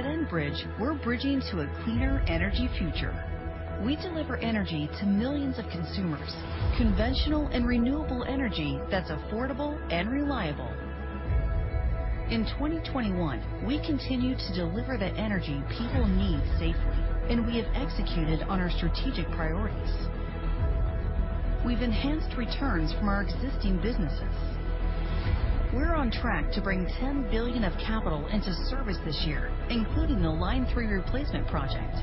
At Enbridge, we're bridging to a cleaner energy future. We deliver energy to millions of consumers, conventional and renewable energy that's affordable and reliable. In 2021, we continue to deliver the energy people need safely, and we have executed on our strategic priorities. We've enhanced returns from our existing businesses. We're on track to bring 10 billion of capital into service this year, including the Line 3 Replacement project.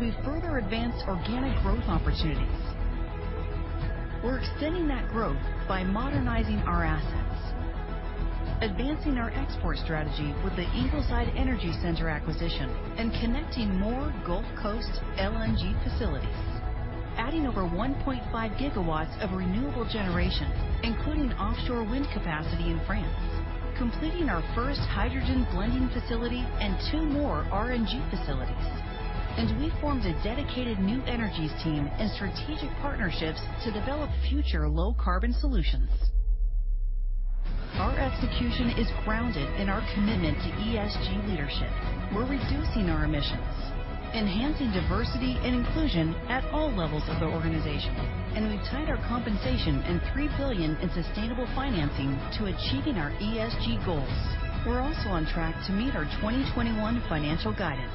We've further advanced organic growth opportunities. We're extending that growth by modernizing our assets, advancing our export strategy with the Ingleside Energy Center acquisition, and connecting more Gulf Coast LNG facilities, adding over 1.5 GW of renewable generation, including offshore wind capacity in France, completing our first hydrogen blending facility and two more RNG facilities. We formed a dedicated new energies team and strategic partnerships to develop future low carbon solutions. Our execution is grounded in our commitment to ESG leadership. We're reducing our emissions, enhancing diversity and inclusion at all levels of the organization. We've tied our compensation and 3 billion in sustainable financing to achieving our ESG goals. We're also on track to meet our 2021 financial guidance.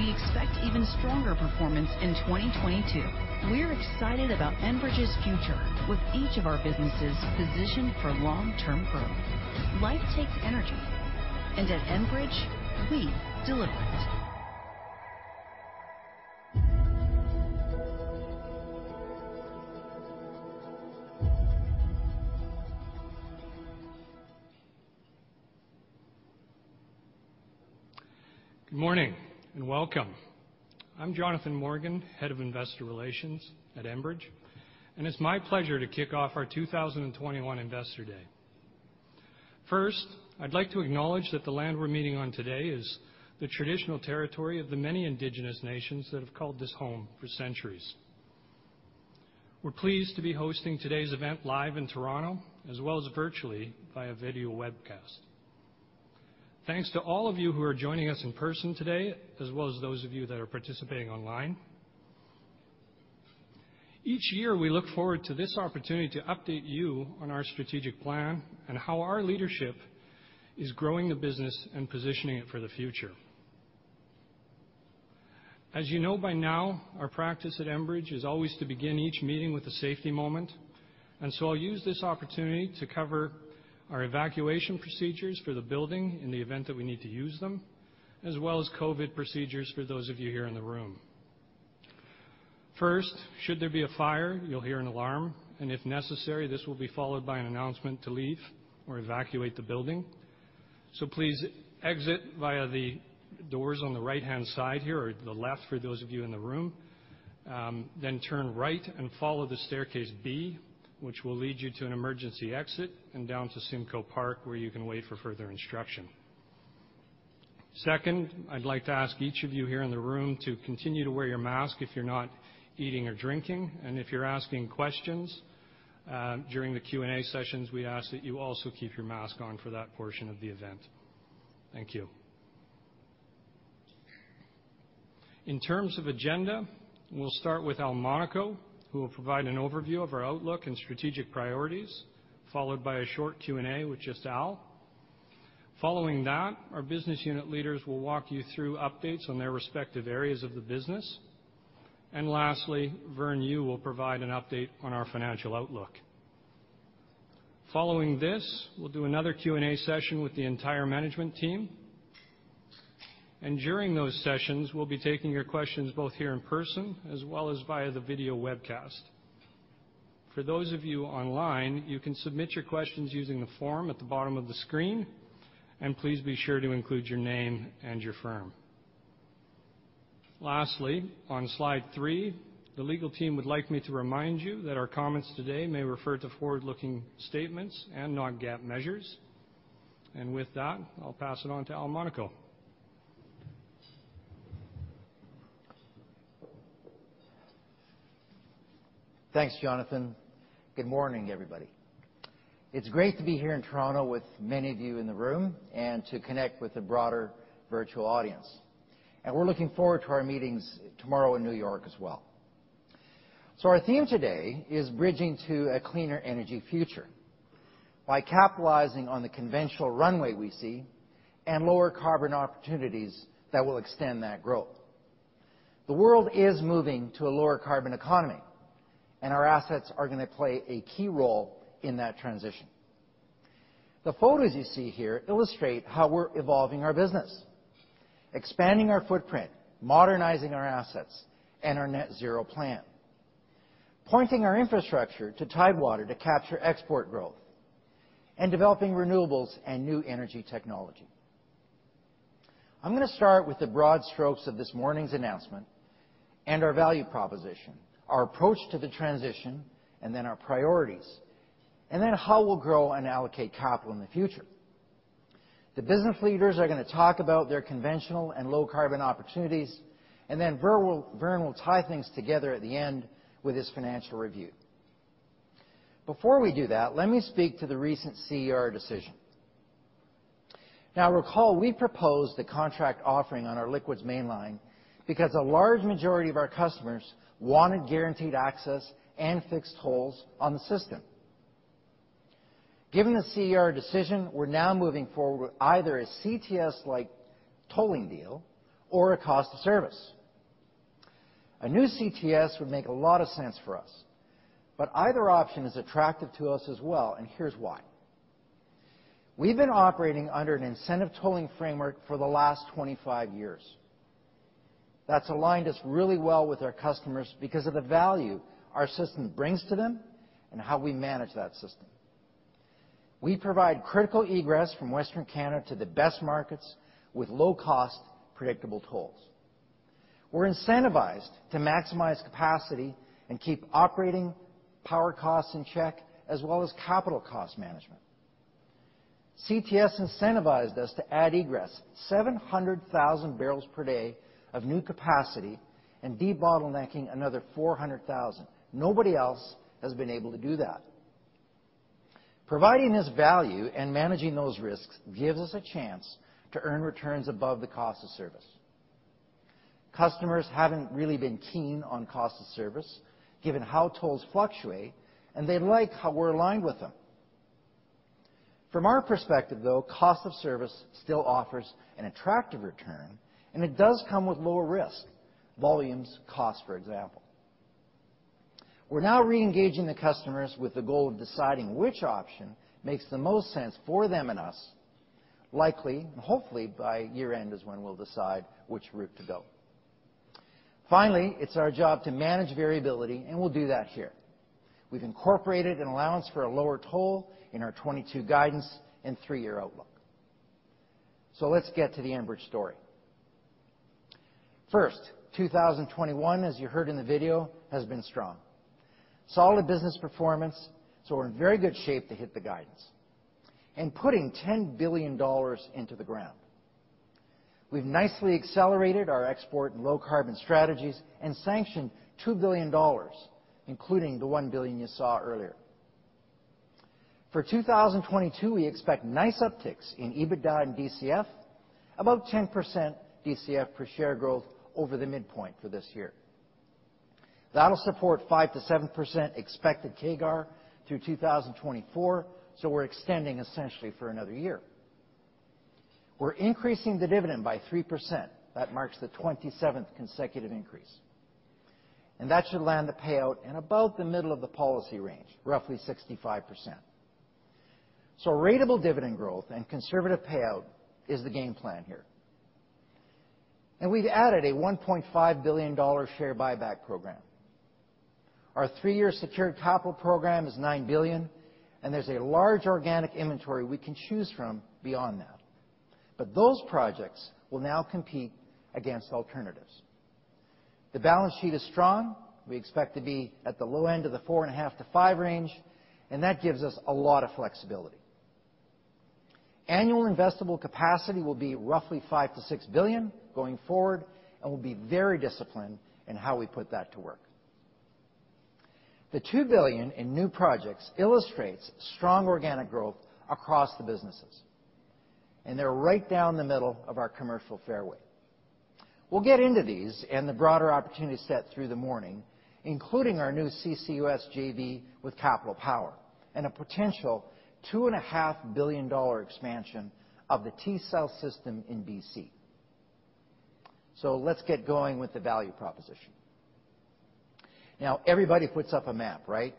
We expect even stronger performance in 2022. We're excited about Enbridge's future with each of our businesses positioned for long-term growth. Life takes energy, and at Enbridge, we deliver it. Good morning and welcome. I'm Jonathan Morgan, Head of Investor Relations at Enbridge, and it's my pleasure to kick off our 2021 Investor Day. First, I'd like to acknowledge that the land we're meeting on today is the traditional territory of the many indigenous nations that have called this home for centuries. We're pleased to be hosting today's event live in Toronto, as well as virtually via video webcast. Thanks to all of you who are joining us in person today, as well as those of you that are participating online. Each year, we look forward to this opportunity to update you on our strategic plan and how our leadership is growing the business and positioning it for the future. As you know by now, our practice at Enbridge is always to begin each meeting with a safety moment. I'll use this opportunity to cover our evacuation procedures for the building in the event that we need to use them, as well as COVID procedures for those of you here in the room. First, should there be a fire, you'll hear an alarm, and if necessary, this will be followed by an announcement to leave or evacuate the building. Please exit via the doors on the right-hand side here or the left for those of you in the room. Then turn right and follow the staircase B, which will lead you to an emergency exit and down to Simcoe Park, where you can wait for further instruction. Second, I'd like to ask each of you here in the room to continue to wear your mask if you're not eating or drinking. If you're asking questions during the Q&A sessions, we ask that you also keep your mask on for that portion of the event. Thank you. In terms of agenda, we'll start with Al Monaco, who will provide an overview of our outlook and strategic priorities, followed by a short Q&A with just Al. Following that, our business unit leaders will walk you through updates on their respective areas of the business. Lastly, Vern Yu will provide an update on our financial outlook. Following this, we'll do another Q&A session with the entire management team. During those sessions, we'll be taking your questions both here in person as well as via the video webcast. For those of you online, you can submit your questions using the form at the bottom of the screen. Please be sure to include your name and your firm. Lastly, on slide three, the legal team would like me to remind you that our comments today may refer to forward-looking statements and non-GAAP measures. With that, I'll pass it on to Al Monaco. Thanks, Jonathan. Good morning, everybody. It's great to be here in Toronto with many of you in the room and to connect with the broader virtual audience. We're looking forward to our meetings tomorrow in New York as well. Our theme today is bridging to a cleaner energy future by capitalizing on the conventional runway we see and lower carbon opportunities that will extend that growth. The world is moving to a lower carbon economy, and our assets are gonna play a key role in that transition. The photos you see here illustrate how we're evolving our business, expanding our footprint, modernizing our assets and our net zero plan, pointing our infrastructure to tidewater to capture export growth and developing renewables and new energy technology. I'm gonna start with the broad strokes of this morning's announcement and our value proposition, our approach to the transition and then our priorities, and then how we'll grow and allocate capital in the future. The business leaders are going to talk about their conventional and low carbon opportunities, and then Vern will tie things together at the end with his financial review. Before we do that, let me speak to the recent CER decision. Now recall, we proposed the contract offering on our liquids mainline because a large majority of our customers wanted guaranteed access and fixed tolls on the system. Given the CER decision, we're now moving forward with either a CTS-like tolling deal or a cost of service. A new CTS would make a lot of sense for us, but either option is attractive to us as well, and here's why. We've been operating under an incentive tolling framework for the last 25 years. That's aligned us really well with our customers because of the value our system brings to them and how we manage that system. We provide critical egress from Western Canada to the best markets with low cost, predictable tolls. We're incentivized to maximize capacity and keep operating power costs in check, as well as capital cost management. CTS incentivized us to add egress, 700,000 barrels per day of new capacity and debottlenecking another 400,000. Nobody else has been able to do that. Providing this value and managing those risks gives us a chance to earn returns above the cost of service. Customers haven't really been keen on cost of service given how tolls fluctuate, and they like how we're aligned with them. From our perspective, though, cost of service still offers an attractive return, and it does come with lower risk. Volumes, cost, for example. We're now re-engaging the customers with the goal of deciding which option makes the most sense for them and us. Likely, and hopefully by year-end is when we'll decide which route to go. Finally, it's our job to manage variability, and we'll do that here. We've incorporated an allowance for a lower toll in our 2022 guidance and three-year outlook. Let's get to the Enbridge story. First, 2021, as you heard in the video, has been strong. Solid business performance, so we're in very good shape to hit the guidance. Putting $10 billion into the ground. We've nicely accelerated our export and low-carbon strategies and sanctioned $2 billion, including the $1 billion you saw earlier. For 2022, we expect nice upticks in EBITDA and DCF, about 10% DCF per share growth over the midpoint for this year. That'll support 5%-7% expected CAGR through 2024, so we're extending essentially for another year. We're increasing the dividend by 3%. That marks the 27th consecutive increase. That should land the payout in about the middle of the policy range, roughly 65%. Ratable dividend growth and conservative payout is the game plan here. We've added a 1.5 billion dollar share buyback program. Our three-year secured capital program is 9 billion, and there's a large organic inventory we can choose from beyond that. Those projects will now compete against alternatives. The balance sheet is strong. We expect to be at the low end of the 4.5%-5% range, and that gives us a lot of flexibility. Annual investable capacity will be roughly 5 billion- 6 billion going forward, and we'll be very disciplined in how we put that to work. The 2 billion in new projects illustrates strong organic growth across the businesses, and they're right down the middle of our commercial fairway. We'll get into these and the broader opportunity set through the morning, including our new CCUS JV with Capital Power and a potential 2.5 billion dollar expansion of the T-South system in BC. Let's get going with the value proposition. Now everybody puts up a map, right?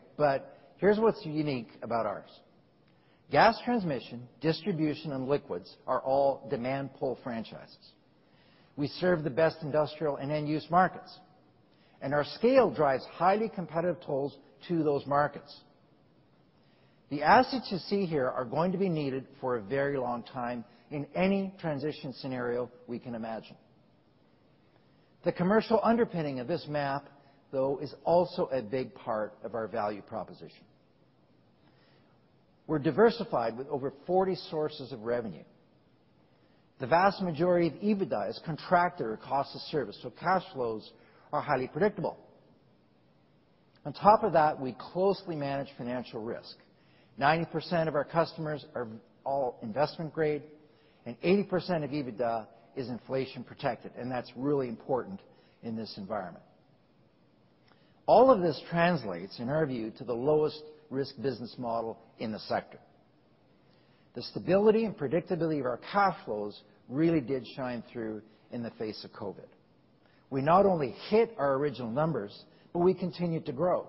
Here's what's unique about ours. Gas transmission, distribution, and liquids are all demand pull franchises. We serve the best industrial and end use markets, and our scale drives highly competitive tolls to those markets. The assets you see here are going to be needed for a very long time in any transition scenario we can imagine. The commercial underpinning of this map, though, is also a big part of our value proposition. We're diversified with over 40 sources of revenue. The vast majority of EBITDA is contracted or cost of service, so cash flows are highly predictable. On top of that, we closely manage financial risk. 90% of our customers are all investment grade and 80% of EBITDA is inflation protected, and that's really important in this environment. All of this translates, in our view, to the lowest risk business model in the sector. The stability and predictability of our cash flows really did shine through in the face of COVID. We not only hit our original numbers, but we continued to grow.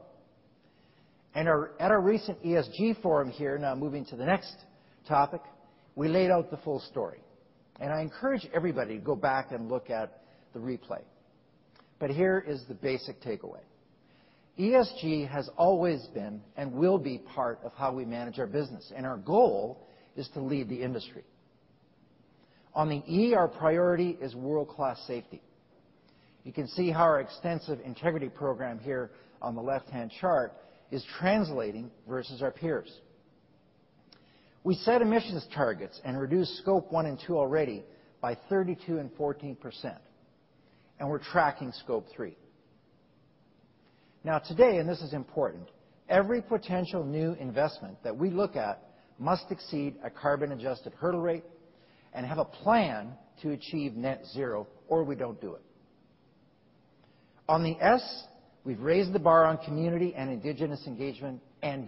At our recent ESG forum here, now moving to the next topic, we laid out the full story. I encourage everybody to go back and look at the replay, but here is the basic takeaway. ESG has always been and will be part of how we manage our business, and our goal is to lead the industry. On the E, our priority is world-class safety. You can see how our extensive integrity program here on the left-hand chart is translating versus our peers. We set emissions targets and reduced Scope 1 and Scope 2 already by 32% and 14%, and we're tracking Scope 3. Now today, and this is important, every potential new investment that we look at must exceed a carbon-adjusted hurdle rate and have a plan to achieve net zero, or we don't do it. On the S, we've raised the bar on community and indigenous engagement and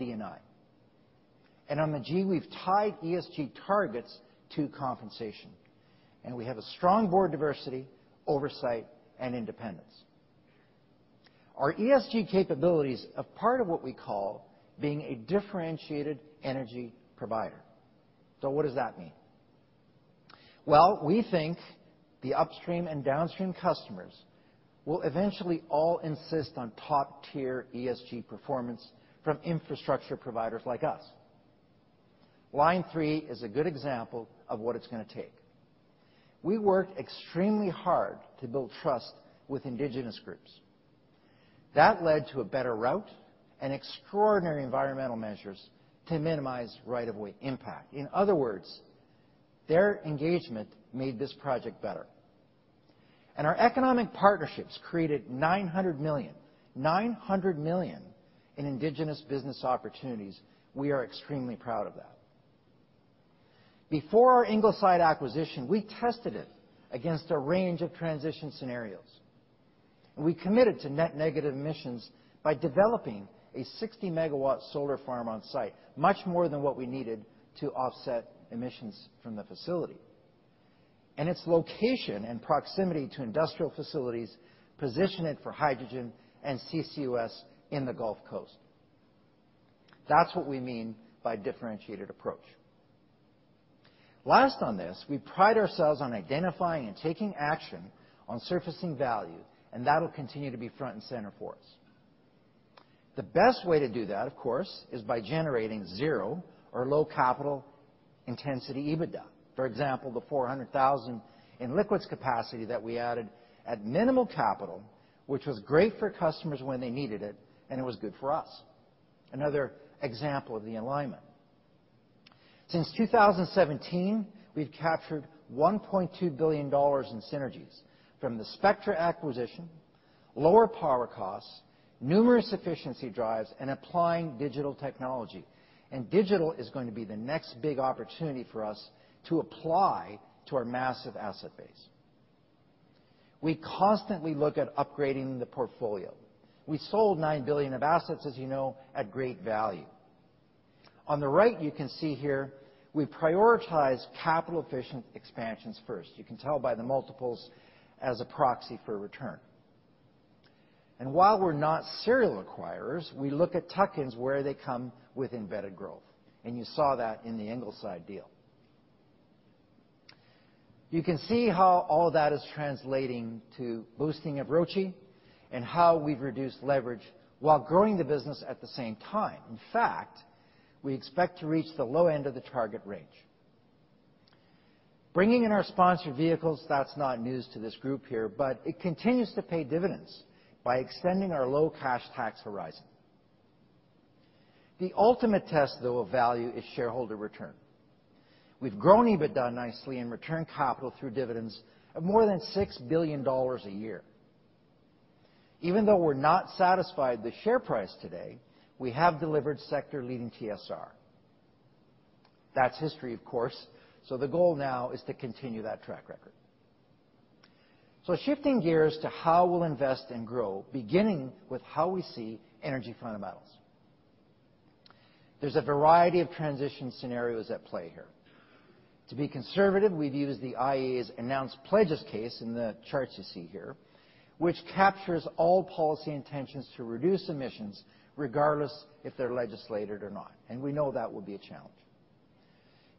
D&I. On the G, we've tied ESG targets to compensation, and we have a strong board diversity, oversight, and independence. Our ESG capabilities are part of what we call being a differentiated energy provider. What does that mean? Well, we think the upstream and downstream customers will eventually all insist on top-tier ESG performance from infrastructure providers like us. Line 3 is a good example of what it's gonna take. We worked extremely hard to build trust with indigenous groups. That led to a better route and extraordinary environmental measures to minimize right-of-way impact. In other words, their engagement made this project better. Our economic partnerships created 900 million in indigenous business opportunities. We are extremely proud of that. Before our Ingleside acquisition, we tested it against a range of transition scenarios, and we committed to net negative emissions by developing a 60-MW solar farm on site, much more than what we needed to offset emissions from the facility. Its location and proximity to industrial facilities position it for hydrogen and CCUS in the Gulf Coast. That's what we mean by differentiated approach. Last on this, we pride ourselves on identifying and taking action on surfacing value, and that'll continue to be front and center for us. The best way to do that, of course, is by generating zero or low capital intensity EBITDA. For example, the 400,000 in liquids capacity that we added at minimal capital, which was great for customers when they needed it, and it was good for us. Another example of the alignment. Since 2017, we've captured 1.2 billion dollars in synergies from the Spectra acquisition, lower power costs, numerous efficiency drives, and applying digital technology. Digital is going to be the next big opportunity for us to apply to our massive asset base. We constantly look at upgrading the portfolio. We sold 9 billion of assets, as you know, at great value. On the right, you can see here we prioritize capital-efficient expansions first. You can tell by the multiples as a proxy for return. While we're not serial acquirers, we look at tuck-ins where they come with embedded growth, and you saw that in the Ingleside deal. You can see how all that is translating to boosting of ROCE and how we've reduced leverage while growing the business at the same time. In fact, we expect to reach the low end of the target range. Bringing in our sponsored vehicles, that's not news to this group here, but it continues to pay dividends by extending our low cash tax horizon. The ultimate test, though, of value is shareholder return. We've grown EBITDA nicely and returned capital through dividends of more than 6 billion dollars a year. Even though we're not satisfied with the share price today, we have delivered sector-leading TSR. That's history, of course, so the goal now is to continue that track record. Shifting gears to how we'll invest and grow, beginning with how we see energy fundamentals. There's a variety of transition scenarios at play here. To be conservative, we've used the IEA's announced pledges case in the charts you see here, which captures all policy intentions to reduce emissions regardless if they're legislated or not, and we know that will be a challenge.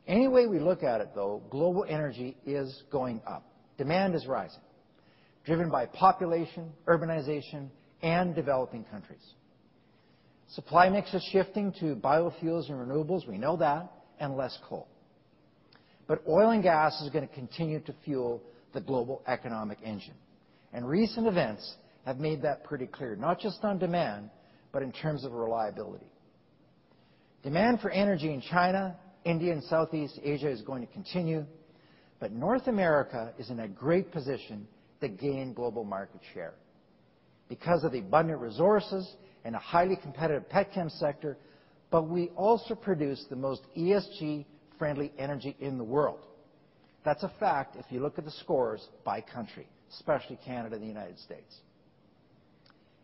Any way we look at it, though, global energy is going up. Demand is rising, driven by population, urbanization, and developing countries. Supply mix is shifting to biofuels and renewables, we know that, and less coal. Oil and gas is gonna continue to fuel the global economic engine, and recent events have made that pretty clear, not just on demand, but in terms of reliability. Demand for energy in China, India, and Southeast Asia is going to continue, but North America is in a great position to gain global market share because of the abundant resources and a highly competitive petrochemical sector, but we also produce the most ESG-friendly energy in the world. That's a fact if you look at the scores by country, especially Canada and the United States.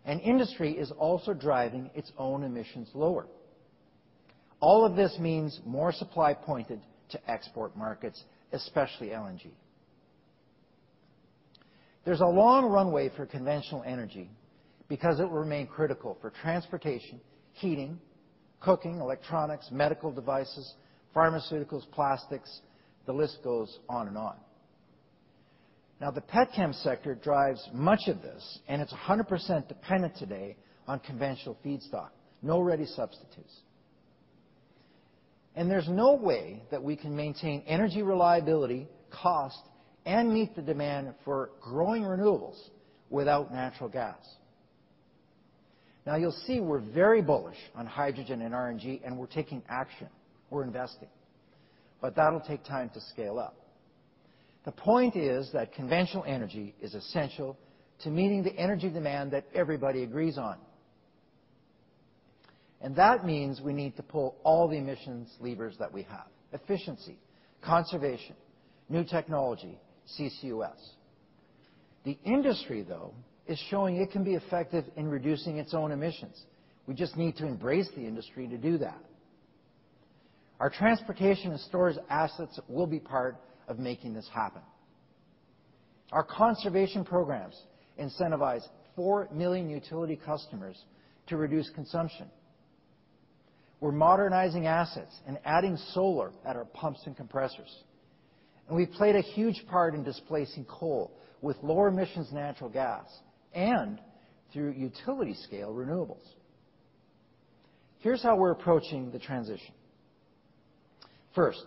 Industry is also driving its own emissions lower. All of this means more supply pointed to export markets, especially LNG. There's a long runway for conventional energy because it will remain critical for transportation, heating, cooking, electronics, medical devices, pharmaceuticals, plastics, the list goes on and on. Now the petrochemical sector drives much of this, and it's 100% dependent today on conventional feedstock. No ready substitutes. There's no way that we can maintain energy reliability, cost, and meet the demand for growing renewables without natural gas. Now, you'll see we're very bullish on hydrogen and RNG, and we're taking action. We're investing. That'll take time to scale up. The point is that conventional energy is essential to meeting the energy demand that everybody agrees on. That means we need to pull all the emissions levers that we have, efficiency, conservation, new technology, CCUS The industry, though, is showing it can be effective in reducing its own emissions. We just need to embrace the industry to do that. Our transportation and storage assets will be part of making this happen. Our conservation programs incentivize four million utility customers to reduce consumption. We're modernizing assets and adding solar at our pumps and compressors. We played a huge part in displacing coal with lower emissions natural gas and through utility-scale renewables. Here's how we're approaching the transition. First,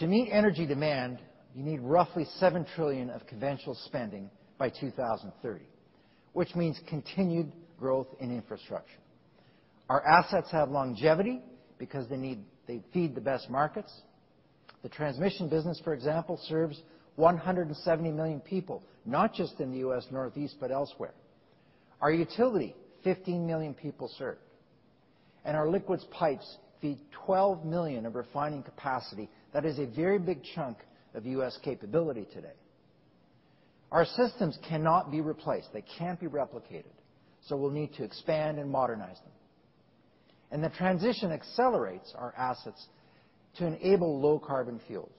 to meet energy demand, you need roughly $7 trillion of conventional spending by 2030, which means continued growth in infrastructure. Our assets have longevity because they feed the best markets. The transmission business, for example, serves 170 million people, not just in the U.S. Northeast but elsewhere. Our utility, 15 million people served. Our liquids pipes feed 12 million of refining capacity. That is a very big chunk of U.S. capability today. Our systems cannot be replaced. They can't be replicated, so we'll need to expand and modernize them. The transition accelerates our assets to enable low carbon fuels.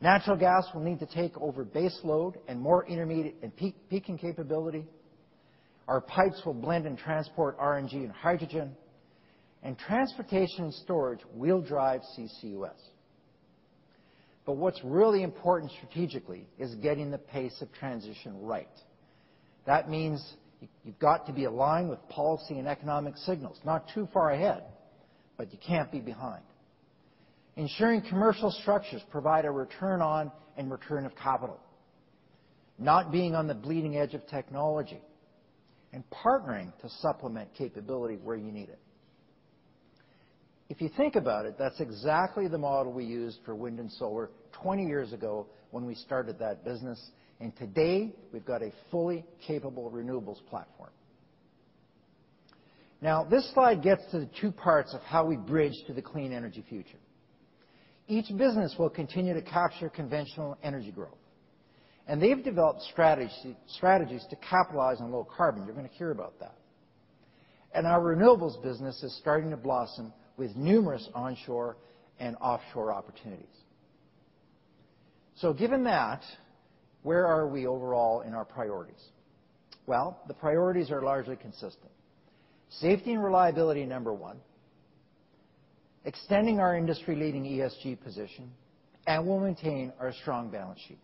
Natural gas will need to take over base load and more intermediate and peaking capability. Our pipes will blend and transport RNG and hydrogen. Transportation storage will drive CCUS What's really important strategically is getting the pace of transition right. That means you've got to be aligned with policy and economic signals. Not too far ahead, but you can't be behind. Ensuring commercial structures provide a return on and return of capital, not being on the bleeding edge of technology, and partnering to supplement capability where you need it. If you think about it, that's exactly the model we used for wind and solar 20 years ago when we started that business, and today we've got a fully capable renewables platform. Now, this slide gets to the two parts of how we bridge to the clean energy future. Each business will continue to capture conventional energy growth, and they've developed strategies to capitalize on low carbon. You're gonna hear about that. Our renewables business is starting to blossom with numerous onshore and offshore opportunities. Given that, where are we overall in our priorities? Well, the priorities are largely consistent. Safety and reliability, number one. Extending our industry-leading ESG position, and we'll maintain our strong balance sheet.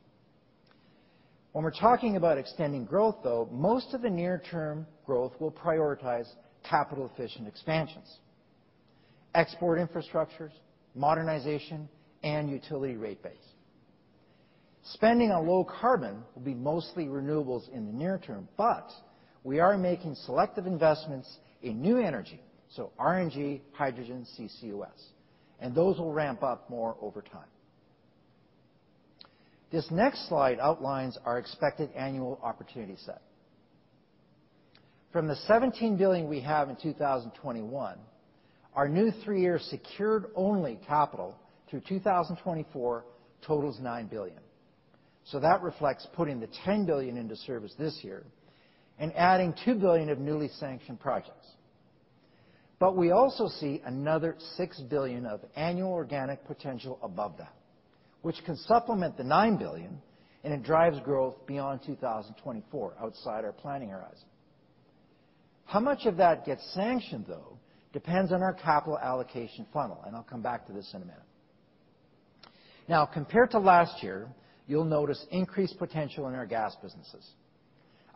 When we're talking about extending growth, though, most of the near term growth will prioritize capital-efficient expansions, export infrastructures, modernization, and utility rate base. Spending on low carbon will be mostly renewables in the near term, but we are making selective investments in new energy, so RNG, hydrogen, CCUS, and those will ramp up more over time. This next slide outlines our expected annual opportunity set. From the 17 billion we have in 2021, our new three-year secured only capital through 2024 totals 9 billion. that reflects putting the 10 billion into service this year and adding 2 billion of newly sanctioned projects. We also see another 6 billion of annual organic potential above that, which can supplement the 9 billion, and it drives growth beyond 2024 outside our planning horizon. How much of that gets sanctioned, though, depends on our capital allocation funnel, and I'll come back to this in a minute. Now compared to last year, you'll notice increased potential in our gas businesses.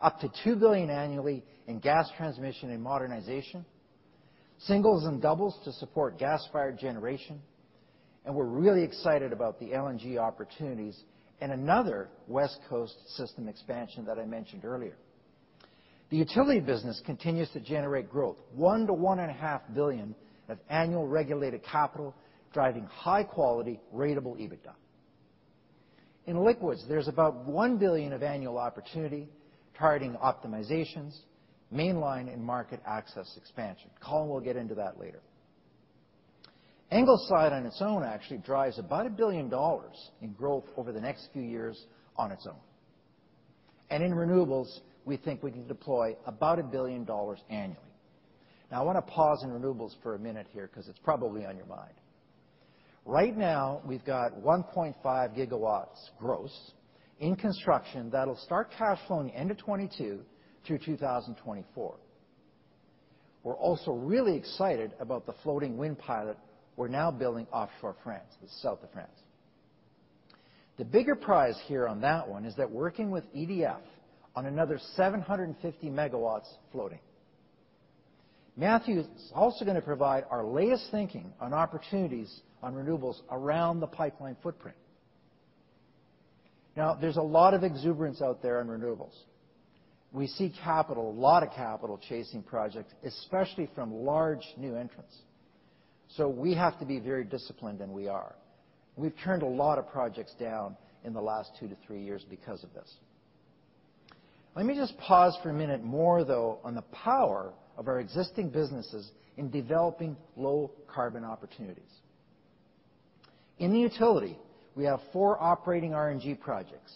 Up to 2 billion annually in gas transmission and modernization, singles and doubles to support gas-fired generation, and we're really excited about the LNG opportunities and another West Coast system expansion that I mentioned earlier. The utility business continues to generate growth. 1 billion-1.5 billion of annual regulated capital driving high-quality ratable EBITDA. In liquids, there's about $1 billion of annual opportunity targeting optimizations, mainline and market access expansion. Colin will get into that later. Ingleside on its own actually drives about $1 billion in growth over the next few years on its own. In renewables, we think we can deploy about $1 billion annually. Now, I wanna pause in renewables for a minute here because it's probably on your mind. Right now, we've got 1.5 GW gross in construction that'll start cash flowing end of 2022 through 2024. We're also really excited about the floating wind pilot we're now building offshore France, the south of France. The bigger prize here on that one is that working with EDF on another 750 megawatts floating. Matthew is also gonna provide our latest thinking on opportunities on renewables around the pipeline footprint. Now, there's a lot of exuberance out there in renewables. We see capital, a lot of capital chasing projects, especially from large new entrants. We have to be very disciplined, and we are. We've turned a lot of projects down in the last 2-3 years because of this. Let me just pause for a minute more, though, on the power of our existing businesses in developing low carbon opportunities. In the utility, we have four operating RNG projects,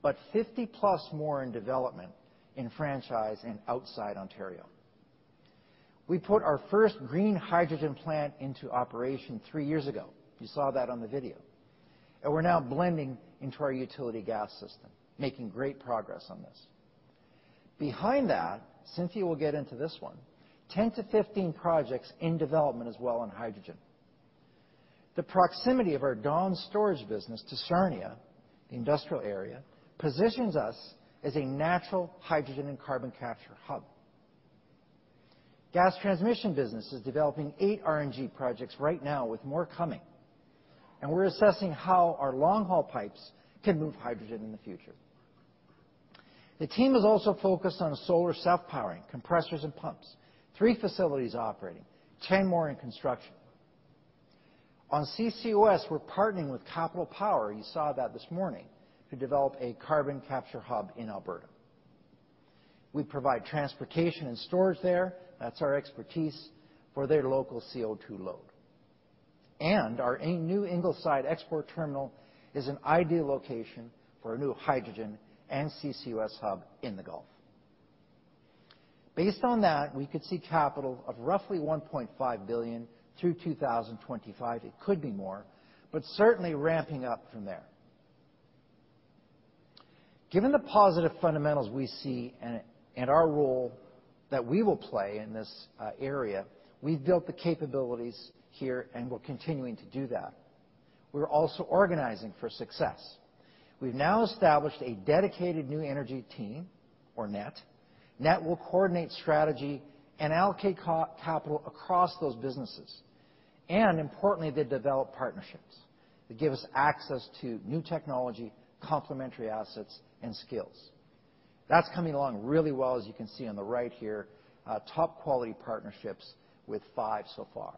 but 50+ more in development in franchise and outside Ontario. We put our first green hydrogen plant into operation three years ago. You saw that on the video. We're now blending into our utility gas system, making great progress on this. Behind that, Cynthia will get into this one, 10-15 projects in development as well on hydrogen. The proximity of our Dawn storage business to Sarnia, the industrial area, positions us as a natural hydrogen and carbon capture hub. Gas transmission business is developing 8 RNG projects right now with more coming, and we're assessing how our long-haul pipes can move hydrogen in the future. The team is also focused on solar self-powering, compressors and pumps, 3 facilities operating, 10 more in construction. On CCUS, we're partnering with Capital Power, you saw that this morning, to develop a carbon capture hub in Alberta. We provide transportation and storage there, that's our expertise, for their local CO₂ load. Our new Ingleside export terminal is an ideal location for a new hydrogen and CCUS hub in the Gulf. Based on that, we could see capital of roughly 1.5 billion through 2025. It could be more, but certainly ramping up from there. Given the positive fundamentals we see and our role that we will play in this area, we've built the capabilities here, and we're continuing to do that. We're also organizing for success. We've now established a dedicated new energy team or NET. NET will coordinate strategy and allocate capital across those businesses, and importantly, they develop partnerships that give us access to new technology, complementary assets, and skills. That's coming along really well, as you can see on the right here. Top-quality partnerships with five so far.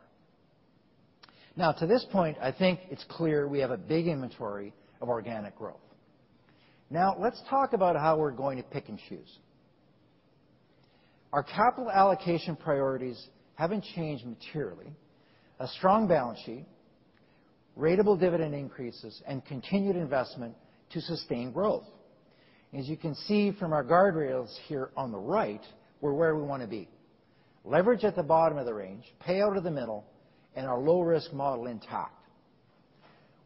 Now to this point, I think it's clear we have a big inventory of organic growth. Now let's talk about how we're going to pick and choose. Our capital allocation priorities haven't changed materially. A strong balance sheet, ratable dividend increases, and continued investment to sustain growth. As you can see from our guardrails here on the right, we're where we wanna be. Leverage at the bottom of the range, payout in the middle, and our low-risk model intact.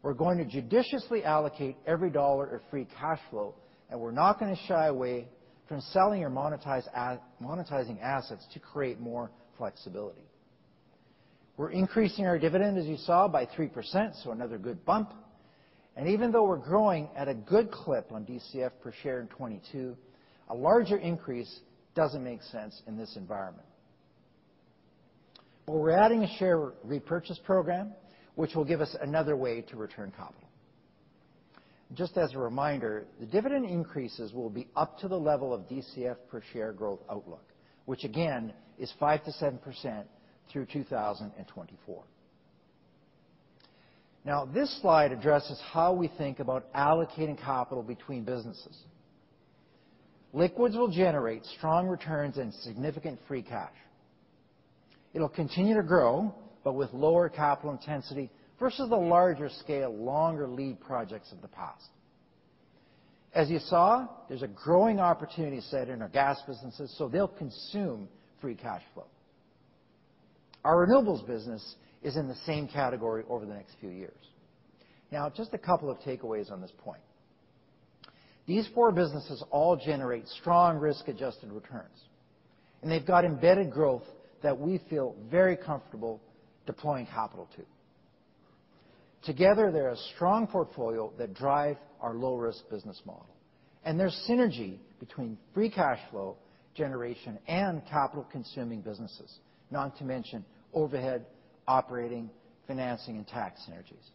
We're going to judiciously allocate every dollar of free cash flow, and we're not gonna shy away from selling or monetizing assets to create more flexibility. We're increasing our dividend, as you saw, by 3%, so another good bump. Even though we're growing at a good clip on DCF per share in 2022, a larger increase doesn't make sense in this environment. We're adding a share repurchase program, which will give us another way to return capital. Just as a reminder, the dividend increases will be up to the level of DCF per share growth outlook, which again is 5%-7% through 2024. Now, this slide addresses how we think about allocating capital between businesses. Liquids will generate strong returns and significant free cash. It'll continue to grow but with lower capital intensity versus the larger scale, longer lead projects of the past. As you saw, there's a growing opportunity set in our Gas businesses, so they'll consume free cash flow. Our Renewables business is in the same category over the next few years. Now, just a couple of takeaways on this point. These four businesses all generate strong risk-adjusted returns, and they've got embedded growth that we feel very comfortable deploying capital to. Together, they're a strong portfolio that drives our low-risk business model, and there's synergy between free cash flow generation and capital-consuming businesses, not to mention overhead, operating, financing, and tax synergies.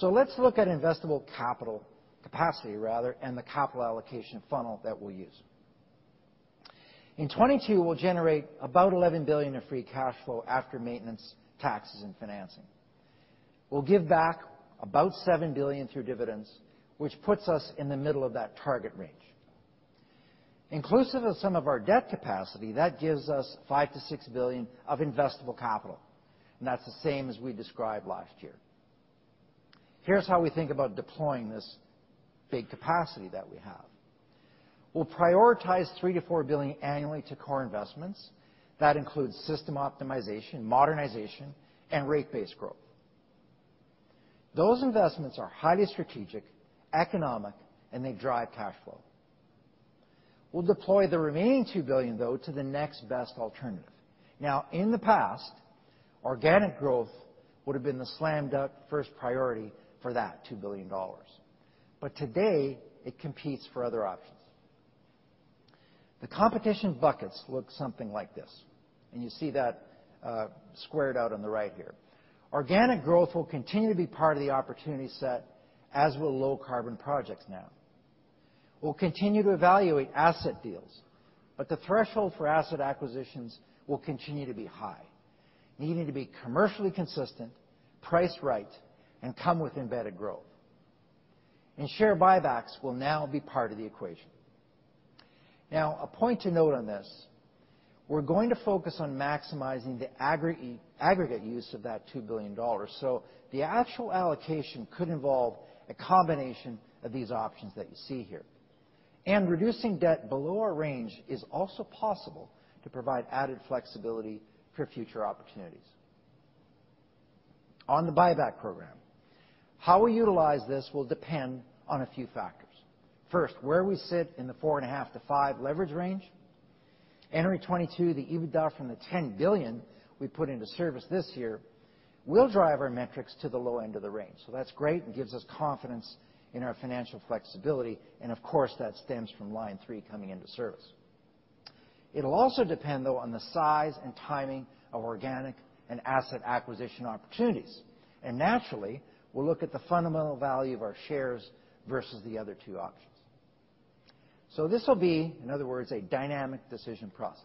Let's look at investable capital capacity rather, and the capital allocation funnel that we'll use. In 2022, we'll generate about 11 billion of free cash flow after maintenance, taxes, and financing. We'll give back about 7 billion through dividends, which puts us in the middle of that target range. Inclusive of some of our debt capacity, that gives us 5 billion-6 billion of investable capital, and that's the same as we described last year. Here's how we think about deploying this big capacity that we have. We'll prioritize 3 billion-4 billion annually to core investments. That includes system optimization, modernization, and rate-based growth. Those investments are highly strategic, economic, and they drive cash flow. We'll deploy the remaining 2 billion, though, to the next best alternative. Now in the past, organic growth would have been the slam-dunk first priority for that 2 billion dollars. Today, it competes for other options. The competition buckets look something like this, and you see that, squared out on the right here. Organic growth will continue to be part of the opportunity set, as will low carbon projects now. We'll continue to evaluate asset deals, but the threshold for asset acquisitions will continue to be high, needing to be commercially consistent, priced right, and come with embedded growth. Share buybacks will now be part of the equation. Now a point to note on this, we're going to focus on maximizing the aggregate use of that 2 billion dollars. The actual allocation could involve a combination of these options that you see here. Reducing debt below our range is also possible to provide added flexibility for future opportunities. On the buyback program, how we utilize this will depend on a few factors. First, where we sit in the 4.5-5 leverage range. Entering 2022, the EBITDA from the 10 billion we put into service this year will drive our metrics to the low end of the range. That's great. It gives us confidence in our financial flexibility, and of course that stems from Line 3 coming into service. It'll also depend, though, on the size and timing of organic and asset acquisition opportunities. Naturally, we'll look at the fundamental value of our shares versus the other two options. This will be, in other words, a dynamic decision process.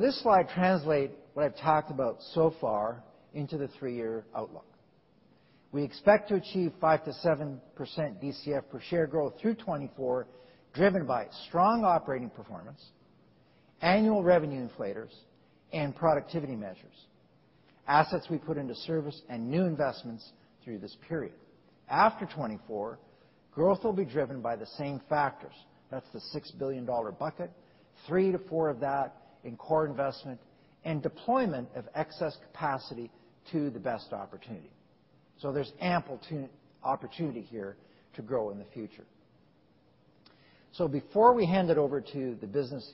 This slide translates what I've talked about so far into the three-year outlook. We expect to achieve 5%-7% DCF per share growth through 2024, driven by strong operating performance, annual revenue inflators, and productivity measures, assets we put into service and new investments through this period. After 2024, growth will be driven by the same factors. That's the 6 billion dollar bucket, 3 billion-4 billion of that in core investment and deployment of excess capacity to the best opportunity. There's ample opportunity here to grow in the future. Before we hand it over to the business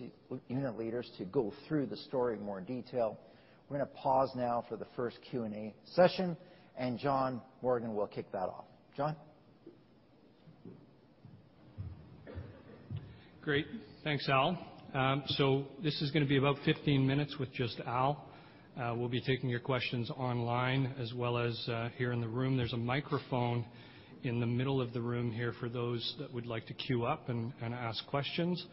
unit leaders to go through the story in more detail, we're gonna pause now for the first Q&A session, and Jonathan Morgan will kick that off. Jonathan. Great. Thanks, Al. This is gonna be about 15 minutes with just Al. We'll be taking your questions online as well as here in the room. There's a microphone in the middle of the room here for those that would like to queue up and ask questions.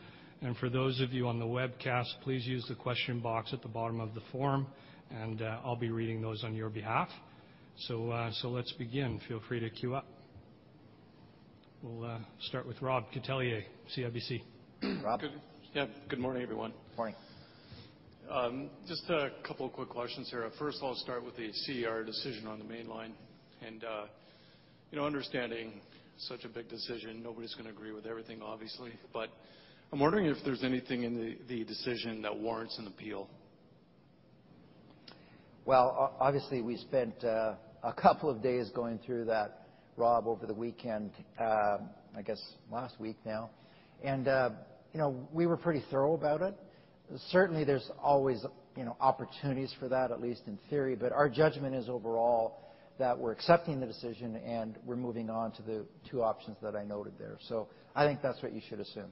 For those of you on the webcast, please use the question box at the bottom of the form, and I'll be reading those on your behalf. Let's begin. Feel free to queue up. We'll start with Robert Catellier, CIBC. Rob. Good. Yeah, good morning, everyone. Morning. Just a couple of quick questions here. First of all, start with the CER decision on the main line and, you know, understanding such a big decision, nobody's gonna agree with everything, obviously. But I'm wondering if there's anything in the decision that warrants an appeal? Well, obviously, we spent a couple of days going through that, Rob, over the weekend, I guess last week now. You know, we were pretty thorough about it. Certainly, there's always, you know, opportunities for that, at least in theory. But our judgment is overall that we're accepting the decision, and we're moving on to the two options that I noted there. I think that's what you should assume.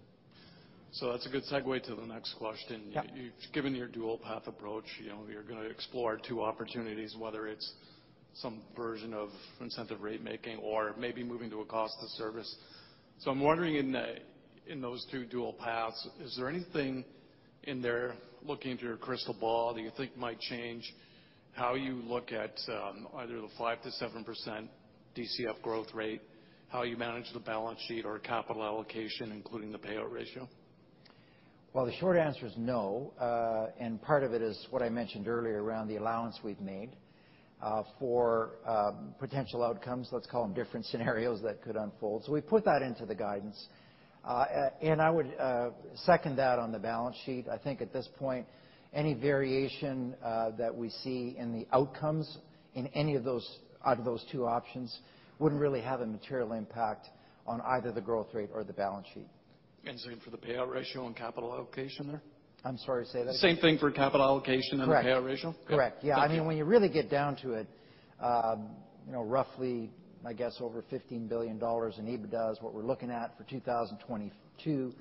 That's a good segue to the next question. Yeah. Given your dual path approach, you know, you're gonna explore two opportunities, whether it's some version of incentive rate making or maybe moving to a cost of service. I'm wondering in those two dual paths, is there anything in there, looking through your crystal ball, that you think might change how you look at, either the 5%-7% DCF growth rate, how you manage the balance sheet or capital allocation, including the payout ratio? Well, the short answer is no. Part of it is what I mentioned earlier around the allowance we've made for potential outcomes, let's call them different scenarios that could unfold. We put that into the guidance. I would second that on the balance sheet. I think at this point, any variation that we see in the outcomes in any of those out of those two options wouldn't really have a material impact on either the growth rate or the balance sheet. Same for the payout ratio and capital allocation there? I'm sorry, say again. Same thing for capital allocation. Correct. the payout ratio? Correct. Okay. Yeah. I mean, when you really get down to it, you know, roughly, I guess, over 15 billion dollars in EBITDA is what we're looking at for 2022.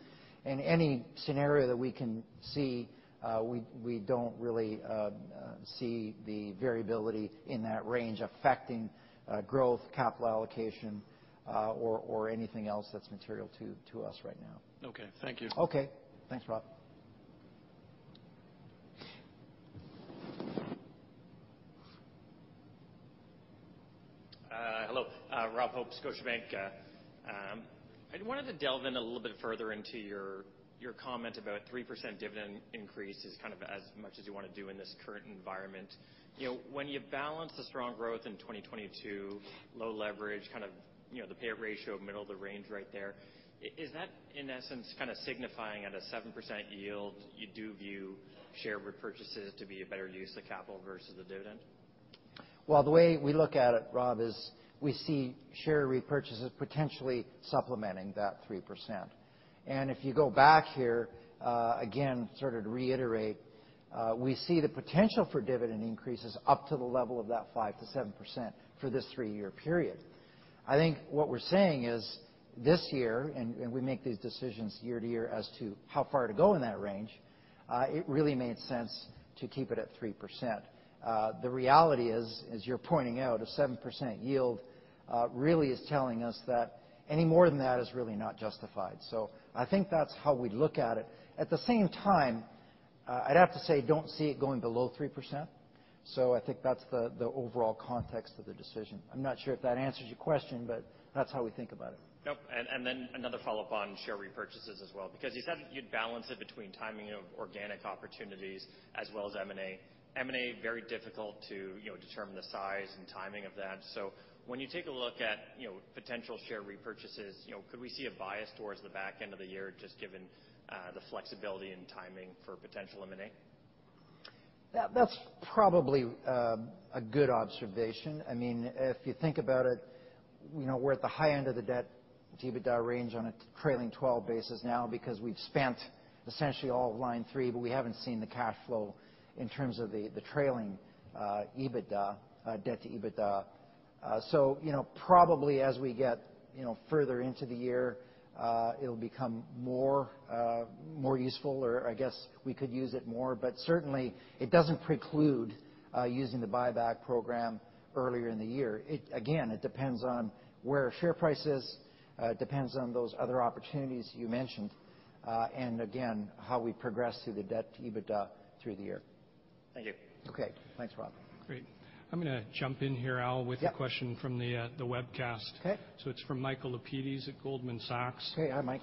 In any scenario that we can see, we don't really see the variability in that range affecting growth, capital allocation, or anything else that's material to us right now. Okay, thank you. Okay. Thanks, Rob. Hello. Rob Hope, Scotiabank. I wanted to delve into a little bit further into your comment about 3% dividend increase is kind of as much as you wanna do in this current environment. You know, when you balance the strong growth in 2022, low leverage, kind of, you know, the payout ratio middle of the range right there, is that, in essence, kinda signifying at a 7% yield, you do view share repurchases to be a better use of the capital versus the dividend? Well, the way we look at it, Rob, is we see share repurchases potentially supplementing that 3%. If you go back here, again, sort of to reiterate, we see the potential for dividend increases up to the level of that 5%-7% for this three-year period. I think what we're saying is this year, and we make these decisions year to year as to how far to go in that range, it really made sense to keep it at 3%. The reality is, as you're pointing out, a 7% yield really is telling us that any more than that is really not justified. I think that's how we'd look at it. At the same time, I'd have to say don't see it going below 3%, so I think that's the overall context of the decision. I'm not sure if that answers your question, but that's how we think about it. Yep. Another follow-up on share repurchases as well, because you said you'd balance it between timing of organic opportunities as well as M&A. M&A, very difficult to, you know, determine the size and timing of that. When you take a look at, you know, potential share repurchases, you know, could we see a bias towards the back end of the year just given the flexibility and timing for potential M&A? That's probably a good observation. I mean, if you think about it, you know, we're at the high end of the debt-to-EBITDA range on a trailing-twelve basis now because we've spent essentially all of Line 3, but we haven't seen the cash flow in terms of the trailing EBITDA, debt-to-EBITDA. You know, probably as we get further into the year, it'll become more useful or I guess we could use it more. Certainly it doesn't preclude using the buyback program earlier in the year. It again, it depends on where share price is, depends on those other opportunities you mentioned, and again, how we progress through the debt-to-EBITDA through the year. Thank you. Okay. Thanks, Rob. Great. I'm gonna jump in here, Al- Yep. with a question from the webcast. Okay. It's from Michael Lapides at Goldman Sachs. Hey. Hi, Mike.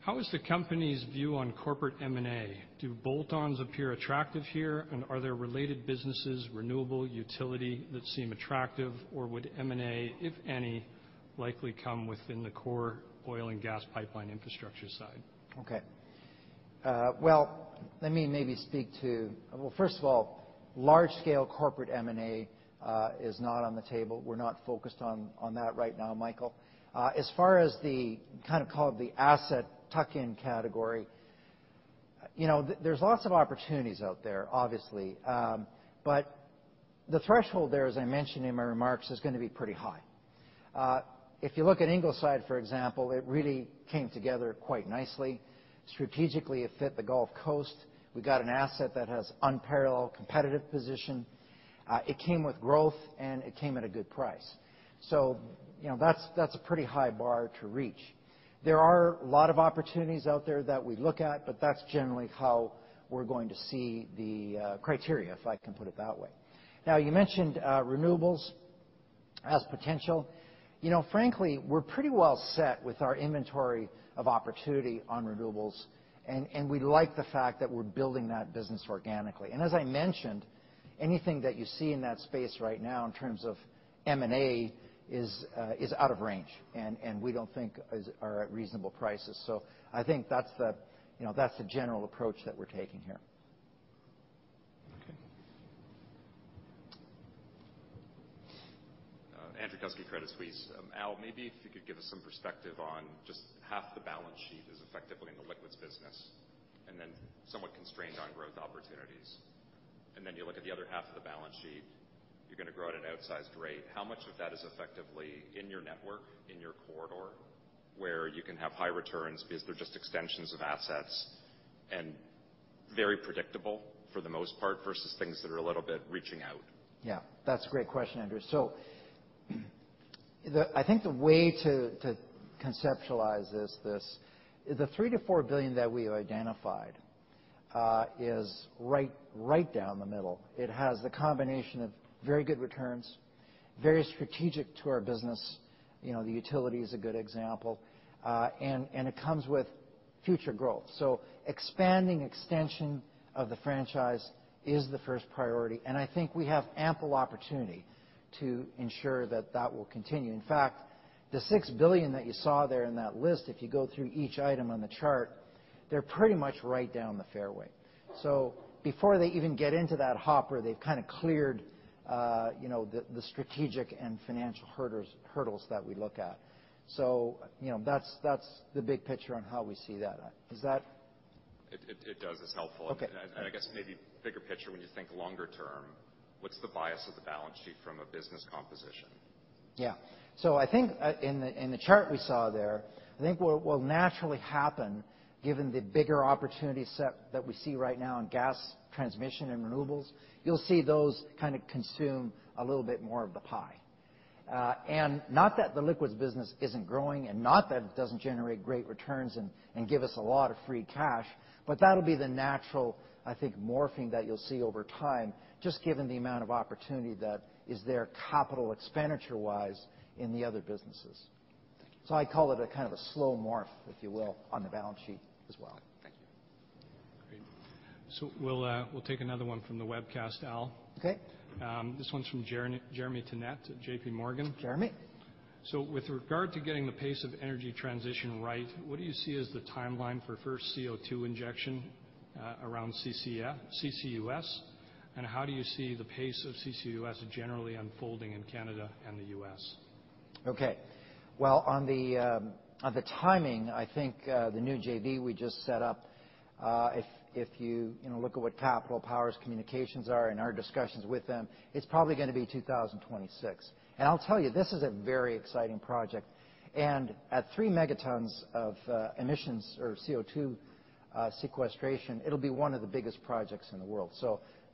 How is the company's view on corporate M&A? Do bolt-ons appear attractive here, and are there related businesses, renewable, utility that seem attractive, or would M&A, if any, likely come within the core oil and gas pipeline infrastructure side? Well, first of all, large scale corporate M&A is not on the table. We're not focused on that right now, Michael. As far as the kind of call it the asset tuck-in category, you know, there's lots of opportunities out there, obviously. The threshold there, as I mentioned in my remarks, is gonna be pretty high. If you look at Ingleside, for example, it really came together quite nicely. Strategically, it fit the Gulf Coast. We got an asset that has unparalleled competitive position. It came with growth, and it came at a good price. You know, that's a pretty high bar to reach. There are a lot of opportunities out there that we look at, but that's generally how we're going to see the criteria, if I can put it that way. Now, you mentioned renewables as potential. You know, frankly, we're pretty well set with our inventory of opportunity on renewables, and we like the fact that we're building that business organically. And as I mentioned, anything that you see in that space right now in terms of M&A is out of range and we don't think are at reasonable prices. I think that's the general approach that we're taking here. Okay. Andrew Kuske, Credit Suisse. Al, maybe if you could give us some perspective on just half the balance sheet is effectively in the liquids business and then somewhat constrained on growth opportunities. You look at the other half of the balance sheet, you're gonna grow at an outsized rate. How much of that is effectively in your network, in your corridor, where you can have high returns because they're just extensions of assets and very predictable for the most part versus things that are a little bit reaching out? Yeah. That's a great question, Andrew. I think the way to conceptualize this. The 3 billion-4 billion that we identified is right down the middle. It has the combination of very good returns, very strategic to our business, you know, the utility is a good example, and it comes with future growth. Expanding extension of the franchise is the first priority, and I think we have ample opportunity to ensure that that will continue. In fact, the 6 billion that you saw there in that list, if you go through each item on the chart, they're pretty much right down the fairway. Before they even get into that hopper, they've kind of cleared, you know, the strategic and financial hurdles that we look at. You know, that's the big picture on how we see that. It does. It's helpful. Okay. I guess maybe bigger picture, when you think longer term, what's the bias of the balance sheet from a business composition? Yeah. I think, in the chart we saw there, I think what will naturally happen given the bigger opportunity set that we see right now in gas transmission and renewables, you'll see those kind of consume a little bit more of the pie. And not that the liquids business isn't growing and not that it doesn't generate great returns and give us a lot of free cash, but that'll be the natural, I think, morphing that you'll see over time, just given the amount of opportunity that is there capital expenditure-wise in the other businesses. Thank you. I call it a kind of a slow morph, if you will, on the balance sheet as well. Thank you. Great. We'll take another one from the webcast, Al. Okay. This one's from Jeremy Tonet at JP Morgan. Jeremy. With regard to getting the pace of energy transition right, what do you see as the timeline for first CO2 injection around CCUS? How do you see the pace of CCUS generally unfolding in Canada and the U.S.? Well, on the timing, I think the new JV we just set up, if you know, look at what Capital Power's communications are and our discussions with them, it's probably gonna be 2026. I'll tell you, this is a very exciting project. At 3 megatons of emissions or CO2 sequestration, it'll be one of the biggest projects in the world.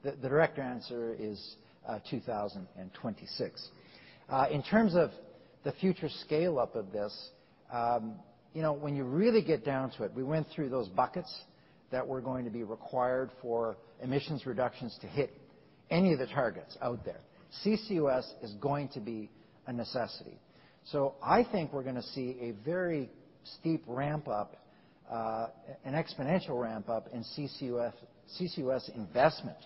The direct answer is 2026. In terms of the future scale up of this, you know, when you really get down to it, we went through those buckets that were going to be required for emissions reductions to hit any of the targets out there. CCUS is going to be a necessity. I think we're gonna see a very steep ramp up, an exponential ramp up in CCUS investment.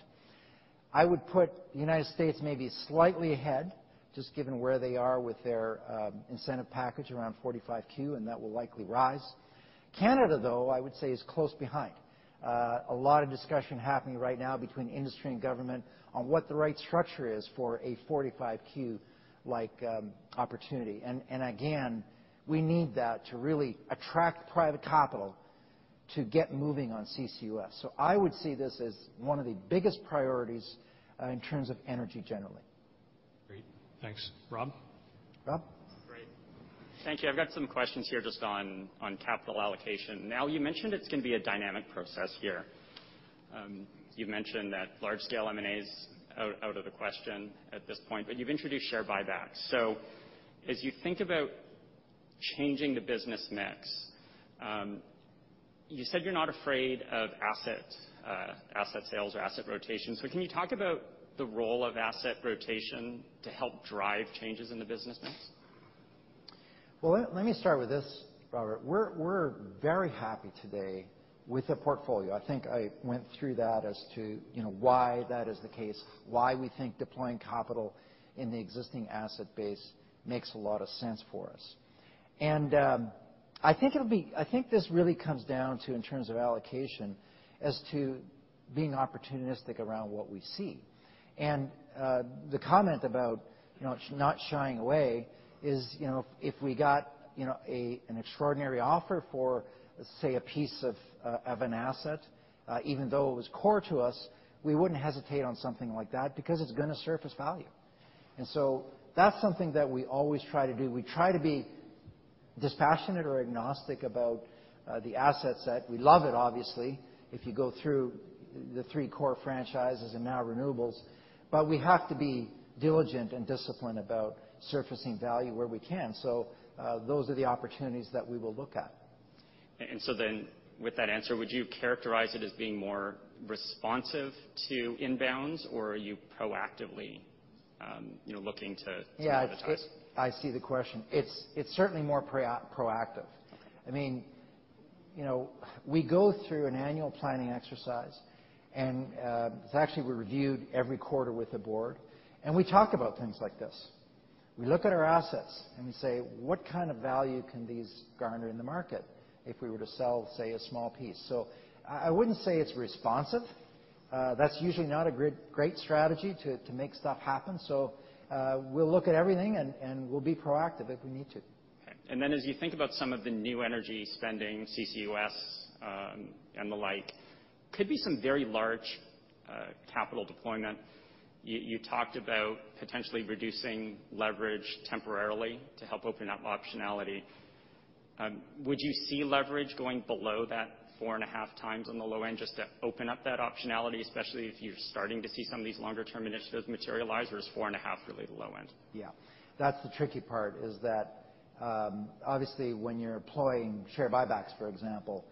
I would put United States maybe slightly ahead, just given where they are with their incentive package around 45Q, and that will likely rise. Canada, though, I would say is close behind. A lot of discussion happening right now between industry and government on what the right structure is for a 45Q like opportunity. And again, we need that to really attract private capital to get moving on CCUS I would see this as one of the biggest priorities in terms of energy generally. Great. Thanks. Rob? Rob? Great. Thank you. I've got some questions here just on capital allocation. Now, you mentioned it's gonna be a dynamic process here. You've mentioned that large scale M&A's out of the question at this point, but you've introduced share buyback. As you think about changing the business mix, you said you're not afraid of asset sales or asset rotation. Can you talk about the role of asset rotation to help drive changes in the business mix? Well, let me start with this, Robert. We're very happy today with the portfolio. I think I went through that as to, you know, why that is the case, why we think deploying capital in the existing asset base makes a lot of sense for us. I think this really comes down to in terms of allocation as to being opportunistic around what we see. The comment about, you know, not shying away is, you know, if we got, you know, an extraordinary offer for, let's say, a piece of an asset, even though it was core to us, we wouldn't hesitate on something like that because it's gonna surface value. That's something that we always try to do. We try to be dispassionate or agnostic about the asset set. We love it, obviously, if you go through the three core franchises and now renewables, but we have to be diligent and disciplined about surfacing value where we can. Those are the opportunities that we will look at. With that answer, would you characterize it as being more responsive to inbounds, or are you proactively, you know, looking to- Yeah commoditize? I see the question. It's certainly more proactive. Okay. I mean, you know, we go through an annual planning exercise and, it's actually reviewed every quarter with the board, and we talk about things like this. We look at our assets and we say, "What kind of value can these garner in the market if we were to sell, say, a small piece?" I wouldn't say it's responsive. That's usually not a great strategy to make stuff happen. We'll look at everything and we'll be proactive if we need to. Okay. Then as you think about some of the new energy spending, CCUS, and the like, could be some very large capital deployment. You talked about potentially reducing leverage temporarily to help open up optionality. Would you see leverage going below that 4.5x on the low end just to open up that optionality, especially if you're starting to see some of these longer term initiatives materialize, or is 4.5x really the low end? Yeah. That's the tricky part, is that, obviously, when you're employing share buybacks, for example,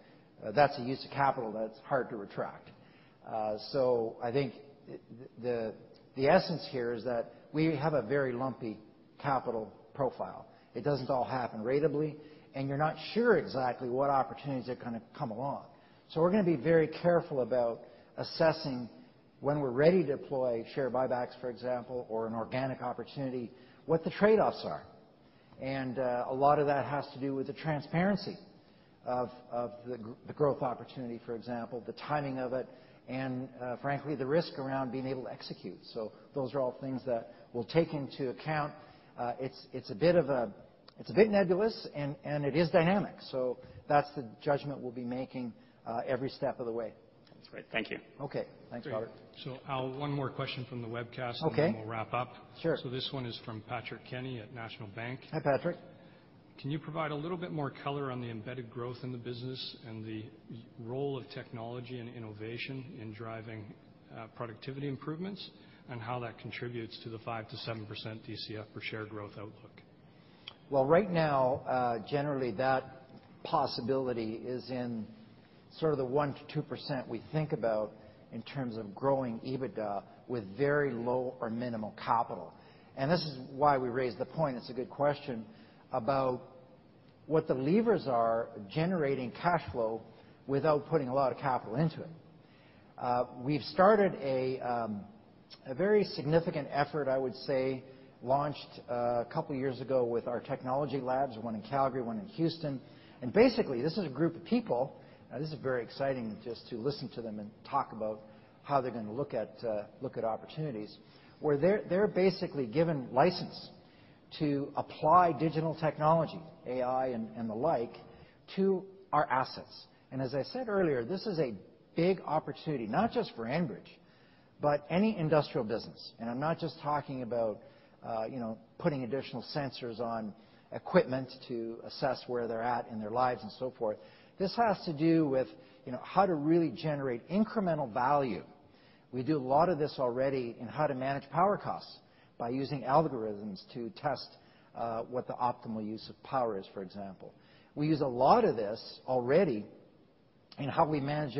that's a use of capital that's hard to retract. I think the essence here is that we have a very lumpy capital profile. It doesn't all happen ratably, and you're not sure exactly what opportunities are gonna come along. We're gonna be very careful about assessing when we're ready to deploy share buybacks, for example, or an organic opportunity, what the trade-offs are. A lot of that has to do with the transparency of the growth opportunity, for example, the timing of it, and frankly, the risk around being able to execute. Those are all things that we'll take into account. It's a bit nebulous, and it is dynamic. That's the judgment we'll be making, every step of the way. That's great. Thank you. Okay. Thanks, Robert. I'll one more question from the webcast. Okay We'll wrap up. Sure. This one is from Patrick Kenny at National Bank. Hi, Patrick. Can you provide a little bit more color on the embedded growth in the business and the role of technology and innovation in driving, productivity improvements and how that contributes to the 5%-7% DCF per share growth outlook? Well, right now, generally, that possibility is in sort of the 1%-2% we think about in terms of growing EBITDA with very low or minimal capital. This is why we raised the point, it's a good question, about what the levers are generating cash flow without putting a lot of capital into it. We've started a very significant effort, I would say, launched a couple years ago with our technology labs, one in Calgary, one in Houston. Basically, this is a group of people, this is very exciting just to listen to them and talk about how they're gonna look at opportunities, where they're basically given license to apply digital technology, AI and the like, to our assets. As I said earlier, this is a big opportunity, not just for Enbridge, but any industrial business. I'm not just talking about, you know, putting additional sensors on equipment to assess where they're at in their lives and so forth. This has to do with, you know, how to really generate incremental value. We do a lot of this already in how to manage power costs by using algorithms to test what the optimal use of power is, for example. We use a lot of this already in how we manage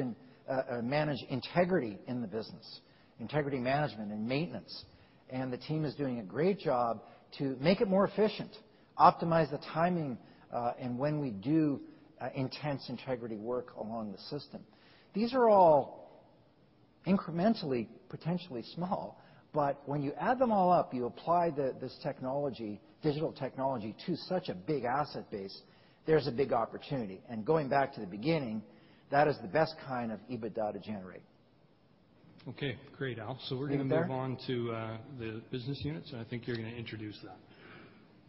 integrity in the business, integrity management and maintenance. The team is doing a great job to make it more efficient, optimize the timing in when we do intense integrity work along the system. These are all incrementally, potentially small, but when you add them all up, you apply the, this technology, digital technology to such a big asset base, there's a big opportunity. Going back to the beginning, that is the best kind of EBITDA to generate. Okay. Great, Al. Thank you. We're gonna move on to the business units, and I think you're gonna introduce that.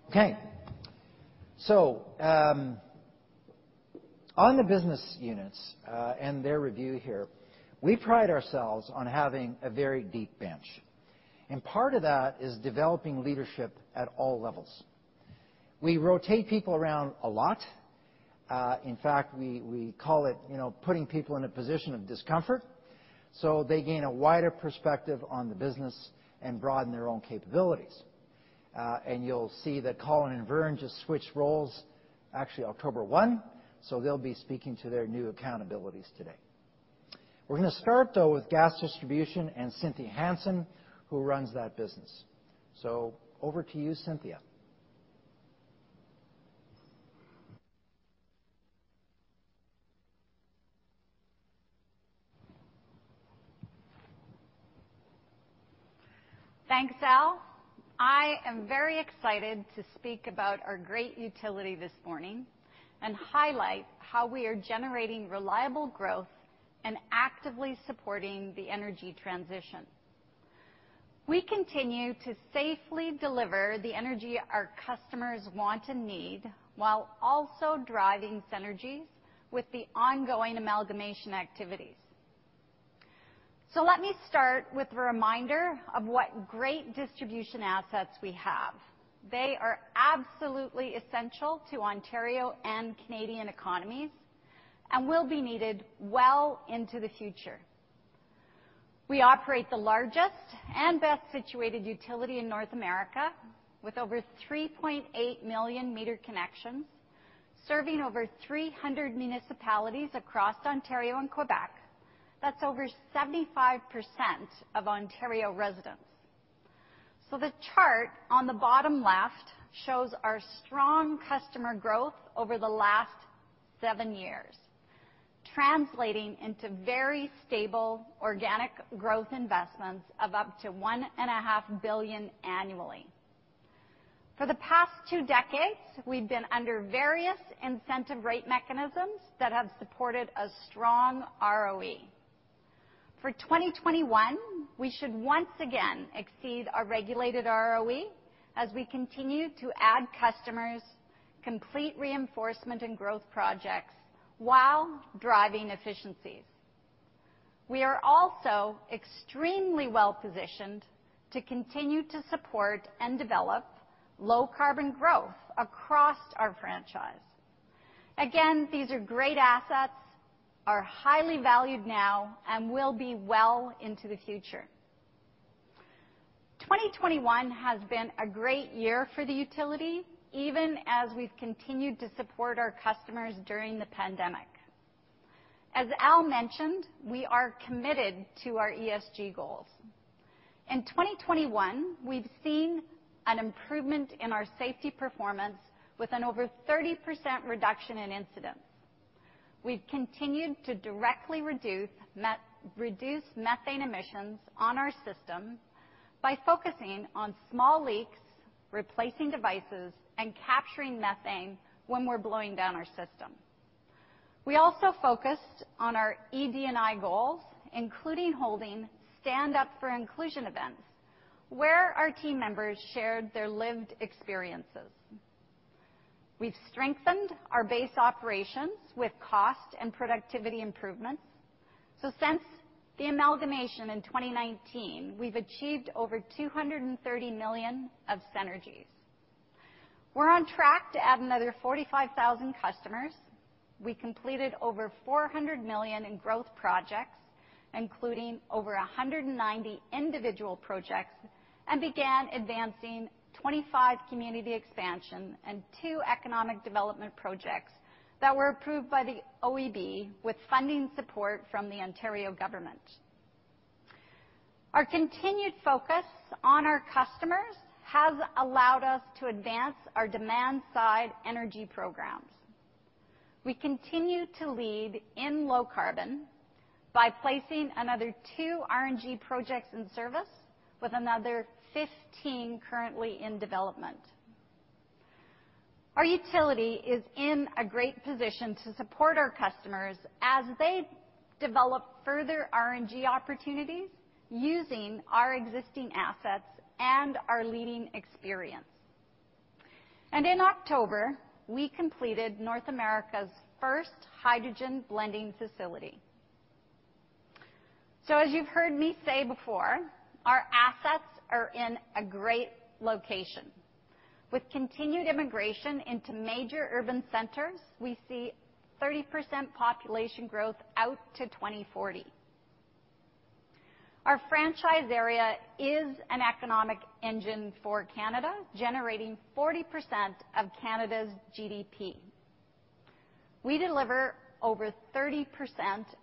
Okay. On the business units and their review here, we pride ourselves on having a very deep bench, and part of that is developing leadership at all levels. We rotate people around a lot. In fact, we call it, you know, putting people in a position of discomfort, so they gain a wider perspective on the business and broaden their own capabilities. You'll see that Colin and Vern just switched roles actually October 1, so they'll be speaking to their new accountabilities today. We're gonna start, though, with gas distribution and Cynthia Hansen, who runs that business. Over to you, Cynthia. Thanks, Al. I am very excited to speak about our great utility this morning and highlight how we are generating reliable growth and actively supporting the energy transition. We continue to safely deliver the energy our customers want and need, while also driving synergies with the ongoing amalgamation activities. Let me start with a reminder of what great distribution assets we have. They are absolutely essential to Ontario and Canadian economies, and will be needed well into the future. We operate the largest and best-situated utility in North America with over 3.8 million meter connections, serving over 300 municipalities across Ontario and Quebec. That's over 75% of Ontario residents. The chart on the bottom left shows our strong customer growth over the last seven years, translating into very stable organic growth investments of up to 1.5 billion annually. For the past two decades, we've been under various incentive rate mechanisms that have supported a strong ROE. For 2021, we should once again exceed our regulated ROE as we continue to add customers, complete reinforcement and growth projects while driving efficiencies. We are also extremely well-positioned to continue to support and develop low-carbon growth across our franchise. Again, these are great assets, are highly valued now, and will be well into the future. 2021 has been a great year for the utility, even as we've continued to support our customers during the pandemic. As Al mentioned, we are committed to our ESG goals. In 2021, we've seen an improvement in our safety performance with an over 30% reduction in incidents. We've continued to directly reduce methane emissions on our system by focusing on small leaks, replacing devices, and capturing methane when we're blowing down our system. We also focused on our ED&I goals, including holding Stand Up for Inclusion events, where our team members shared their lived experiences. We've strengthened our base operations with cost and productivity improvements. Since the amalgamation in 2019, we've achieved over 230 million of synergies. We're on track to add another 45,000 customers. We completed over 400 million in growth projects, including over 190 individual projects, and began advancing 25 community expansion and two economic development projects that were approved by the OEB with funding support from the Ontario government. Our continued focus on our customers has allowed us to advance our demand-side energy programs. We continue to lead in low-carbon by placing another two RNG projects in service with another 15 currently in development. Our utility is in a great position to support our customers as they develop further RNG opportunities using our existing assets and our leading experience. In October, we completed North America's first hydrogen-blending facility. As you've heard me say before, our assets are in a great location. With continued immigration into major urban centers, we see 30% population growth out to 2040. Our franchise area is an economic engine for Canada, generating 40% of Canada's GDP. We deliver over 30%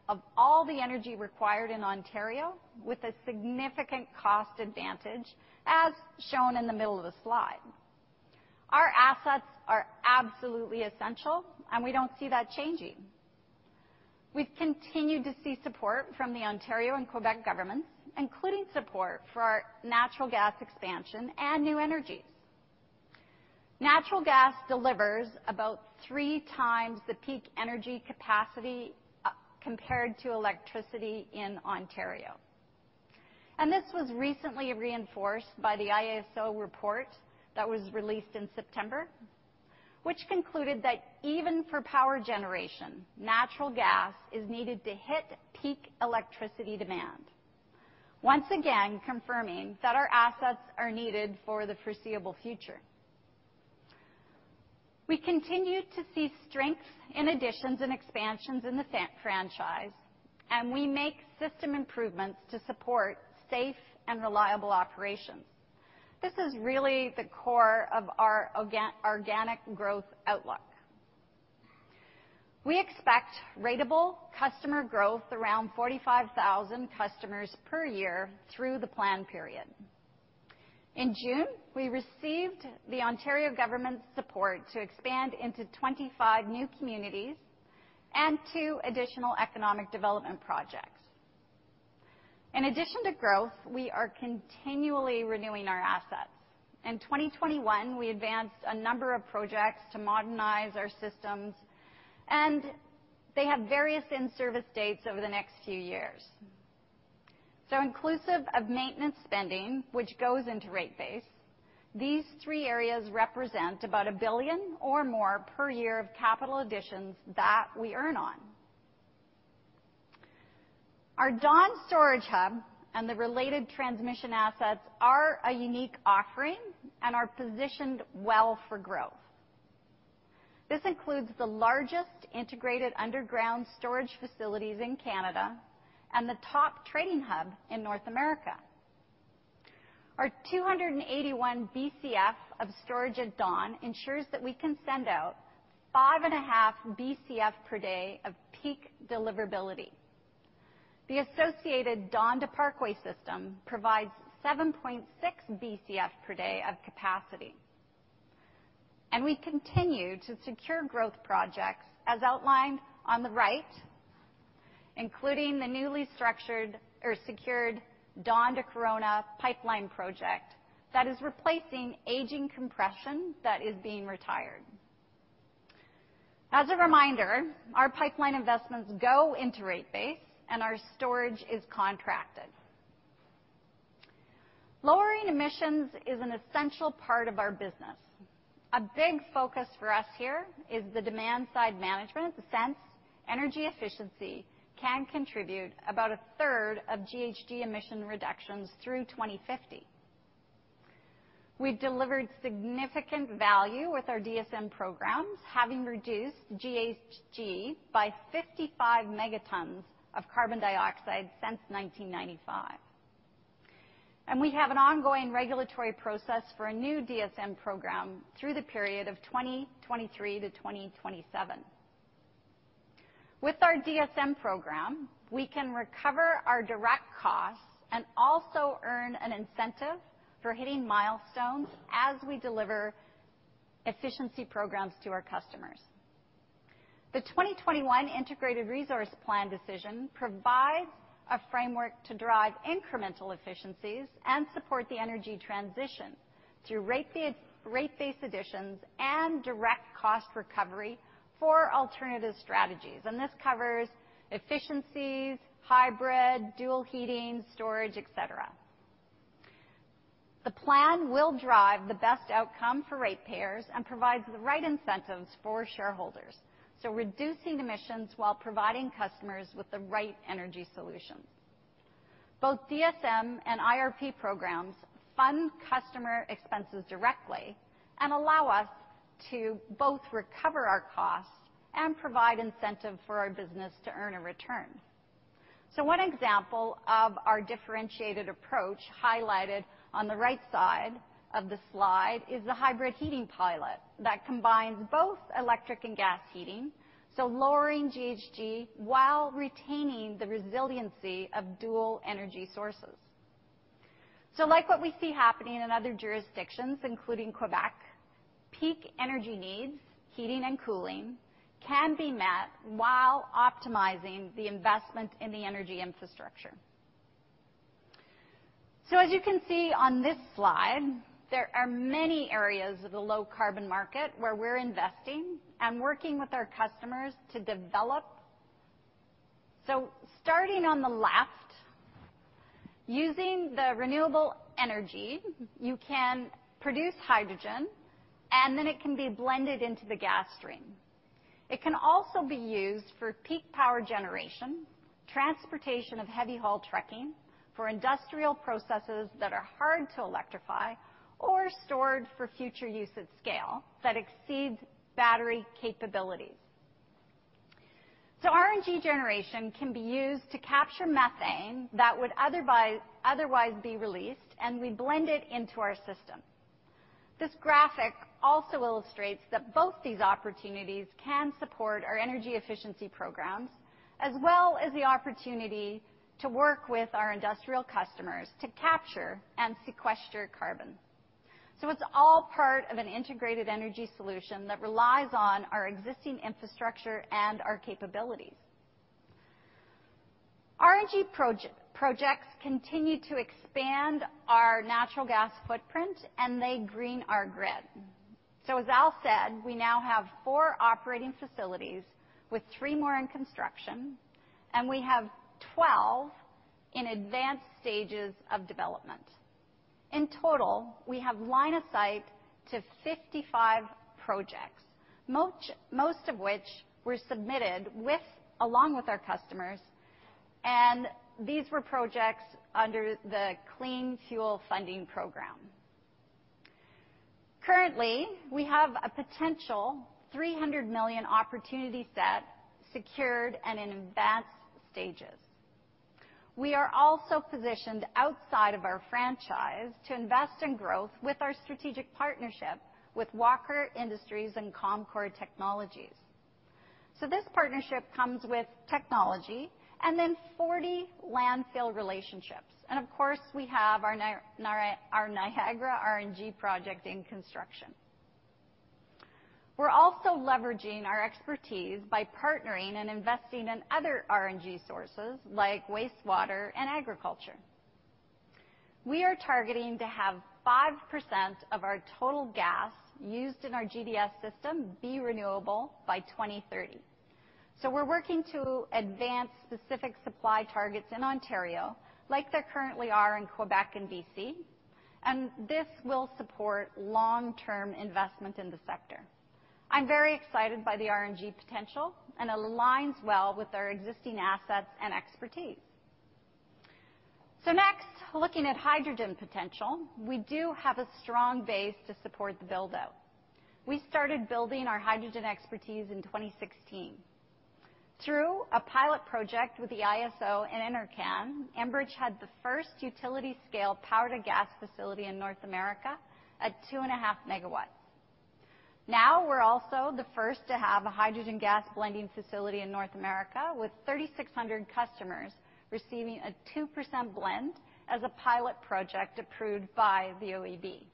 of all the energy required in Ontario with a significant cost advantage, as shown in the middle of the slide. Our assets are absolutely essential, and we don't see that changing. We've continued to see support from the Ontario and Quebec governments, including support for our natural gas expansion and new energies. Natural gas delivers about three times the peak energy capacity compared to electricity in Ontario. This was recently reinforced by the IESO report that was released in September, which concluded that even for power generation, natural gas is needed to hit peak electricity demand, once again, confirming that our assets are needed for the foreseeable future. We continue to see strength in additions and expansions in the franchise, and we make system improvements to support safe and reliable operations. This is really the core of our organic growth outlook. We expect ratable customer growth around 45,000 customers per year through the plan period. In June, we received the Ontario government's support to expand into 25 new communities and two additional economic development projects. In addition to growth, we are continually renewing our assets. In 2021, we advanced a number of projects to modernize our systems, and they have various in-service dates over the next few years. Inclusive of maintenance spending, which goes into rate base, these three areas represent about 1 billion or more per year of capital additions that we earn on. Our Dawn storage hub and the related transmission assets are a unique offering and are positioned well for growth. This includes the largest integrated underground storage facilities in Canada and the top trading hub in North America. Our 281 Bcf of storage at Dawn ensures that we can send out 5.5 Bcf per day of peak deliverability. The associated Dawn-to-Parkway system provides 7.6 Bcf per day of capacity. We continue to secure growth projects as outlined on the right, including the newly structured or secured Dawn-to-Corunna pipeline project that is replacing aging compression that is being retired. As a reminder, our pipeline investments go into rate base, and our storage is contracted. Lowering emissions is an essential part of our business. A big focus for us here is the demand-side management, since energy efficiency can contribute about a third of GHG emission reductions through 2050. We've delivered significant value with our DSM programs, having reduced GHG by 55 megatons of carbon dioxide since 1995. We have an ongoing regulatory process for a new DSM program through the period of 2023 to 2027. With our DSM program, we can recover our direct costs and also earn an incentive for hitting milestones as we deliver efficiency programs to our customers. The 2021 integrated resource plan decision provides a framework to drive incremental efficiencies and support the energy transition through rate-based additions and direct cost recovery for alternative strategies. This covers efficiencies, hybrid, dual heating, storage, etc. The plan will drive the best outcome for ratepayers and provides the right incentives for shareholders, so reducing emissions while providing customers with the right energy solutions. Both DSM and IRP programs fund customer expenses directly and allow us to both recover our costs and provide incentive for our business to earn a return. One example of our differentiated approach highlighted on the right side of the slide is the hybrid heating pilot that combines both electric and gas heating, so lowering GHG while retaining the resiliency of dual energy sources. Like what we see happening in other jurisdictions, including Quebec, peak energy needs, heating and cooling, can be met while optimizing the investment in the energy infrastructure. As you can see on this slide, there are many areas of the low-carbon market where we're investing and working with our customers to develop. Starting on the left, using the renewable energy, you can produce hydrogen and then it can be blended into the gas stream. It can also be used for peak power generation, transportation of heavy-haul trucking, for industrial processes that are hard to electrify or stored for future use at scale that exceeds battery capabilities. RNG generation can be used to capture methane that would otherwise be released, and we blend it into our system. This graphic also illustrates that both these opportunities can support our energy efficiency programs, as well as the opportunity to work with our industrial customers to capture and sequester carbon. It's all part of an integrated energy solution that relies on our existing infrastructure and our capabilities. RNG projects continue to expand our natural gas footprint, and they green our grid. As Al said, we now have four operating facilities with three more in construction, and we have 12 in advanced stages of development. In total, we have line of sight to 55 projects, most of which were submitted along with our customers, and these were projects under the Clean Fuel Funding Program. Currently, we have a potential 300 million opportunity set, secured, and in advanced stages. We are also positioned outside of our franchise to invest in growth with our strategic partnership with Walker Industries and Comcor Environmental. This partnership comes with technology and then 40 landfill relationships. Of course, we have our Niagara RNG project in construction. We're also leveraging our expertise by partnering and investing in other RNG sources like wastewater and agriculture. We are targeting to have 5% of our total gas used in our GDS system be renewable by 2030. We're working to advance specific supply targets in Ontario like there currently are in Quebec and BC, and this will support long-term investment in the sector. I'm very excited by the RNG potential and aligns well with our existing assets and expertise. Next, looking at hydrogen potential, we do have a strong base to support the build-out. We started building our hydrogen expertise in 2016. Through a pilot project with the IESO and NRCan, Enbridge had the first utility-scale power-to-gas facility in North America at 2.5 MW. Now we're also the first to have a hydrogen gas blending facility in North America with 3,600 customers receiving a 2% blend as a pilot project approved by the OEB.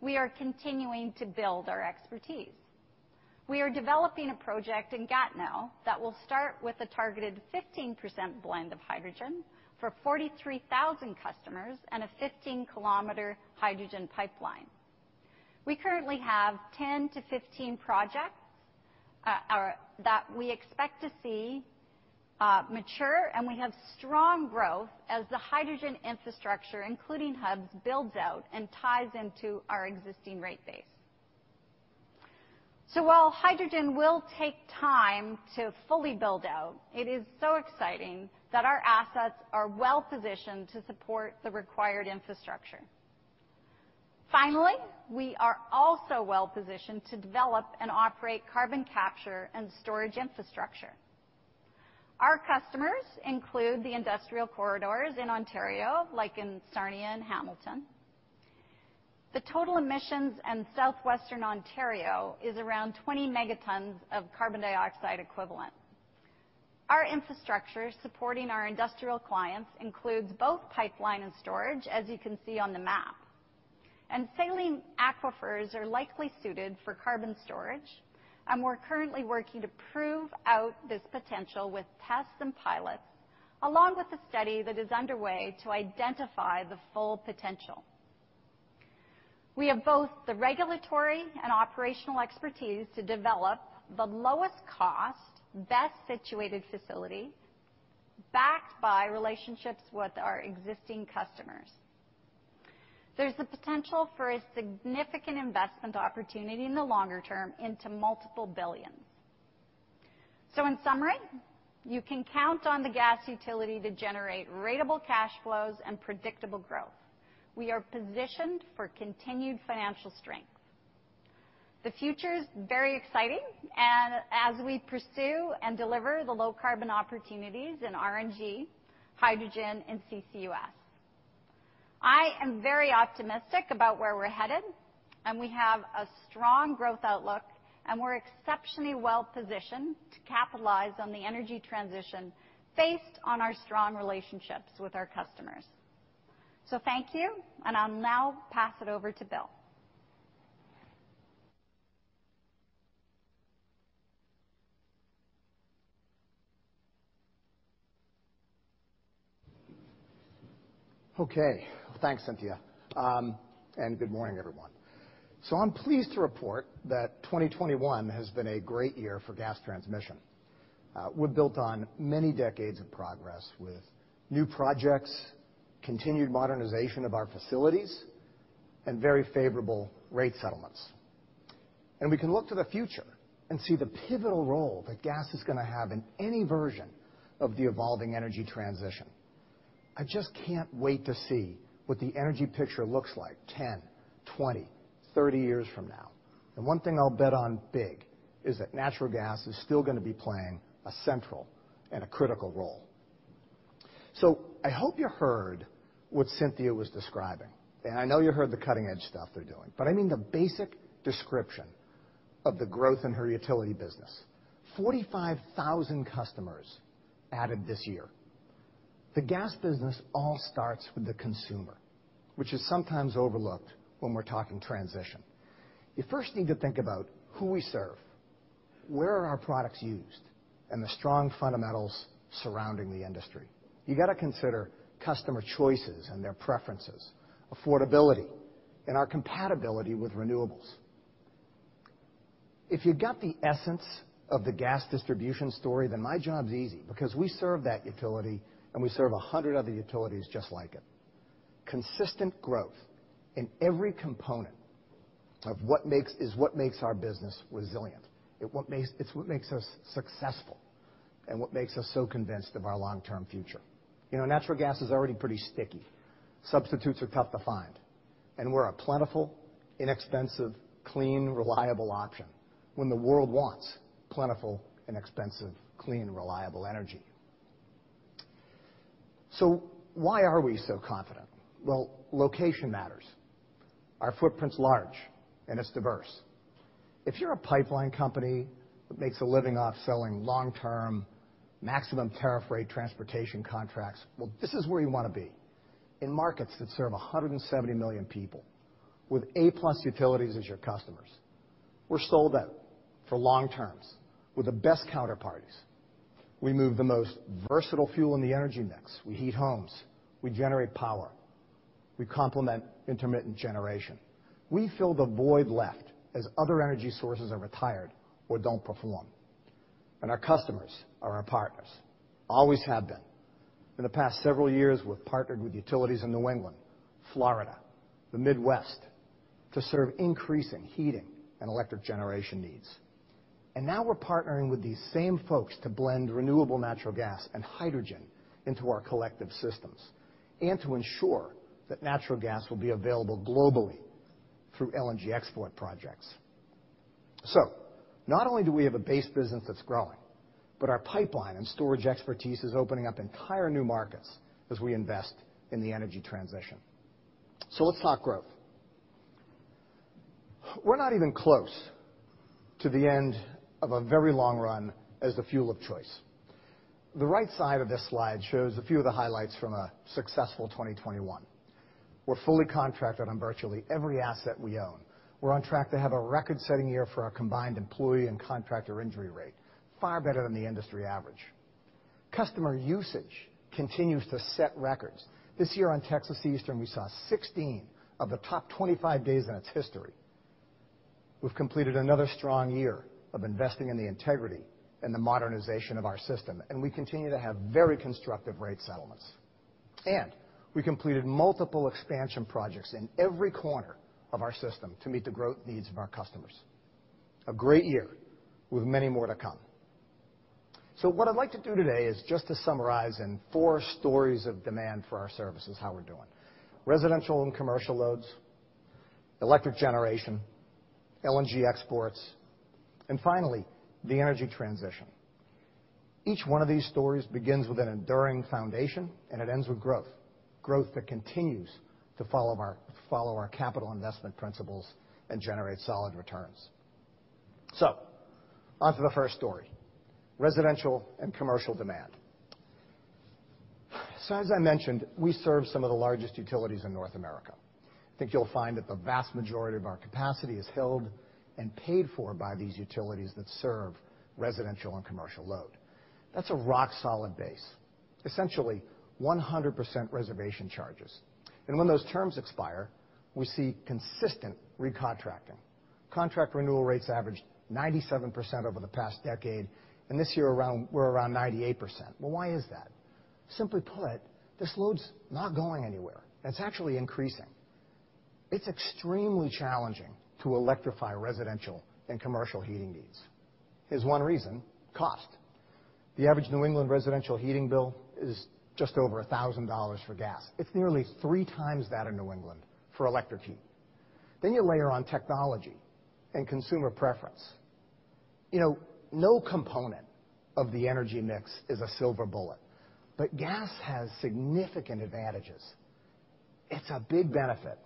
We are continuing to build our expertise. We are developing a project in Gatineau that will start with a targeted 15% blend of hydrogen for 43,000 customers and a 15-km hydrogen pipeline. We currently have 10-15 projects that we expect to see mature, and we have strong growth as the hydrogen infrastructure, including hubs, builds out and ties into our existing rate base. While hydrogen will take time to fully build out, it is so exciting that our assets are well-positioned to support the required infrastructure. Finally, we are also well-positioned to develop and operate carbon capture and storage infrastructure. Our customers include the industrial corridors in Ontario, like in Sarnia and Hamilton. The total emissions in Southwestern Ontario is around 20 megatons of carbon dioxide equivalent. Our infrastructure supporting our industrial clients includes both pipeline and storage, as you can see on the map. Saline aquifers are likely suited for carbon storage, and we're currently working to prove out this potential with tests and pilots, along with the study that is underway to identify the full potential. We have both the regulatory and operational expertise to develop the lowest-cost, best-situated facility backed by relationships with our existing customers. There's the potential for a significant investment opportunity in the longer term into multiple billions. In summary, you can count on the gas utility to generate ratable cash flows and predictable growth. We are positioned for continued financial strength. The future is very exciting as we pursue and deliver the low-carbon opportunities in RNG, hydrogen, and CCUS. I am very optimistic about where we're headed. We have a strong growth outlook, and we're exceptionally well-positioned to capitalize on the energy transition based on our strong relationships with our customers. Thank you, and I'll now pass it over to Bill. Okay. Thanks, Cynthia. Good morning, everyone. I'm pleased to report that 2021 has been a great year for gas transmission. We've built on many decades of progress with new projects, continued modernization of our facilities, and very favorable rate settlements. We can look to the future and see the pivotal role that gas is gonna have in any version of the evolving energy transition. I just can't wait to see what the energy picture looks like 10 years, 20 years, 30 years from now. The one thing I'll bet on big is that natural gas is still gonna be playing a central and a critical role. I hope you heard what Cynthia was describing. I know you heard the cutting-edge stuff they're doing. I mean the basic description of the growth in her utility business. 45,000 customers added this year. The gas business all starts with the consumer, which is sometimes overlooked when we're talking transition. You first need to think about who we serve, where are our products used, and the strong fundamentals surrounding the industry. You gotta consider customer choices and their preferences, affordability, and our compatibility with renewables. If you got the essence of the gas distribution story, then my job's easy because we serve that utility, and we serve 100 other utilities just like it. Consistent growth in every component of what makes our business resilient. It's what makes us successful and what makes us so convinced of our long-term future. You know, natural gas is already pretty sticky. Substitutes are tough to find. We're a plentiful, inexpensive, clean, reliable option when the world wants plentiful, inexpensive, clean, reliable energy. Why are we so confident? Well, location matters. Our footprint's large, and it's diverse. If you're a pipeline company that makes a living off selling long-term maximum tariff rate transportation contracts, well, this is where you wanna be, in markets that serve 170 million people with A-plus utilities as your customers. We're sold out for long terms with the best counterparties. We move the most versatile fuel in the energy mix. We heat homes. We generate power. We complement intermittent generation. We fill the void left as other energy sources are retired or don't perform. Our customers are our partners. Always have been. In the past several years, we've partnered with utilities in New England, Florida, the Midwest to serve increasing heating and electric generation needs. Now we're partnering with these same folks to blend renewable natural gas and hydrogen into our collective systems and to ensure that natural gas will be available globally through LNG export projects. Not only do we have a base business that's growing, but our pipeline and storage expertise is opening up entire new markets as we invest in the energy transition. Let's talk growth. We're not even close to the end of a very long run as the fuel of choice. The right side of this slide shows a few of the highlights from a successful 2021. We're fully contracted on virtually every asset we own. We're on track to have a record-setting year for our combined employee and contractor injury rate, far better than the industry average. Customer usage continues to set records. This year on Texas Eastern, we saw 16 of the top 25 days in its history. We've completed another strong year of investing in the integrity and the modernization of our system, and we continue to have very constructive rate settlements. We completed multiple expansion projects in every corner of our system to meet the growth needs of our customers. A great year with many more to come. What I'd like to do today is just to summarize in four stories of demand for our services how we're doing. Residential and commercial loads, electric generation, LNG exports, and finally, the energy transition. Each one of these stories begins with an enduring foundation, and it ends with growth that continues to follow our, follow our capital investment principles and generates solid returns. On to the first story, residential and commercial demand. As I mentioned, we serve some of the largest utilities in North America. Think you'll find that the vast majority of our capacity is held and paid for by these utilities that serve residential and commercial load. That's a rock-solid base. Essentially 100% reservation charges. When those terms expire, we see consistent recontracting. Contract renewal rates averaged 97% over the past decade, and this year around we're around 98%. Well, why is that? Simply put, this load's not going anywhere. It's actually increasing. It's extremely challenging to electrify residential and commercial heating needs. Here's one reason, cost. The average New England residential heating bill is just over $1,000 for gas. It's nearly three times that in New England for electric heat. You layer on technology and consumer preference. You know, no component of the energy mix is a silver bullet, but gas has significant advantages. It's a big benefit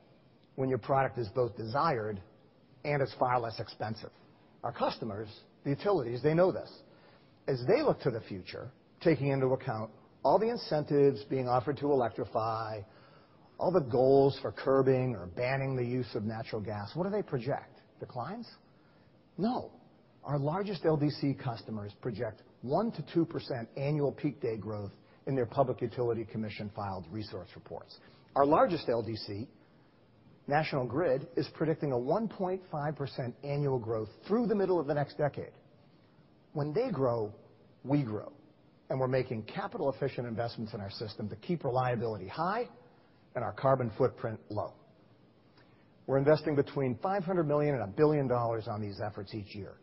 when your product is both desired and is far less expensive. Our customers, the utilities, they know this. As they look to the future, taking into account all the incentives being offered to electrify, all the goals for curbing or banning the use of natural gas, what do they project? Declines? No. Our largest LDC customers project 1%-2% annual peak day growth in their Public Utility Commission filed resource reports. Our largest LDC, National Grid, is predicting a 1.5% annual growth through the middle of the next decade. When they grow, we grow, and we're making capital-efficient investments in our system to keep reliability high and our carbon footprint low. We're investing between $500 million and $1 billion on these efforts each year.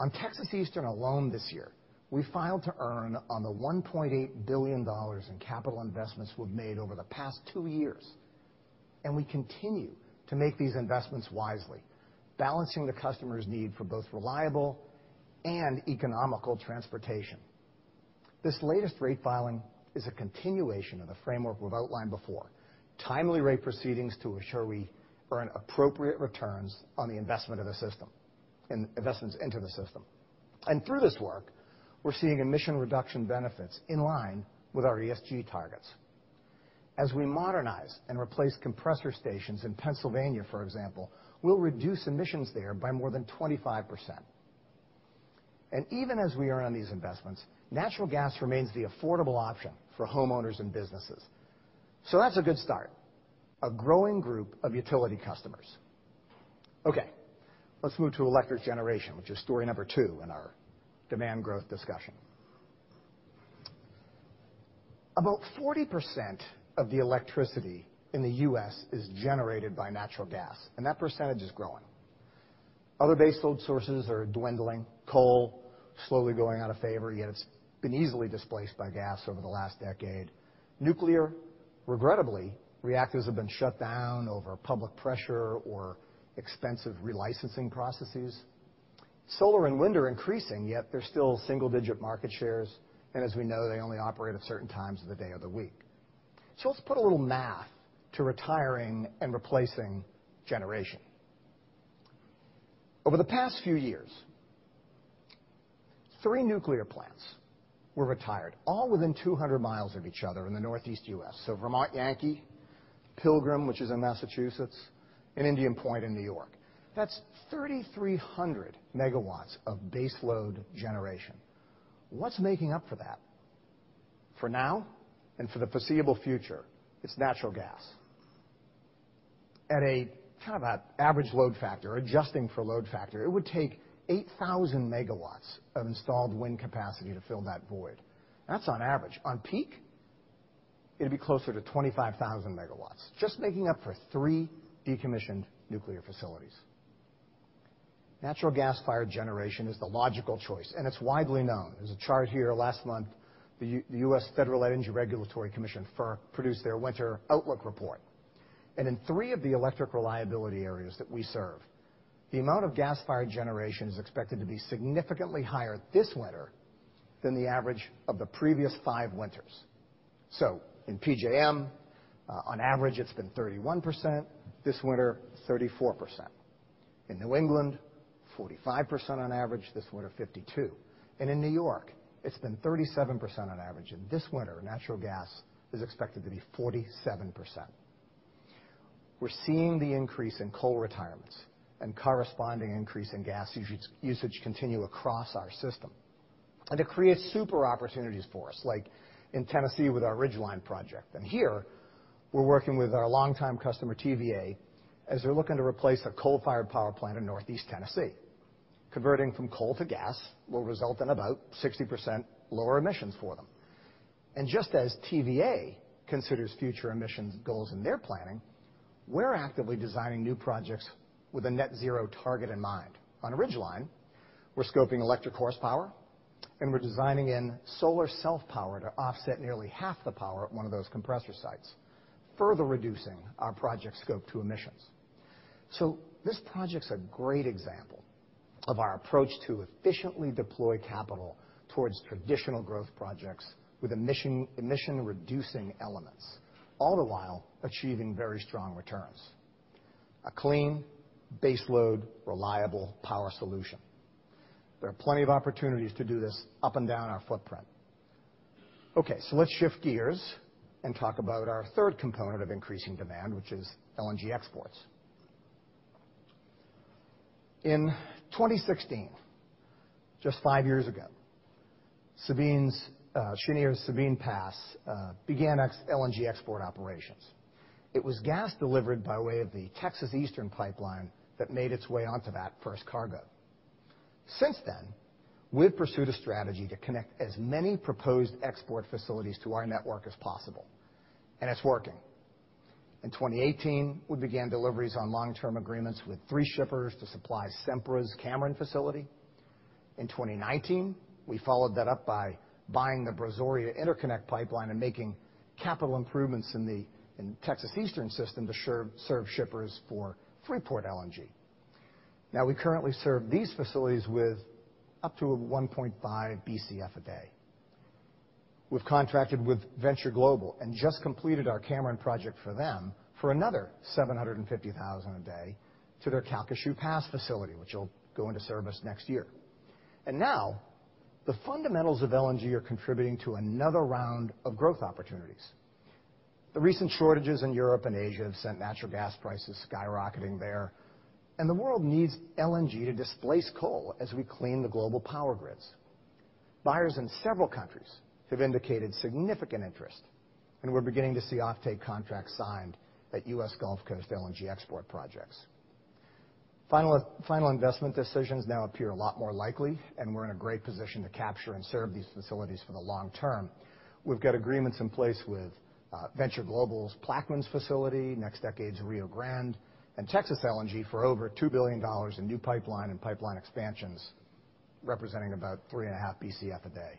On Texas Eastern alone this year, we filed to earn on the $1.8 billion in capital investments we've made over the past two years, and we continue to make these investments wisely, balancing the customer's need for both reliable and economical transportation. This latest rate filing is a continuation of the framework we've outlined before. Timely rate proceedings to assure we earn appropriate returns on investments into the system. Through this work, we're seeing emission reduction benefits in line with our ESG targets. As we modernize and replace compressor stations in Pennsylvania, for example, we'll reduce emissions there by more than 25%. Even as we earn these investments, natural gas remains the affordable option for homeowners and businesses. That's a good start. A growing group of utility customers. Okay, let's move to electric generation, which is story number two in our demand growth discussion. About 40% of the electricity in the U.S. is generated by natural gas, and that percentage is growing. Other baseload sources are dwindling. Coal, slowly going out of favor, yet it's been easily displaced by gas over the last decade. Nuclear, regrettably, reactors have been shut down over public pressure or expensive re-licensing processes. Solar and wind are increasing, yet they're still single-digit market shares, and as we know, they only operate at certain times of the day of the week. Let's put a little math to retiring and replacing generation. Over the past few years, three nuclear plants were retired, all within 200 miles of each other in the Northeast U.S. Vermont Yankee, Pilgrim, which is in Massachusetts, and Indian Point in New York. That's 3,300 MW of baseload generation. What's making up for that? For now and for the foreseeable future, it's natural gas. At an average load factor, adjusting for load factor, it would take 8,000 MW of installed wind capacity to fill that void. That's on average. On peak, it'd be closer to 25,000 MW. Just making up for three decommissioned nuclear facilities. Natural gas-fired generation is the logical choice, and it's widely known. There's a chart here. Last month, the U.S. Federal Energy Regulatory Commission, FERC, produced their winter outlook report. In three of the electric reliability areas that we serve, the amount of gas-fired generation is expected to be significantly higher this winter than the average of the previous five winters. In PJM, on average, it's been 31%. This winter, 34%. In New England, 45% on average. This winter, 52%. In New York, it's been 37% on average, and this winter, natural gas is expected to be 47%. We're seeing the increase in coal retirements and corresponding increase in gas usage continue across our system. It creates super opportunities for us, like in Tennessee with our Ridgeline project. Here, we're working with our longtime customer, TVA, as they're looking to replace a coal-fired power plant in Northeast Tennessee. Converting from coal to gas will result in about 60% lower emissions for them. Just as TVA considers future emissions goals in their planning, we're actively designing new projects with a net zero target in mind. On Ridgeline, we're scoping electric horsepower, and we're designing in solar self-power to offset nearly half the power at one of those compressor sites, further reducing our project scope to emissions. This project's a great example of our approach to efficiently deploy capital towards traditional growth projects with emission-reducing elements, all the while achieving very strong returns. A clean, baseload, reliable power solution. There are plenty of opportunities to do this up and down our footprint. Okay, let's shift gears and talk about our third component of increasing demand, which is LNG exports. In 2016, just five years ago, Cheniere's Sabine Pass began LNG export operations. It was gas delivered by way of the Texas Eastern Pipeline that made its way onto that first cargo. Since then, we've pursued a strategy to connect as many proposed export facilities to our network as possible, and it's working. In 2018, we began deliveries on long-term agreements with three shippers to supply Sempra's Cameron facility. In 2019, we followed that up by buying the Brazoria Interconnector pipeline and making capital improvements in Texas Eastern system to serve shippers for Freeport LNG. Now we currently serve these facilities with up to 1.5 Bcf a day. We've contracted with Venture Global and just completed our Cameron project for them for another 750,000 a day to their Calcasieu Pass facility, which will go into service next year. Now the fundamentals of LNG are contributing to another round of growth opportunities. The recent shortages in Europe and Asia have sent natural gas prices skyrocketing there, and the world needs LNG to displace coal as we clean the global power grids. Buyers in several countries have indicated significant interest, and we're beginning to see offtake contracts signed at U.S. Gulf Coast LNG export projects. Final investment decisions now appear a lot more likely, and we're in a great position to capture and serve these facilities for the long term. We've got agreements in place with Venture Global's Plaquemines facility, NextDecade's Rio Grande, and Texas LNG for over $2 billion in new pipeline and pipeline expansions, representing about 3.5 Bcf a day.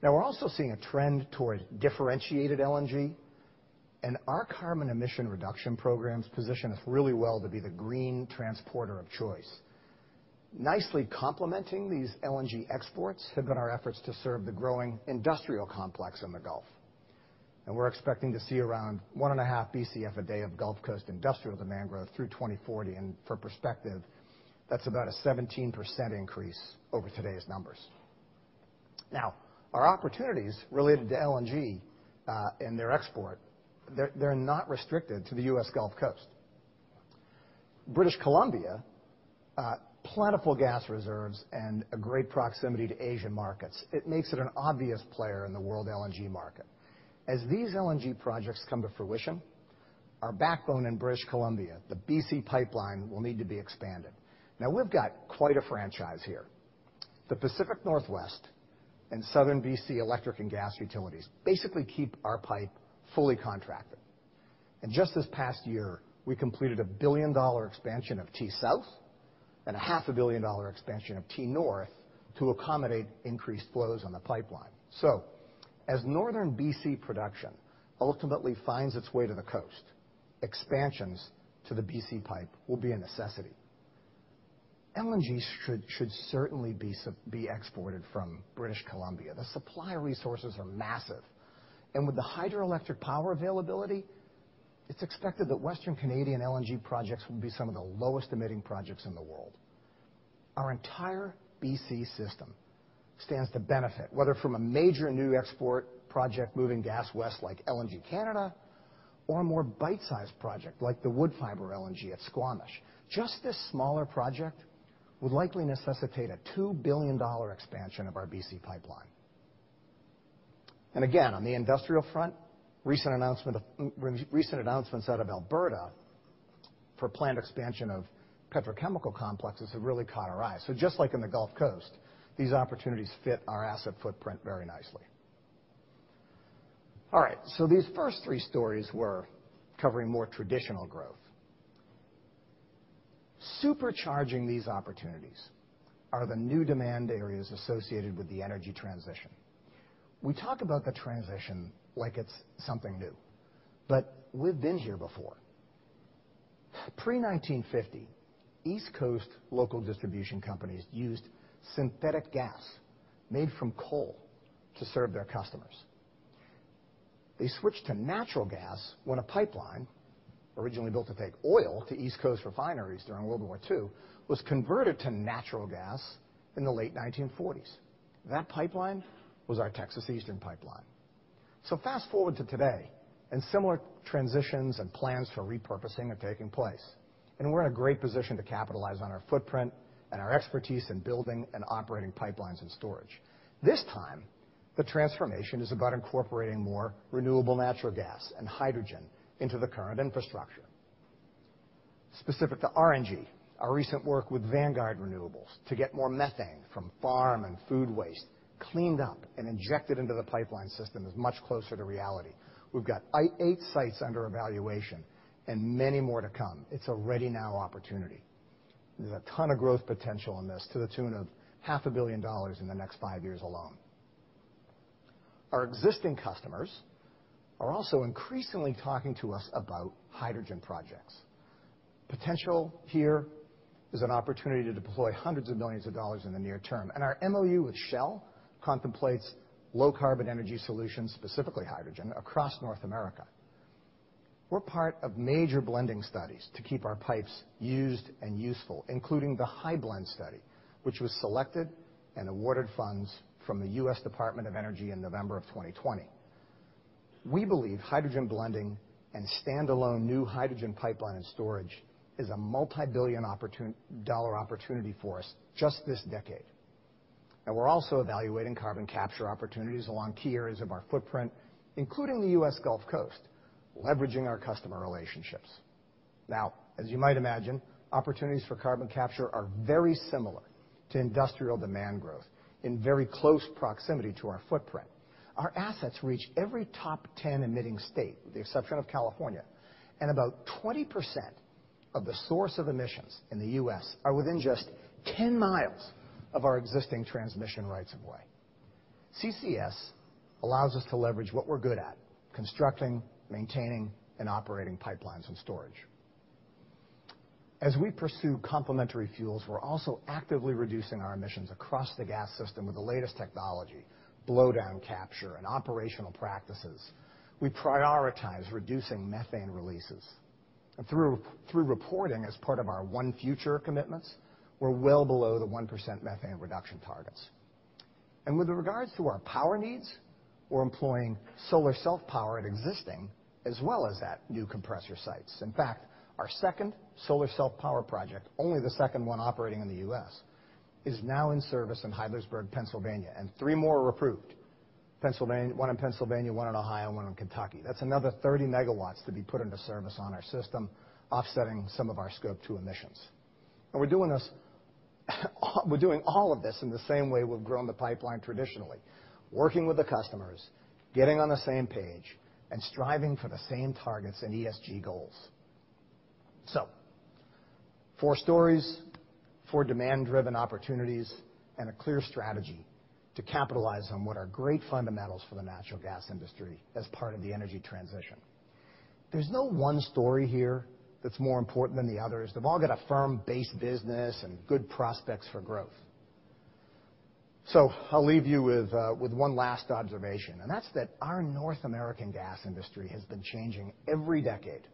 Now, we're also seeing a trend towards differentiated LNG, and our carbon emission reduction programs position us really well to be the green transporter of choice. Nicely complementing these LNG exports have been our efforts to serve the growing industrial complex in the Gulf. We're expecting to see around 1.5 Bcf a day of Gulf Coast industrial demand growth through 2040. For perspective, that's about a 17% increase over today's numbers. Now, our opportunities related to LNG and their export, they're not restricted to the U.S. Gulf Coast. British Columbia, plentiful gas reserves and a great proximity to Asian markets. It makes it an obvious player in the world LNG market. As these LNG projects come to fruition, our backbone in British Columbia, the BC Pipeline, will need to be expanded. Now, we've got quite a franchise here. The Pacific Northwest and southern B.C. electric and gas utilities basically keep our pipe fully contracted. Just this past year, we completed a 1 billion-dollar expansion of T-South and a half a billion-dollar expansion of T-North to accommodate increased flows on the pipeline. As northern BC production ultimately finds its way to the coast, expansions to the BC pipe will be a necessity. LNG should certainly be exported from British Columbia. The supply resources are massive, and with the hydroelectric power availability, it's expected that western Canadian LNG projects will be some of the lowest emitting projects in the world. Our entire BC system stands to benefit, whether from a major new export project moving gas west like LNG Canada or a more bite-sized project like the Woodfibre LNG at Squamish. Just this smaller project would likely necessitate a 2 billion dollar expansion of our BC pipeline. Again, on the industrial front, recent announcements out of Alberta for planned expansion of petrochemical complexes have really caught our eye. Just like in the Gulf Coast, these opportunities fit our asset footprint very nicely. All right, these first three stories were covering more traditional growth. Supercharging these opportunities are the new demand areas associated with the energy transition. We talk about the transition like it's something new, but we've been here before. Pre-1950, East Coast local distribution companies used synthetic gas made from coal to serve their customers. They switched to natural gas when a pipeline, originally built to take oil to East Coast refineries during World War II, was converted to natural gas in the late 1940s. That pipeline was our Texas Eastern Pipeline. Fast-forward to today, and similar transitions and plans for repurposing are taking place, and we're in a great position to capitalize on our footprint and our expertise in building and operating pipelines and storage. This time, the transformation is about incorporating more renewable natural gas and hydrogen into the current infrastructure. Specific to RNG, our recent work with Vanguard Renewables to get more methane from farm and food waste cleaned up and injected into the pipeline system is much closer to reality. We've got eight sites under evaluation and many more to come. It's a ready-now opportunity. There's a ton of growth potential in this, to the tune of half a billion dollars in the next five years alone. Our existing customers are also increasingly talking to us about hydrogen projects. potential here is an opportunity to deploy hundreds of millions of dollars in the near term, and our MOU with Shell contemplates low-carbon energy solutions, specifically hydrogen, across North America. We're part of major blending studies to keep our pipes used and useful, including the HyBlend study, which was selected and awarded funds from the U.S. Department of Energy in November 2020. We believe hydrogen blending and standalone new hydrogen pipeline and storage is a multi-billion dollar opportunity for us just this decade. We're also evaluating carbon capture opportunities along key areas of our footprint, including the U.S. Gulf Coast, leveraging our customer relationships. Now, as you might imagine, opportunities for carbon capture are very similar to industrial demand growth in very close proximity to our footprint. Our assets reach every top 10 emitting state, with the exception of California, and about 20% of the source of emissions in the U.S. are within just 10 miles of our existing transmission rights-of-way. CCS allows us to leverage what we're good at, constructing, maintaining, and operating pipelines and storage. As we pursue complementary fuels, we're also actively reducing our emissions across the gas system with the latest technology, blowdown capture and operational practices. We prioritize reducing methane releases. Through reporting as part of our ONE Future commitments, we're well below the 1% methane reduction targets. With regards to our power needs, we're employing solar self-power at existing as well as at new compressor sites. In fact, our second solar self-power project, only the second one operating in the U.S., is now in service in Heidelberg, Pennsylvania, and three more are approved. One in Pennsylvania, one in Ohio, and one in Kentucky. That's another 30 MW to be put into service on our system, offsetting some of our Scope 2 emissions. We're doing this, we're doing all of this in the same way we've grown the pipeline traditionally, working with the customers, getting on the same page, and striving for the same targets and ESG goals. Four stories, four demand-driven opportunities, and a clear strategy to capitalize on what are great fundamentals for the natural gas industry as part of the energy transition. There's no one story here that's more important than the others. They've all got a firm base business and good prospects for growth. I'll leave you with with one last observation, and that's that our North American gas industry has been changing every decade.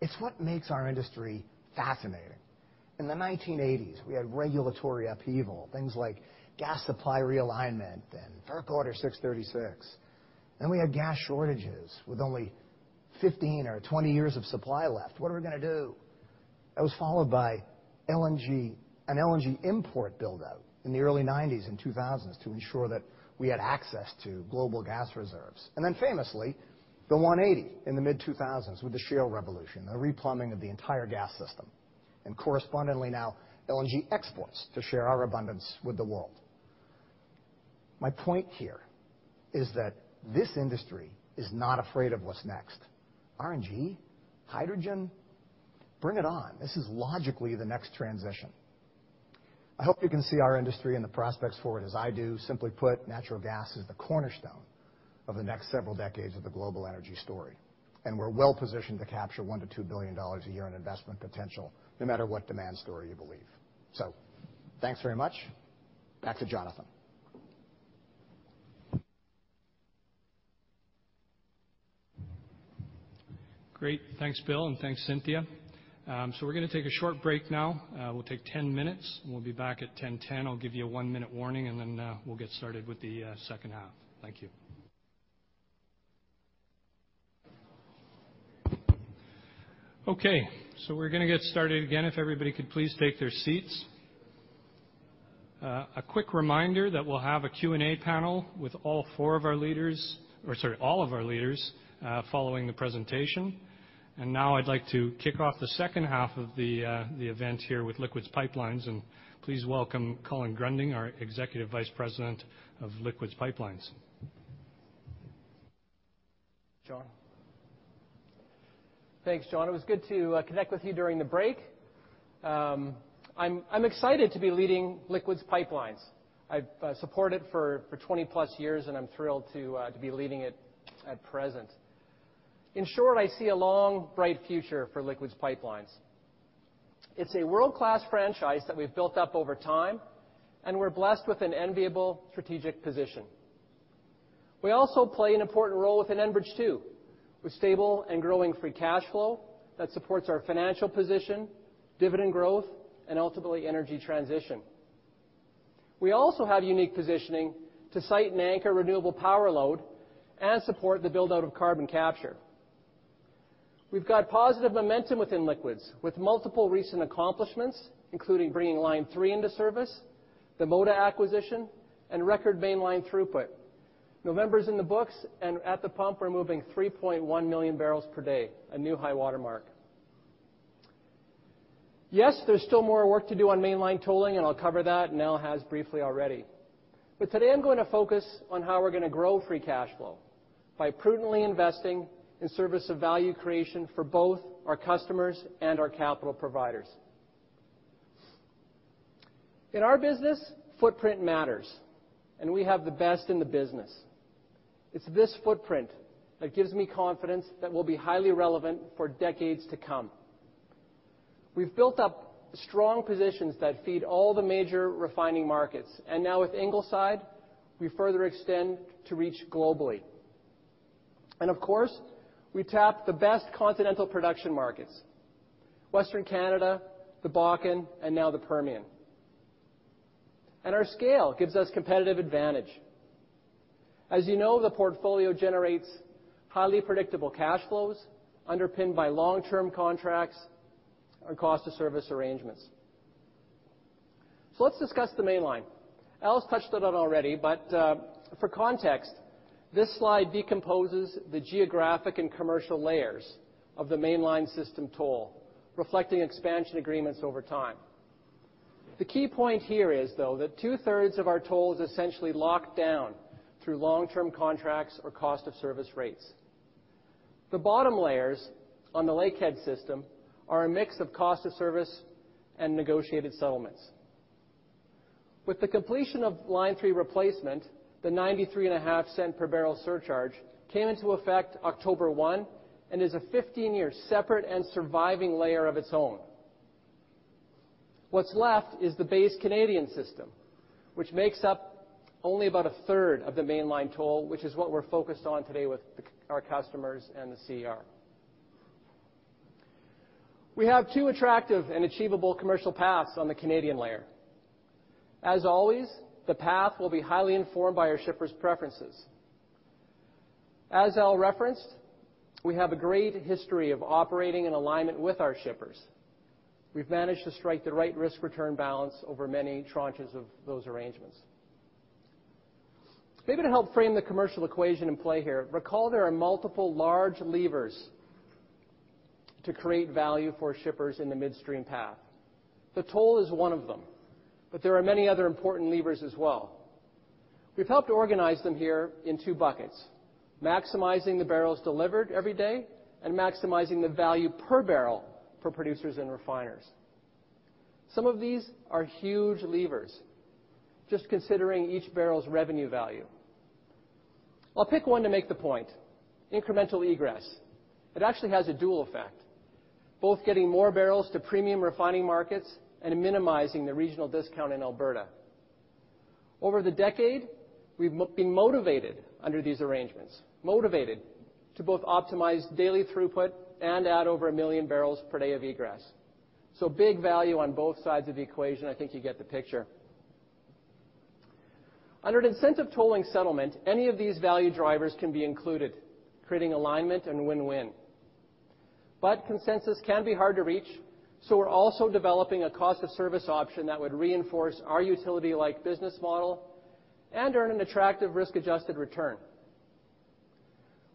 It's what makes our industry fascinating. In the 1980s, we had regulatory upheaval, things like gas supply realignment, then FERC Order 636. We had gas shortages with only 15 years or 20 years of supply left. What are we gonna do? That was followed by LNG and LNG import build-out in the early 1990s and 2000s to ensure that we had access to global gas reserves. Famously, the 180 in the mid-2000s with the shale revolution, the replumbing of the entire gas system. Correspondingly now, LNG exports to share our abundance with the world. My point here is that this industry is not afraid of what's next. RNG? Hydrogen? Bring it on. This is logically the next transition. I hope you can see our industry and the prospects for it as I do. Simply put, natural gas is the cornerstone of the next several decades of the global energy story, and we're well-positioned to capture $1 billion-$2 billion a year in investment potential, no matter what demand story you believe. Thanks very much. Back to Jonathan. Great. Thanks, Bill, and thanks, Cynthia. We're gonna take a short break now. We'll take 10 minutes, and we'll be back at 10:10. I'll give you a 1-minute warning, and then we'll get started with the second half. Thank you. Okay. We're gonna get started again. If everybody could please take their seats. A quick reminder that we'll have a Q&A panel with all of our leaders following the presentation. Now I'd like to kick off the second half of the event here with Liquids Pipelines. Please welcome Colin Gruending, our Executive Vice President of Liquids Pipelines. John. Thanks, John. It was good to connect with you during the break. I'm excited to be leading Liquids Pipelines. I've supported for 20-plus years, and I'm thrilled to be leading it at present. In short, I see a long, bright future for Liquids Pipelines. It's a world-class franchise that we've built up over time, and we're blessed with an enviable strategic position. We also play an important role within Enbridge too, with stable and growing free cash flow that supports our financial position, dividend growth, and ultimately, energy transition. We also have unique positioning to site and anchor renewable power load and support the build-out of carbon capture. We've got positive momentum within Liquids with multiple recent accomplishments, including bringing Line 3 into service, the Moda acquisition, and record Mainline throughput. November's in the books, and at the pump, we're moving 3.1 million barrels per day, a new high watermark. Yes, there's still more work to do on mainline tolling, and I'll cover that, and Al has briefly already. Today I'm gonna focus on how we're gonna grow free cash flow by prudently investing in service of value creation for both our customers and our capital providers. In our business, footprint matters, and we have the best in the business. It's this footprint that gives me confidence that we'll be highly relevant for decades to come. We've built up strong positions that feed all the major refining markets, and now with Ingleside, we further extend to reach globally. Of course, we tap the best continental production markets, Western Canada, the Bakken, and now the Permian. Our scale gives us competitive advantage. As you know, the portfolio generates highly predictable cash flows underpinned by long-term contracts or cost of service arrangements. Let's discuss the Mainline. Al's touched on it already, but for context, this slide decomposes the geographic and commercial layers of the Mainline system toll, reflecting expansion agreements over time. The key point here is, though, that two-thirds of our toll is essentially locked down through long-term contracts or cost of service rates. The bottom layers on the Lakehead System are a mix of cost of service and negotiated settlements. With the completion of Line 3 Replacement, the 93.5-cent per barrel surcharge came into effect October 1 and is a 15-year separate and surviving layer of its own. What's left is the base Canadian system, which makes up only about a third of the mainline toll, which is what we're focused on today with our customers and the CER. We have two attractive and achievable commercial paths on the Canadian layer. As always, the path will be highly informed by our shippers' preferences. As Al referenced, we have a great history of operating in alignment with our shippers. We've managed to strike the right risk-return balance over many tranches of those arrangements. Maybe to help frame the commercial equation in play here, recall there are multiple large levers to create value for shippers in the midstream path. The toll is one of them, but there are many other important levers as well. We've helped organize them here in two buckets, maximizing the barrels delivered every day and maximizing the value per barrel for producers and refiners. Some of these are huge levers just considering each barrel's revenue value. I'll pick one to make the point, incremental egress. It actually has a dual effect, both getting more barrels to premium refining markets and minimizing the regional discount in Alberta. Over the decade, we've been motivated under these arrangements, motivated to both optimize daily throughput and add over one million barrels per day of egress. Big value on both sides of the equation. I think you get the picture. Under an incentive tolling settlement, any of these value drivers can be included, creating alignment and win-win. Consensus can be hard to reach, so we're also developing a cost of service option that would reinforce our utility-like business model and earn an attractive risk-adjusted return.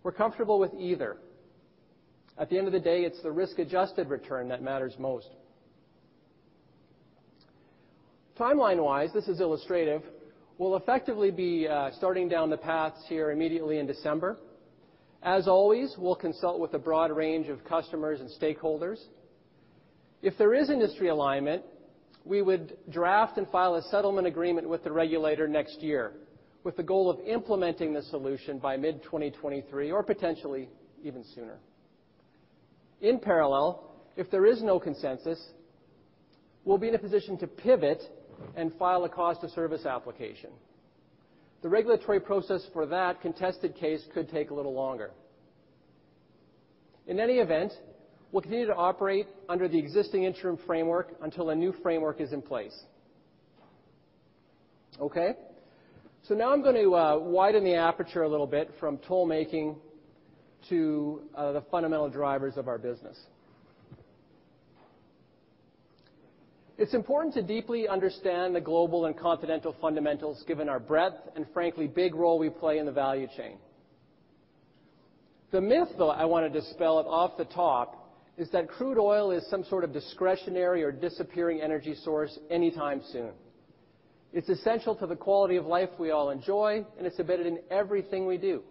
We're comfortable with either. At the end of the day, it's the risk-adjusted return that matters most. Timeline-wise, this is illustrative, we'll effectively be starting down the paths here immediately in December. As always, we'll consult with a broad range of customers and stakeholders. If there is industry alignment, we would draft and file a settlement agreement with the regulator next year with the goal of implementing the solution by mid-2023 or potentially even sooner. In parallel, if there is no consensus, we'll be in a position to pivot and file a cost of service application. The regulatory process for that contested case could take a little longer. In any event, we'll continue to operate under the existing interim framework until a new framework is in place. Okay. Now I'm going to widen the aperture a little bit from toll making to the fundamental drivers of our business. It's important to deeply understand the global and continental fundamentals given our breadth and frankly, big role we play in the value chain. The myth though I want to dispel off the top is that crude oil is some sort of discretionary or disappearing energy source anytime soon. It's essential to the quality of life we all enjoy, and it's embedded in everything we do.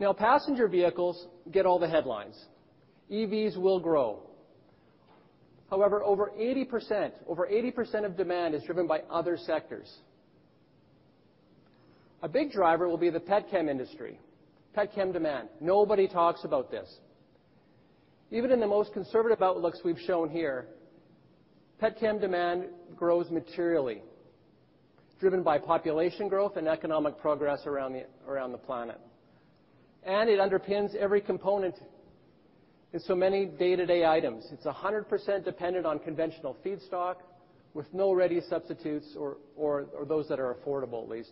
Now, passenger vehicles get all the headlines. EVs will grow. However, over 80% of demand is driven by other sectors. A big driver will be the petchem industry, petchem demand. Nobody talks about this. Even in the most conservative outlooks we've shown here, petchem demand grows materially, driven by population growth and economic progress around the planet, and it underpins every component in so many day-to-day items. It's 100% dependent on conventional feedstock with no ready substitutes or those that are affordable at least.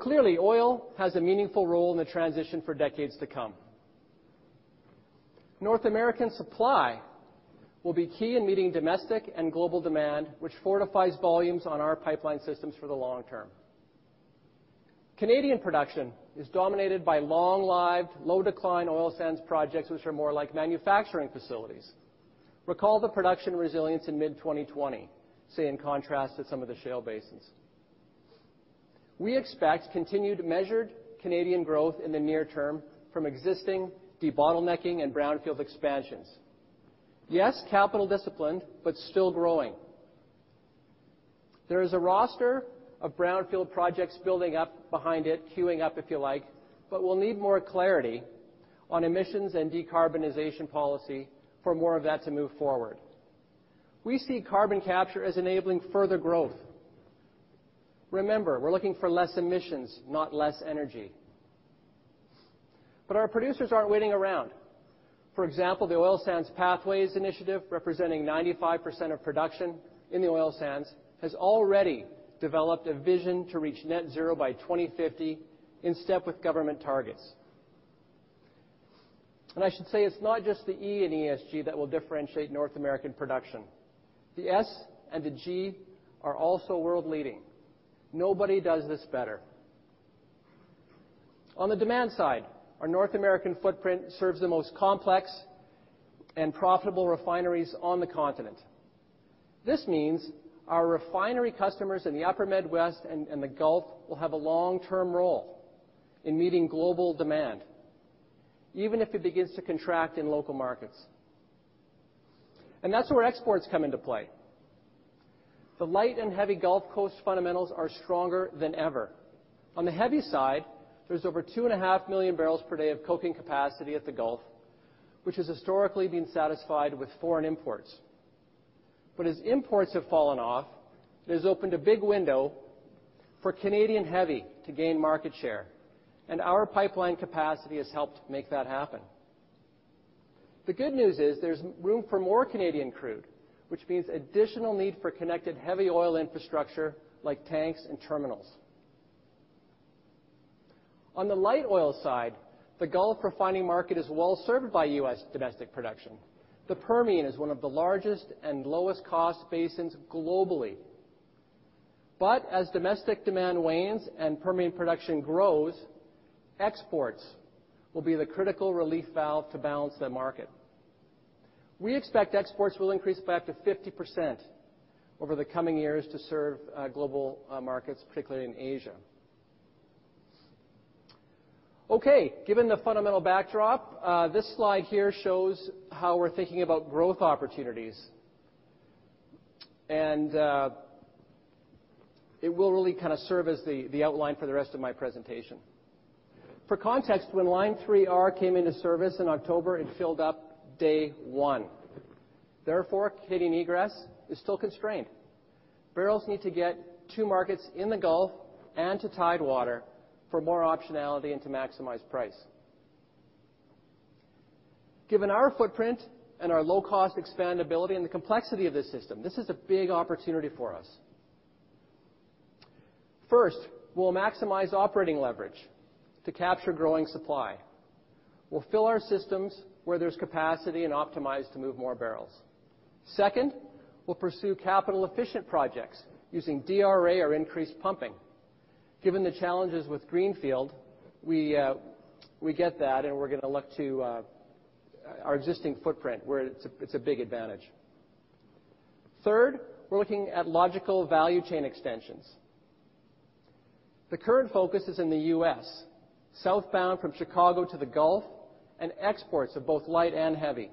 Clearly, oil has a meaningful role in the transition for decades to come. North American supply will be key in meeting domestic and global demand, which fortifies volumes on our pipeline systems for the long term. Canadian production is dominated by long-lived, low-decline oil sands projects which are more like manufacturing facilities. Recall the production resilience in mid-2020, say in contrast to some of the shale basins. We expect continued measured Canadian growth in the near term from existing debottlenecking and brownfield expansions. Yes, capital disciplined, but still growing. There is a roster of brownfield projects building up behind it, queuing up if you like, but we'll need more clarity on emissions and decarbonization policy for more of that to move forward. We see carbon capture as enabling further growth. Remember, we're looking for less emissions, not less energy. Our producers aren't waiting around. For example, the Oil Sands Pathways Initiative, representing 95% of production in the oil sands, has already developed a vision to reach net zero by 2050 in step with government targets. I should say it's not just the E in ESG that will differentiate North American production. The S and the G are also world-leading. Nobody does this better. On the demand side, our North American footprint serves the most complex and profitable refineries on the continent. This means our refinery customers in the Upper Midwest and the Gulf will have a long-term role in meeting global demand. Even if it begins to contract in local markets. That's where exports come into play. The light and heavy Gulf Coast fundamentals are stronger than ever. On the heavy side, there's over 2.5 million barrels per day of coking capacity at the Gulf, which has historically been satisfied with foreign imports. As imports have fallen off, it has opened a big window for Canadian heavy to gain market share, and our pipeline capacity has helped make that happen. The good news is there's room for more Canadian crude, which means additional need for connected heavy oil infrastructure like tanks and terminals. On the light oil side, the Gulf refining market is well served by U.S. domestic production. The Permian is one of the largest and lowest cost basins globally. As domestic demand wanes and Permian production grows, exports will be the critical relief valve to balance that market. We expect exports will increase by up to 50% over the coming years to serve global markets, particularly in Asia. Okay. Given the fundamental backdrop, this slide here shows how we're thinking about growth opportunities. It will really kind of serve as the outline for the rest of my presentation. For context, when Line 3R came into service in October, it filled up day one. Therefore, Canadian egress is still constrained. Barrels need to get to markets in the Gulf and to tidewater for more optionality and to maximize price. Given our footprint and our low-cost expandability and the complexity of this system, this is a big opportunity for us. First, we'll maximize operating leverage to capture growing supply. We'll fill our systems where there's capacity and optimize to move more barrels. Second, we'll pursue capital-efficient projects using DRA or increased pumping. Given the challenges with greenfield, we get that, and we're gonna look to our existing footprint where it's a big advantage. Third, we're looking at logical value chain extensions. The current focus is in the U.S., southbound from Chicago to the Gulf and exports of both light and heavy.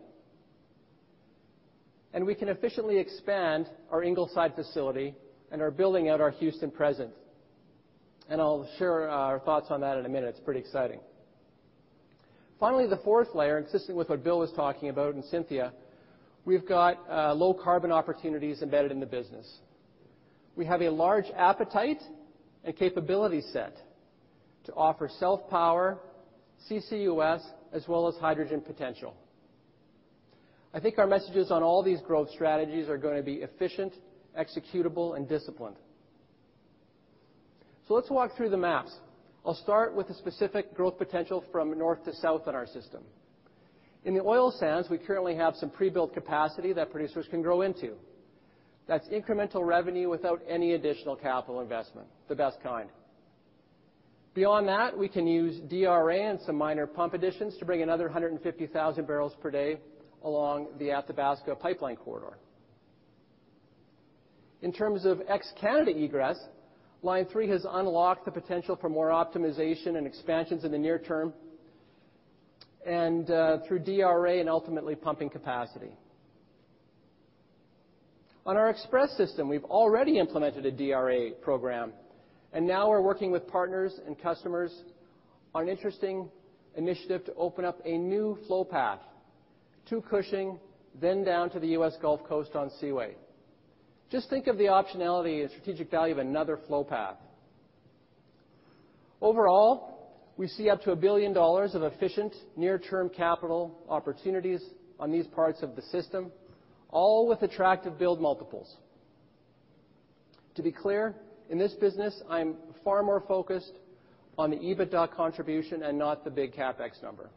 We can efficiently expand our Ingleside facility and are building out our Houston presence. I'll share our thoughts on that in a minute. It's pretty exciting. Finally, the fourth layer, and consistent with what Bill was talking about, and Cynthia, we've got low carbon opportunities embedded in the business. We have a large appetite and capability set to offer self-power, CCUS, as well as hydrogen potential. I think our messages on all these growth strategies are gonna be efficient, executable, and disciplined. Let's walk through the maps. I'll start with the specific growth potential from north to south in our system. In the oil sands, we currently have some prebuilt capacity that producers can grow into. That's incremental revenue without any additional capital investment, the best kind. Beyond that, we can use DRA and some minor pump additions to bring another 150,000 barrels per day along the Athabasca pipeline corridor. In terms of ex-Canada egress, Line 3 has unlocked the potential for more optimization and expansions in the near term, and through DRA and ultimately pumping capacity. On our Express system, we've already implemented a DRA program, and now we're working with partners and customers on an interesting initiative to open up a new flow path to Cushing, then down to the U.S. Gulf Coast on Seaway. Just think of the optionality and strategic value of another flow path. Overall, we see up to $1 billion of efficient near-term capital opportunities on these parts of the system, all with attractive build multiples. To be clear, in this business, I'm far more focused on the EBITDA contribution and not the big CapEx number.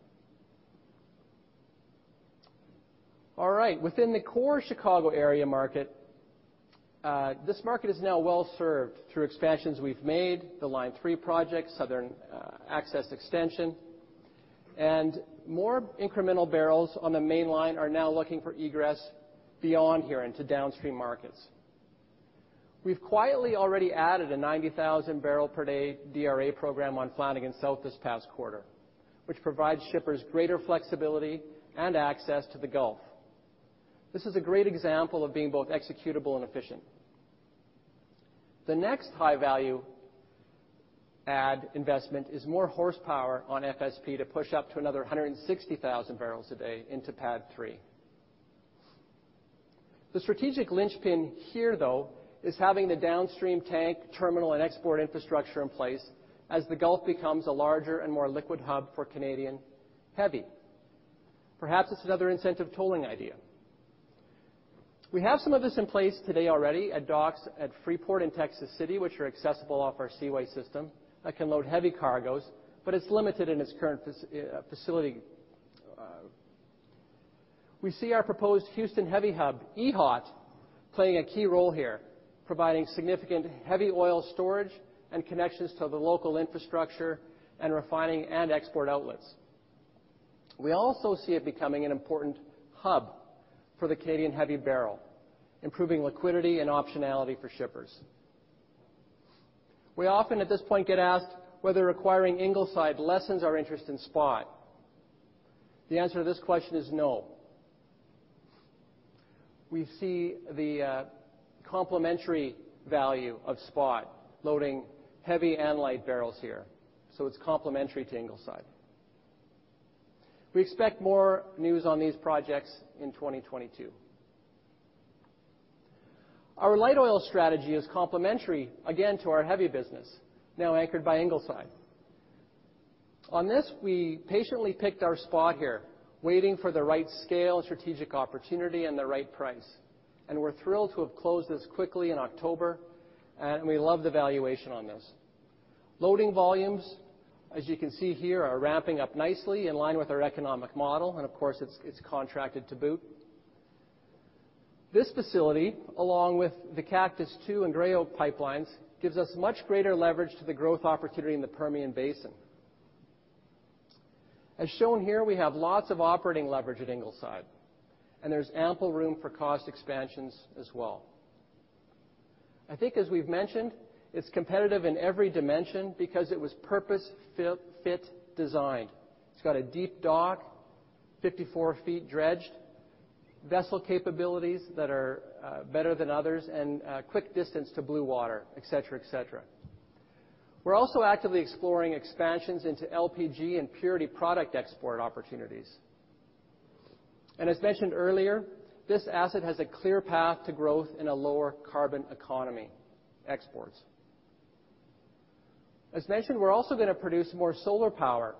All right. Within the core Chicago area market, this market is now well served through expansions we've made, the Line 3 project, Southern Access Extension. More incremental barrels on the mainline are now looking for egress beyond here into downstream markets. We've quietly already added a 90,000-barrel-per-day DRA program on Flanagan South this past quarter, which provides shippers greater flexibility and access to the Gulf. This is a great example of being both executable and efficient. The next high-value add investment is more horsepower on FSP to push up to another 160,000 barrels a day into PADD 3. The strategic linchpin here, though, is having the downstream tank, terminal, and export infrastructure in place as the Gulf becomes a larger and more liquid hub for Canadian heavy. Perhaps it's another incentive tolling idea. We have some of this in place today already at docks at Freeport and Texas City, which are accessible off our Seaway system, that can load heavy cargoes, but it's limited in its current facility. We see our proposed Houston heavy hub, EHOT, playing a key role here, providing significant heavy oil storage and connections to the local infrastructure and refining and export outlets. We also see it becoming an important hub for the Canadian heavy barrel, improving liquidity and optionality for shippers. We often at this point get asked whether acquiring Ingleside lessens our interest in SPOT. The answer to this question is no. We see the complementary value of SPOT loading heavy and light barrels here, so it's complementary to Ingleside. We expect more news on these projects in 2022. Our light oil strategy is complementary, again, to our heavy business, now anchored by Ingleside. On this, we patiently picked our SPOT here, waiting for the right scale, strategic opportunity and the right price, and we're thrilled to have closed this quickly in October, and we love the valuation on this. Loading volumes, as you can see here, are ramping up nicely in line with our economic model, and of course, it's contracted to boot. This facility, along with the Cactus II and Gray Oak pipelines, gives us much greater leverage to the growth opportunity in the Permian Basin. As shown here, we have lots of operating leverage at Ingleside, and there's ample room for cost expansions as well. I think as we've mentioned, it's competitive in every dimension because it was purpose-built designed. It's got a deep dock, 54 feet dredged, vessel capabilities that are better than others, and quick distance to blue water, et cetera, et cetera. We're also actively exploring expansions into LPG and crude product export opportunities. As mentioned earlier, this asset has a clear path to growth in a lower carbon economy exports. As mentioned, we're also gonna produce more solar power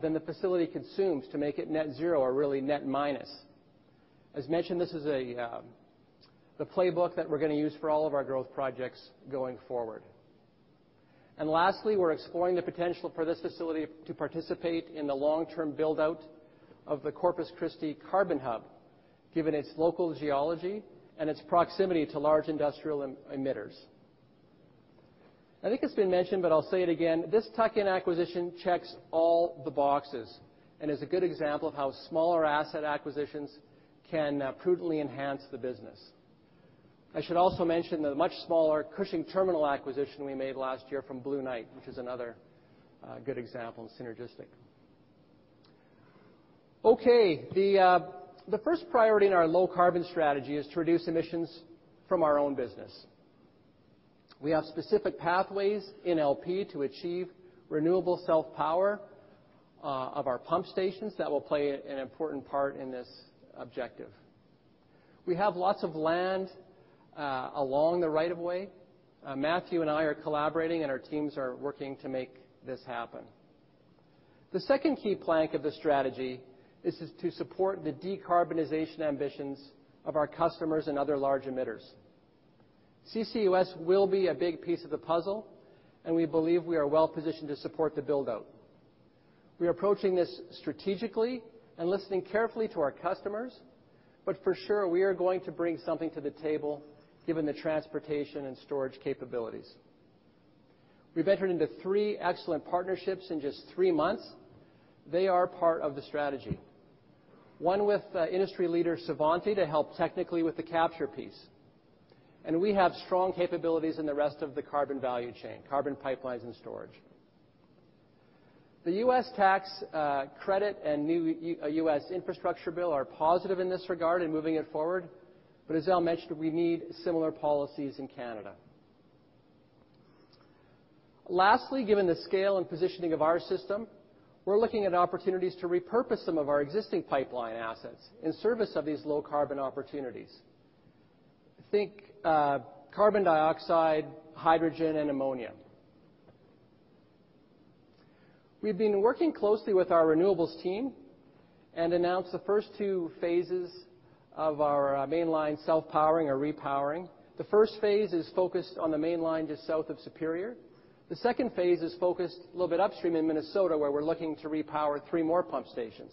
than the facility consumes to make it net zero or really net minus. As mentioned, this is the playbook that we're gonna use for all of our growth projects going forward. Lastly, we're exploring the potential for this facility to participate in the long-term build-out of the Corpus Christi Carbon Hub, given its local geology and its proximity to large industrial emitters. I think it's been mentioned, but I'll say it again, this tuck-in acquisition checks all the boxes and is a good example of how smaller asset acquisitions can prudently enhance the business. I should also mention the much smaller Cushing Terminal acquisition we made last year from Blueknight, which is another good example and synergistic. Okay. The first priority in our low carbon strategy is to reduce emissions from our own business. We have specific pathways in LP to achieve renewable self power of our pump stations that will play an important part in this objective. We have lots of land along the right of way. Matthew and I are collaborating, and our teams are working to make this happen. The second key plank of the strategy is to support the decarbonization ambitions of our customers and other large emitters. CCUS will be a big piece of the puzzle, and we believe we are well-positioned to support the build-out. We are approaching this strategically and listening carefully to our customers, but for sure, we are going to bring something to the table given the transportation and storage capabilities. We've entered into three excellent partnerships in just three months. They are part of the strategy. One with industry leader Svante to help technically with the capture piece. We have strong capabilities in the rest of the carbon value chain, carbon pipelines and storage. The U.S. tax credit and new U.S. infrastructure bill are positive in this regard in moving it forward, but as Al mentioned, we need similar policies in Canada. Lastly, given the scale and positioning of our system, we're looking at opportunities to repurpose some of our existing pipeline assets in service of these low carbon opportunities. Think, carbon dioxide, hydrogen and ammonia. We've been working closely with our renewables team and announced the first two phases of our mainline self-powering or repowering. The first phase is focused on the Mainline just south of Superior. The second phase is focused a little bit upstream in Minnesota, where we're looking to repower three more pump stations.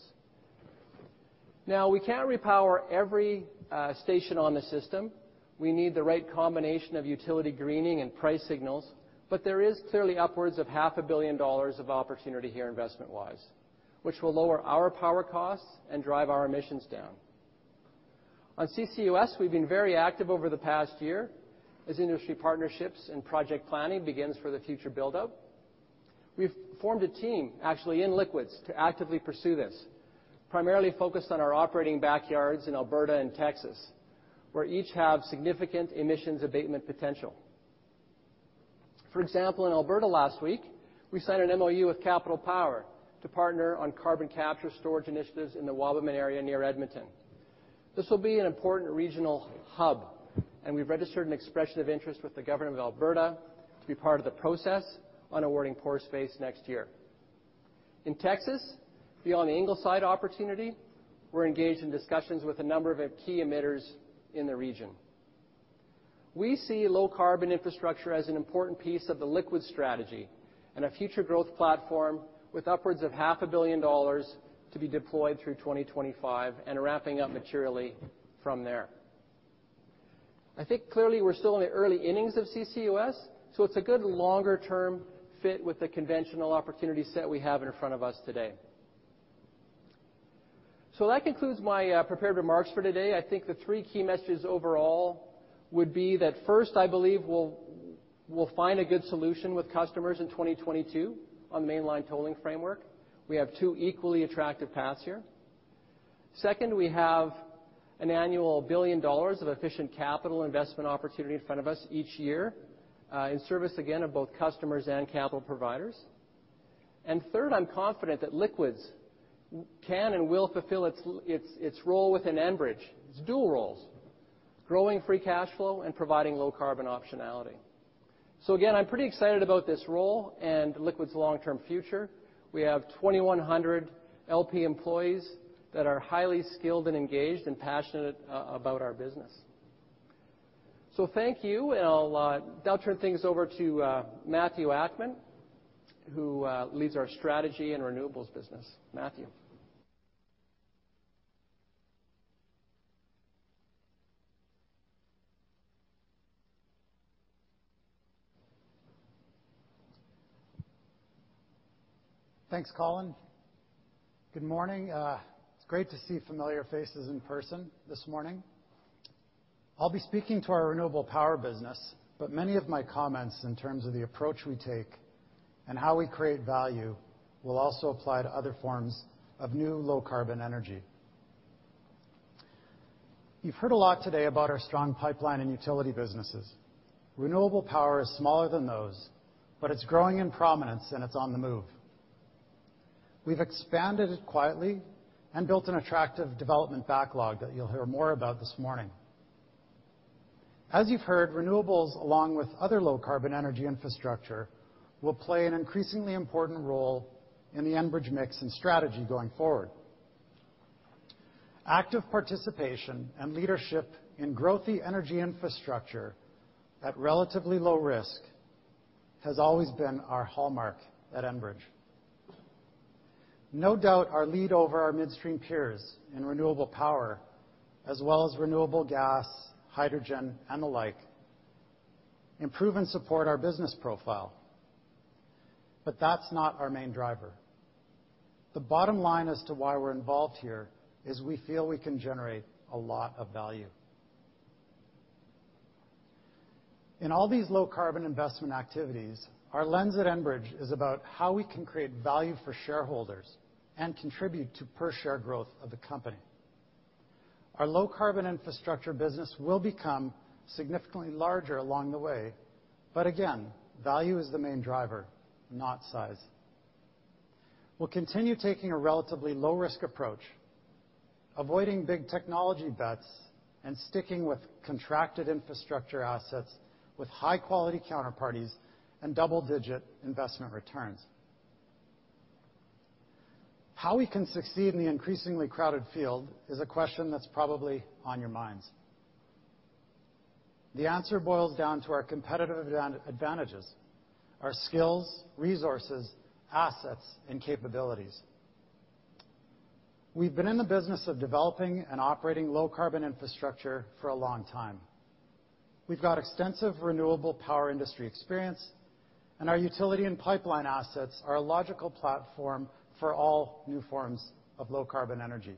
Now, we can't repower every station on the system. We need the right combination of utility greening and price signals, but there is clearly upwards of half a billion dollars of opportunity here investment-wise, which will lower our power costs and drive our emissions down. On CCUS, we've been very active over the past year as industry partnerships and project planning begins for the future build-out. We've formed a team actually in liquids to actively pursue this, primarily focused on our operating backyards in Alberta and Texas, where each have significant emissions abatement potential. For example, in Alberta last week, we signed an MOU with Capital Power to partner on carbon capture and storage initiatives in the Wabamun area near Edmonton. This will be an important regional hub, and we've registered an expression of interest with the government of Alberta to be part of the process on awarding pore space next year. In Texas, beyond the Ingleside opportunity, we're engaged in discussions with a number of key emitters in the region. We see low carbon infrastructure as an important piece of the liquid strategy and a future growth platform with upwards of half a billion dollars to be deployed through 2025 and ramping up materially from there. I think clearly we're still in the early innings of CCUS, so it's a good longer-term fit with the conventional opportunity set we have in front of us today. That concludes my prepared remarks for today. I think the three key messages overall would be that first, I believe we'll find a good solution with customers in 2022 on the Mainline tolling framework. We have two equally attractive paths here. Second, we have an annual 1 billion dollars of efficient capital investment opportunity in front of us each year, in service again of both customers and capital providers. Third, I'm confident that Liquids can and will fulfill its role within Enbridge. Its dual roles. Growing free cash flow and providing low carbon optionality. I'm pretty excited about this role and Liquids' long-term future. We have 2,100 LP employees that are highly skilled and engaged and passionate about our business. Thank you, and I'll now turn things over to Matthew Akman, who leads our strategy and renewables business. Matthew. Thanks, Colin. Good morning. It's great to see familiar faces in person this morning. I'll be speaking to our renewable power business, but many of my comments in terms of the approach we take and how we create value will also apply to other forms of new low carbon energy. You've heard a lot today about our strong pipeline and utility businesses. Renewable power is smaller than those, but it's growing in prominence, and it's on the move. We've expanded it quietly and built an attractive development backlog that you'll hear more about this morning. As you've heard, renewables, along with other low carbon energy infrastructure, will play an increasingly important role in the Enbridge mix and strategy going forward. Active participation and leadership in growth-y energy infrastructure at relatively low risk has always been our hallmark at Enbridge. No doubt our lead over our midstream peers in renewable power as well as renewable gas, hydrogen, and the like, improve and support our business profile, but that's not our main driver. The bottom line as to why we're involved here is we feel we can generate a lot of value. In all these low carbon investment activities, our lens at Enbridge is about how we can create value for shareholders and contribute to per share growth of the company. Our low carbon infrastructure business will become significantly larger along the way, but again, value is the main driver, not size. We'll continue taking a relatively low risk approach, avoiding big technology bets, and sticking with contracted infrastructure assets with high-quality counterparties and double-digit investment returns. How we can succeed in the increasingly crowded field is a question that's probably on your minds. The answer boils down to our competitive advantages, our skills, resources, assets, and capabilities. We've been in the business of developing and operating low carbon infrastructure for a long time. We've got extensive renewable power industry experience, and our utility and pipeline assets are a logical platform for all new forms of low carbon energy.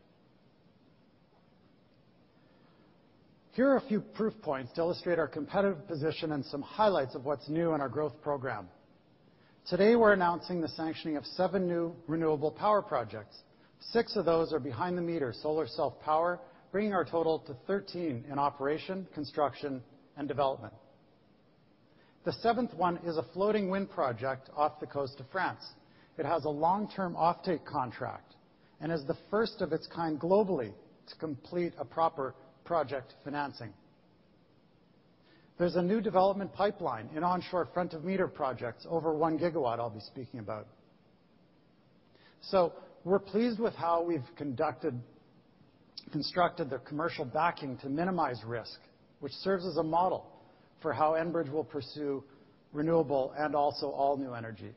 Here are a few proof points to illustrate our competitive position and some highlights of what's new in our growth program. Today, we're announcing the sanctioning of seven new renewable power projects. Six of those are behind the meter solar self power, bringing our total to 13 in operation, construction, and development. The seventh one is a floating wind project off the coast of France. It has a long-term offtake contract and is the first of its kind globally to complete a proper project financing. There's a new development pipeline in onshore front of meter projects over 1 gigawatt. I'll be speaking about. We're pleased with how we've constructed the commercial backing to minimize risk, which serves as a model for how Enbridge will pursue renewable and also all new energy.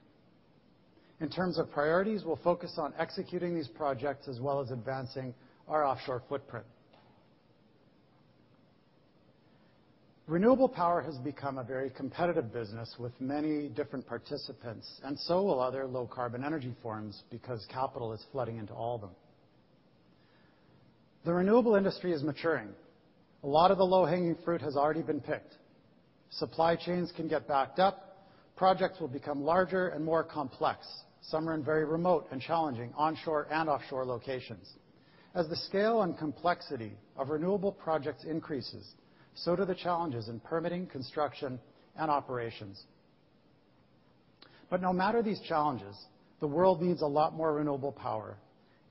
In terms of priorities, we'll focus on executing these projects as well as advancing our offshore footprint. Renewable power has become a very competitive business with many different participants and so will other low carbon energy forms because capital is flooding into all of them. The renewable industry is maturing. A lot of the low-hanging fruit has already been picked. Supply chains can get backed up. Projects will become larger and more complex. Some are in very remote and challenging onshore and offshore locations. As the scale and complexity of renewable projects increases, so do the challenges in permitting, construction, and operations. No matter these challenges, the world needs a lot more renewable power,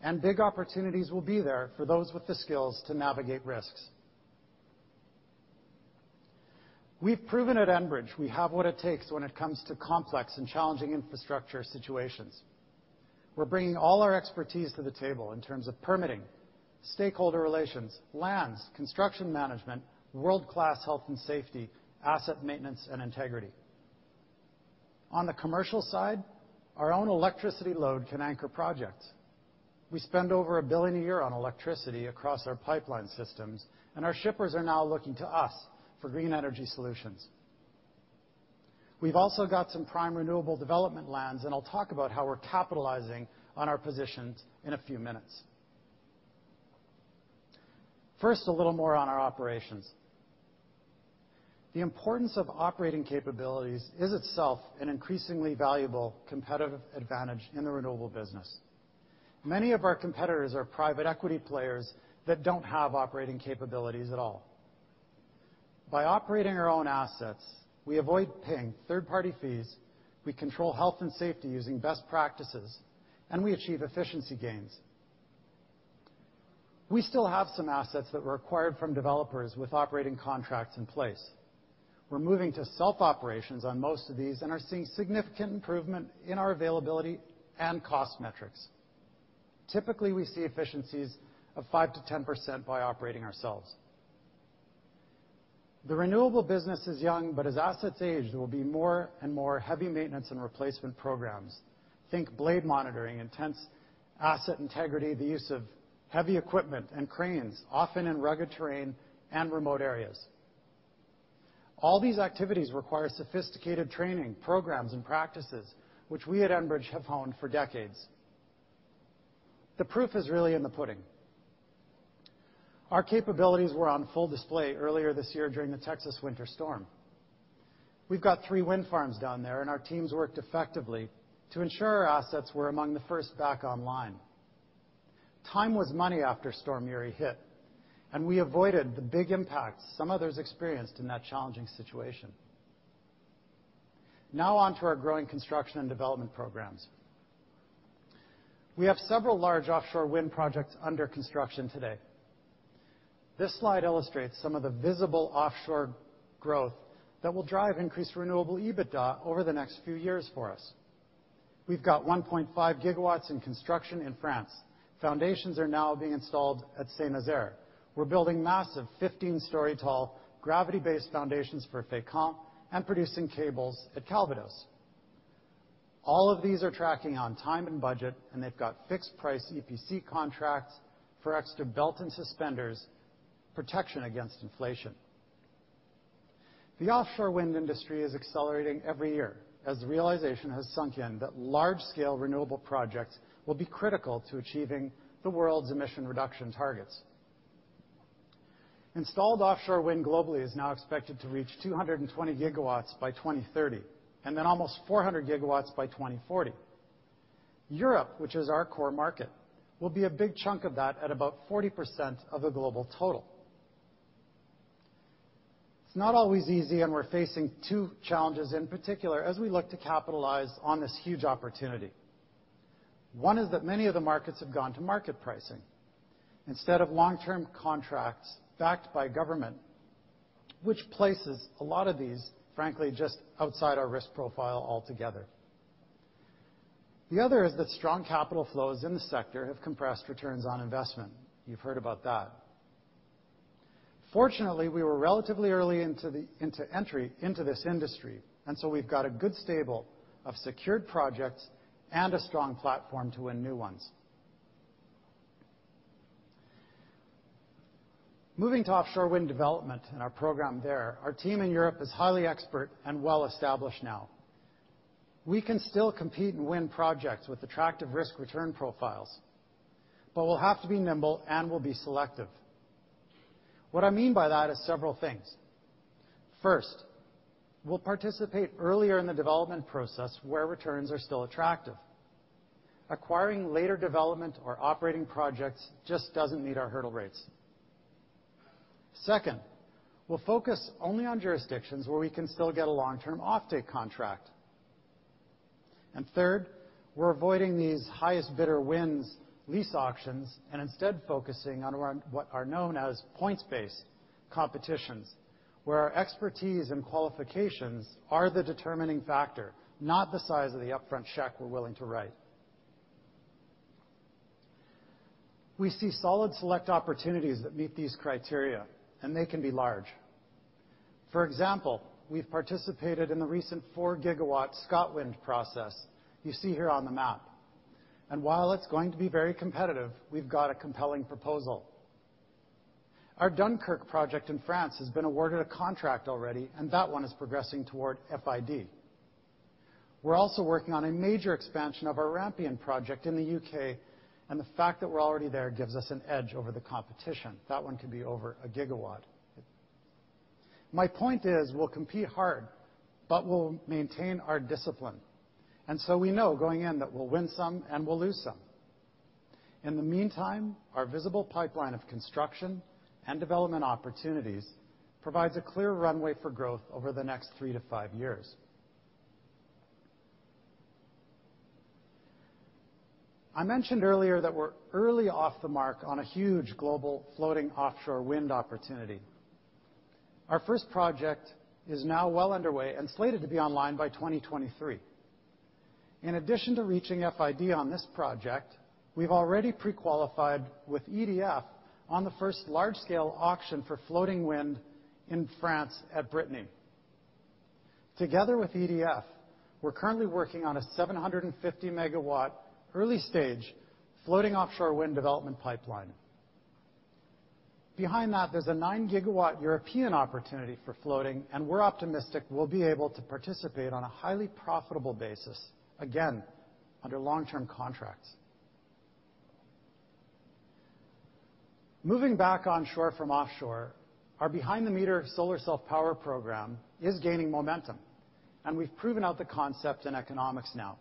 and big opportunities will be there for those with the skills to navigate risks. We've proven at Enbridge we have what it takes when it comes to complex and challenging infrastructure situations. We're bringing all our expertise to the table in terms of permitting, stakeholder relations, lands, construction management, world-class health and safety, asset maintenance, and integrity. On the commercial side, our own electricity load can anchor projects. We spend over 1 billion a year on electricity across our pipeline systems, and our shippers are now looking to us for green energy solutions. We've also got some prime renewable development lands, and I'll talk about how we're capitalizing on our positions in a few minutes. First, a little more on our operations. The importance of operating capabilities is itself an increasingly valuable competitive advantage in the renewable business. Many of our competitors are private equity players that don't have operating capabilities at all. By operating our own assets, we avoid paying third-party fees, we control health and safety using best practices, and we achieve efficiency gains. We still have some assets that were acquired from developers with operating contracts in place. We're moving to self-operations on most of these and are seeing significant improvement in our availability and cost metrics. Typically, we see efficiencies of 5%-10% by operating ourselves. The renewable business is young, but as assets age, there will be more and more heavy maintenance and replacement programs. Think blade monitoring, intense asset integrity, the use of heavy equipment and cranes, often in rugged terrain and remote areas. All these activities require sophisticated training, programs, and practices, which we at Enbridge have honed for decades. The proof is really in the pudding. Our capabilities were on full display earlier this year during the Texas winter storm. We've got three wind farms down there, and our teams worked effectively to ensure our assets were among the first back online. Time was money after Storm Uri hit, and we avoided the big impact some others experienced in that challenging situation. Now on to our growing construction and development programs. We have several large offshore wind projects under construction today. This slide illustrates some of the visible offshore growth that will drive increased renewable EBITDA over the next few years for us. We've got 1.5 GW in construction in France. Foundations are now being installed at Saint-Nazaire. We're building massive 15-story tall gravity-based foundations for Fécamp and producing cables at Calvados. All of these are tracking on time and budget, and they've got fixed-price EPC contracts for extra belt-and-suspenders protection against inflation. The offshore wind industry is accelerating every year as the realization has sunk in that large-scale renewable projects will be critical to achieving the world's emission reduction targets. Installed offshore wind globally is now expected to reach 220 GW by 2030, and then almost 400 GW by 2040. Europe, which is our core market, will be a big chunk of that at about 40% of the global total. It's not always easy, and we're facing two challenges in particular as we look to capitalize on this huge opportunity. One is that many of the markets have gone to market pricing instead of long-term contracts backed by government, which places a lot of these, frankly, just outside our risk profile altogether. The other is that strong capital flows in the sector have compressed returns on investment. You've heard about that. Fortunately, we were relatively early into entry into this industry, and so we've got a good stable of secured projects and a strong platform to win new ones. Moving to offshore wind development and our program there, our team in Europe is highly expert and well established now. We can still compete and win projects with attractive risk-return profiles, but we'll have to be nimble, and we'll be selective. What I mean by that is several things. First, we'll participate earlier in the development process where returns are still attractive. Acquiring later development or operating projects just doesn't meet our hurdle rates. Second, we'll focus only on jurisdictions where we can still get a long-term offtake contract. Third, we're avoiding these highest bidder wins lease auctions and instead focusing on what are known as points-based competitions, where our expertise and qualifications are the determining factor, not the size of the upfront check we're willing to write. We see solid select opportunities that meet these criteria, and they can be large. For example, we've participated in the recent 4-GW ScotWind process you see here on the map. While it's going to be very competitive, we've got a compelling proposal. Our Dunkirk project in France has been awarded a contract already, and that one is progressing toward FID. We're also working on a major expansion of our Rampion project in the U.K., and the fact that we're already there gives us an edge over the competition. That one could be over 1 gigawatt. My point is we'll compete hard, but we'll maintain our discipline, and so we know going in that we'll win some and we'll lose some. In the meantime, our visible pipeline of construction and development opportunities provides a clear runway for growth over the next 3-5 years. I mentioned earlier that we're early off the mark on a huge global floating offshore wind opportunity. Our first project is now well underway and slated to be online by 2023. In addition to reaching FID on this project, we've already pre-qualified with EDF on the first large-scale auction for floating wind in France at Brittany. Together with EDF, we're currently working on a 750-MW early-stage floating offshore wind development pipeline. Behind that, there's a 9-GW European opportunity for floating, and we're optimistic we'll be able to participate on a highly profitable basis, again, under long-term contracts. Moving back onshore from offshore, our behind-the-meter solar self-power program is gaining momentum, and we've proven out the concept in economics now.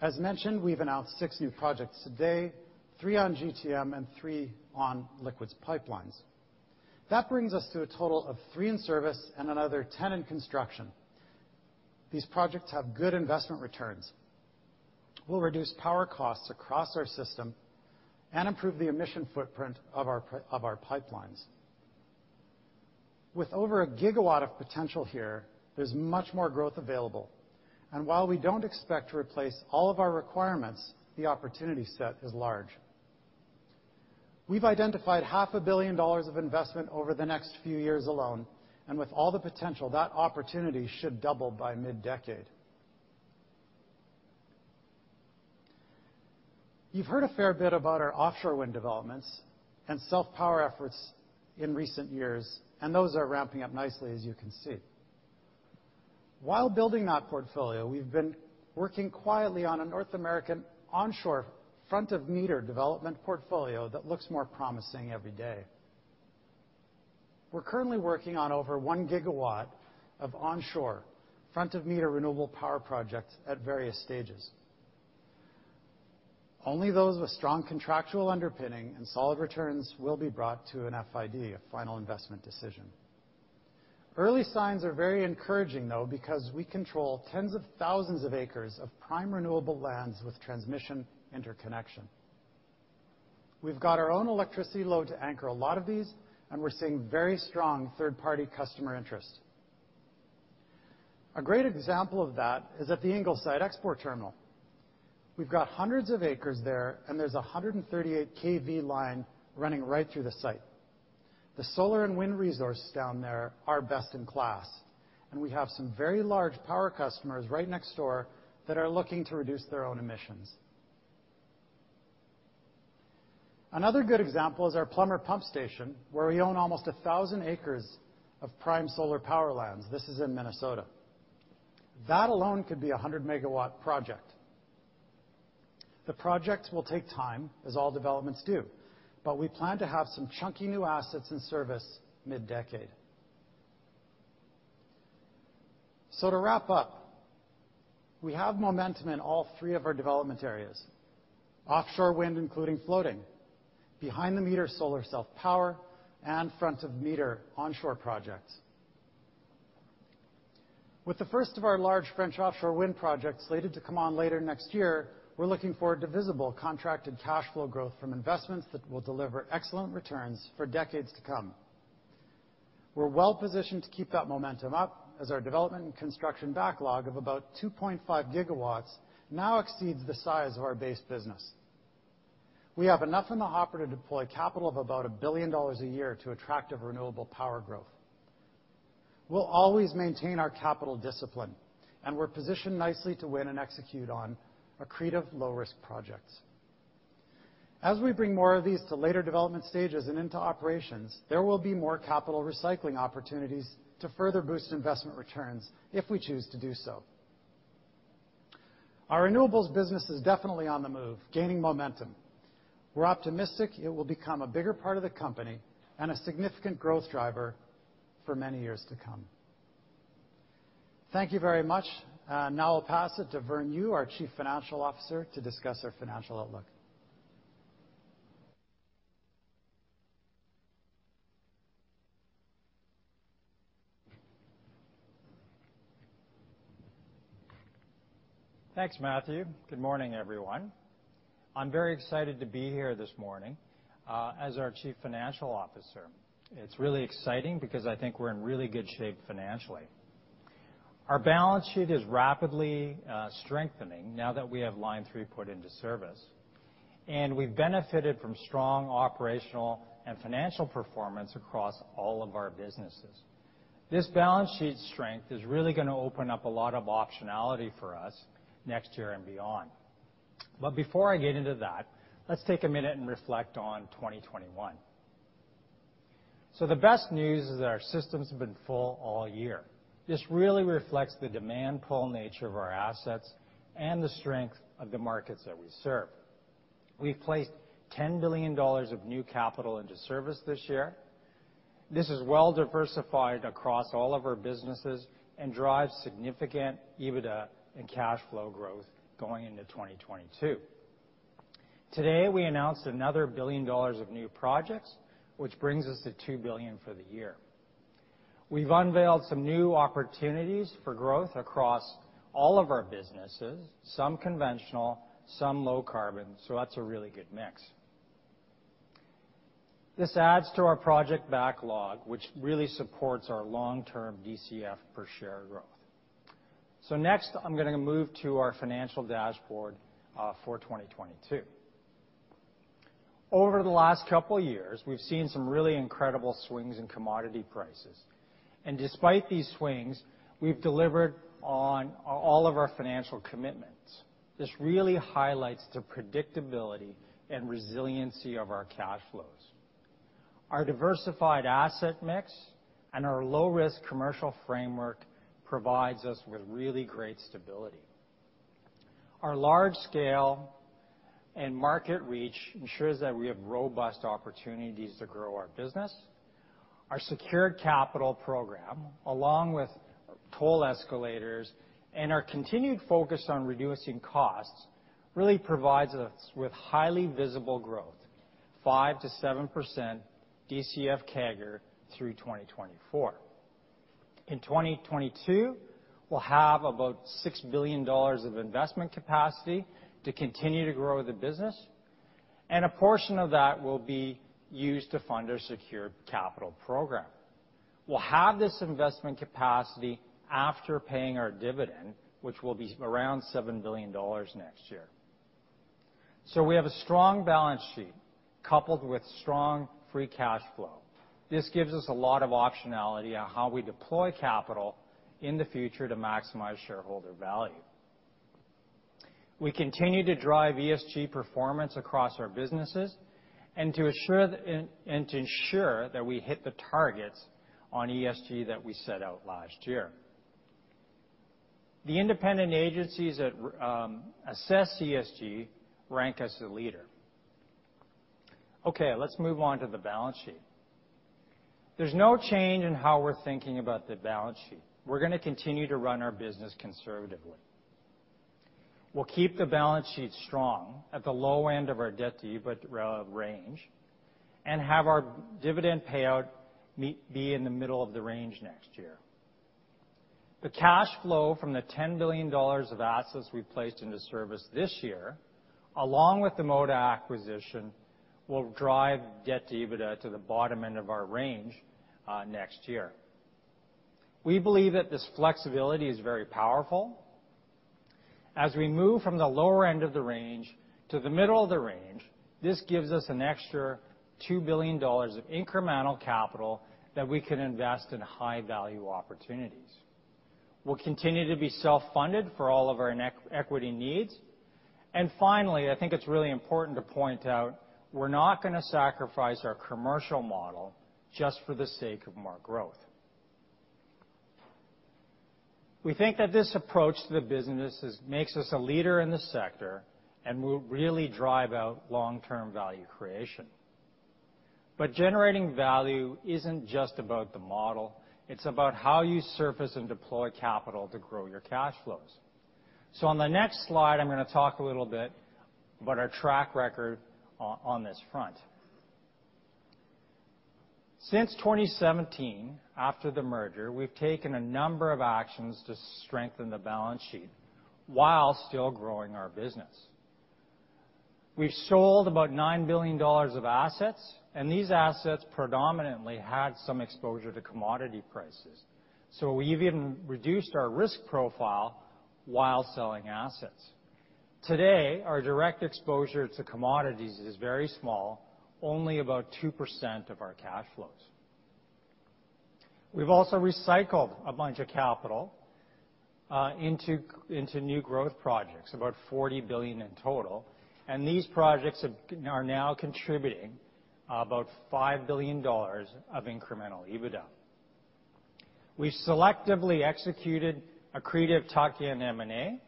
As mentioned, we've announced six new projects today, three on GTM and three on Liquids Pipelines. That brings us to a total of three in service and another 10 in construction. These projects have good investment returns, will reduce power costs across our system, and improve the emission footprint of our pipelines. With over a gigawatt of potential here, there's much more growth available, and while we don't expect to replace all of our requirements, the opportunity set is large. We've identified half a billion dollars of investment over the next few years alone, and with all the potential, that opportunity should double by mid-decade. You've heard a fair bit about our offshore wind developments and self-power efforts in recent years, and those are ramping up nicely, as you can see. While building that portfolio, we've been working quietly on a North American onshore front-of-meter development portfolio that looks more promising every day. We're currently working on over 1 gigawatt of onshore front-of-meter renewable power projects at various stages. Only those with strong contractual underpinning and solid returns will be brought to an FID, a final investment decision. Early signs are very encouraging, though, because we control tens of thousands of acres of prime renewable lands with transmission interconnection. We've got our own electricity load to anchor a lot of these, and we're seeing very strong third-party customer interest. A great example of that is at the Ingleside Energy Center. We've got hundreds of acres there, and there's a 138 KV line running right through the site. The solar and wind resources down there are best in class, and we have some very large power customers right next door that are looking to reduce their own emissions. Another good example is our Plummer pump station, where we own almost 1,000 acres of prime solar power lands. This is in Minnesota. That alone could be a 100-megawatt project. The projects will take time, as all developments do, but we plan to have some chunky new assets in service mid-decade. To wrap up, we have momentum in all three of our development areas: offshore wind, including floating, behind-the-meter solar self-power, and front-of-meter onshore projects. With the first of our large French offshore wind projects slated to come on later next year, we're looking forward to visible contracted cash flow growth from investments that will deliver excellent returns for decades to come. We're well-positioned to keep that momentum up as our development and construction backlog of about 2.5 GW now exceeds the size of our base business. We have enough in the hopper to deploy capital of about 1 billion dollars a year to attractive renewable power growth. We'll always maintain our capital discipline, and we're positioned nicely to win and execute on accretive low-risk projects. As we bring more of these to later development stages and into operations, there will be more capital recycling opportunities to further boost investment returns if we choose to do so. Our renewables business is definitely on the move, gaining momentum. We're optimistic it will become a bigger part of the company and a significant growth driver for many years to come. Thank you very much. Now I'll pass it to Vern Yu, our Chief Financial Officer, to discuss our financial outlook. Thanks, Matthew. Good morning, everyone. I'm very excited to be here this morning as our Chief Financial Officer. It's really exciting because I think we're in really good shape financially. Our balance sheet is rapidly strengthening now that we have Line 3 put into service, and we've benefited from strong operational and financial performance across all of our businesses. This balance sheet strength is really gonna open up a lot of optionality for us next year and beyond. Before I get into that, let's take a minute and reflect on 2021. The best news is that our systems have been full all year. This really reflects the demand pull nature of our assets and the strength of the markets that we serve. We've placed 10 billion dollars of new capital into service this year. This is well-diversified across all of our businesses and drives significant EBITDA and cash flow growth going into 2022. Today, we announced another 1 billion dollars of new projects, which brings us to 2 billion for the year. We've unveiled some new opportunities for growth across all of our businesses, some conventional, some low-carbon, so that's a really good mix. This adds to our project backlog, which really supports our long-term DCF per share growth. Next, I'm gonna move to our financial dashboard for 2022. Over the last couple years, we've seen some really incredible swings in commodity prices. Despite these swings, we've delivered on all of our financial commitments. This really highlights the predictability and resiliency of our cash flows. Our diversified asset mix and our low-risk commercial framework provides us with really great stability. Our large scale and market reach ensures that we have robust opportunities to grow our business. Our secured capital program, along with toll escalators and our continued focus on reducing costs, really provides us with highly visible growth, 5%-7% DCF CAGR through 2024. In 2022, we'll have about $6 billion of investment capacity to continue to grow the business, and a portion of that will be used to fund our secure capital program. We'll have this investment capacity after paying our dividend, which will be around $7 billion next year. We have a strong balance sheet coupled with strong free cash flow. This gives us a lot of optionality on how we deploy capital in the future to maximize shareholder value. We continue to drive ESG performance across our businesses and to ensure that we hit the targets on ESG that we set out last year. The independent agencies that assess ESG rank us a leader. Okay, let's move on to the balance sheet. There's no change in how we're thinking about the balance sheet. We're gonna continue to run our business conservatively. We'll keep the balance sheet strong at the low end of our debt-to-EBIT range, and have our dividend payout be in the middle of the range next year. The cash flow from the 10 billion dollars of assets we've placed into service this year, along with the Moda acquisition, will drive debt-to-EBITDA to the bottom end of our range next year. We believe that this flexibility is very powerful. As we move from the lower end of the range to the middle of the range, this gives us an extra 2 billion dollars of incremental capital that we can invest in high-value opportunities. We'll continue to be self-funded for all of our non-equity needs. Finally, I think it's really important to point out we're not gonna sacrifice our commercial model just for the sake of more growth. We think that this approach to the business makes us a leader in the sector and will really drive our long-term value creation. Generating value isn't just about the model. It's about how you surface and deploy capital to grow your cash flows. On the next slide, I'm gonna talk a little bit about our track record on this front. Since 2017, after the merger, we've taken a number of actions to strengthen the balance sheet while still growing our business. We've sold about 9 billion dollars of assets, and these assets predominantly had some exposure to commodity prices. We've even reduced our risk profile while selling assets. Today, our direct exposure to commodities is very small, only about 2% of our cash flows. We've also recycled a bunch of capital into new growth projects, about 40 billion in total, and these projects are now contributing about 5 billion dollars of incremental EBITDA. We've selectively executed accretive tuck-in M&A,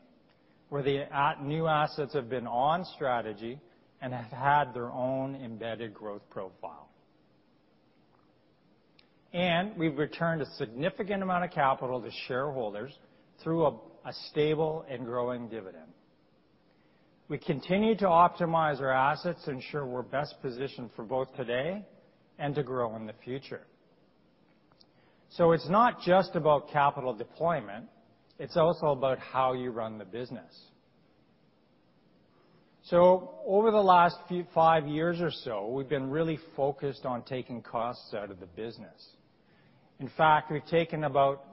where the new assets have been on strategy and have had their own embedded growth profile. We've returned a significant amount of capital to shareholders through a stable and growing dividend. We continue to optimize our assets to ensure we're best positioned for both today and to grow in the future. It's not just about capital deployment, it's also about how you run the business. Over the last 5 years or so, we've been really focused on taking costs out of the business. In fact, we've taken about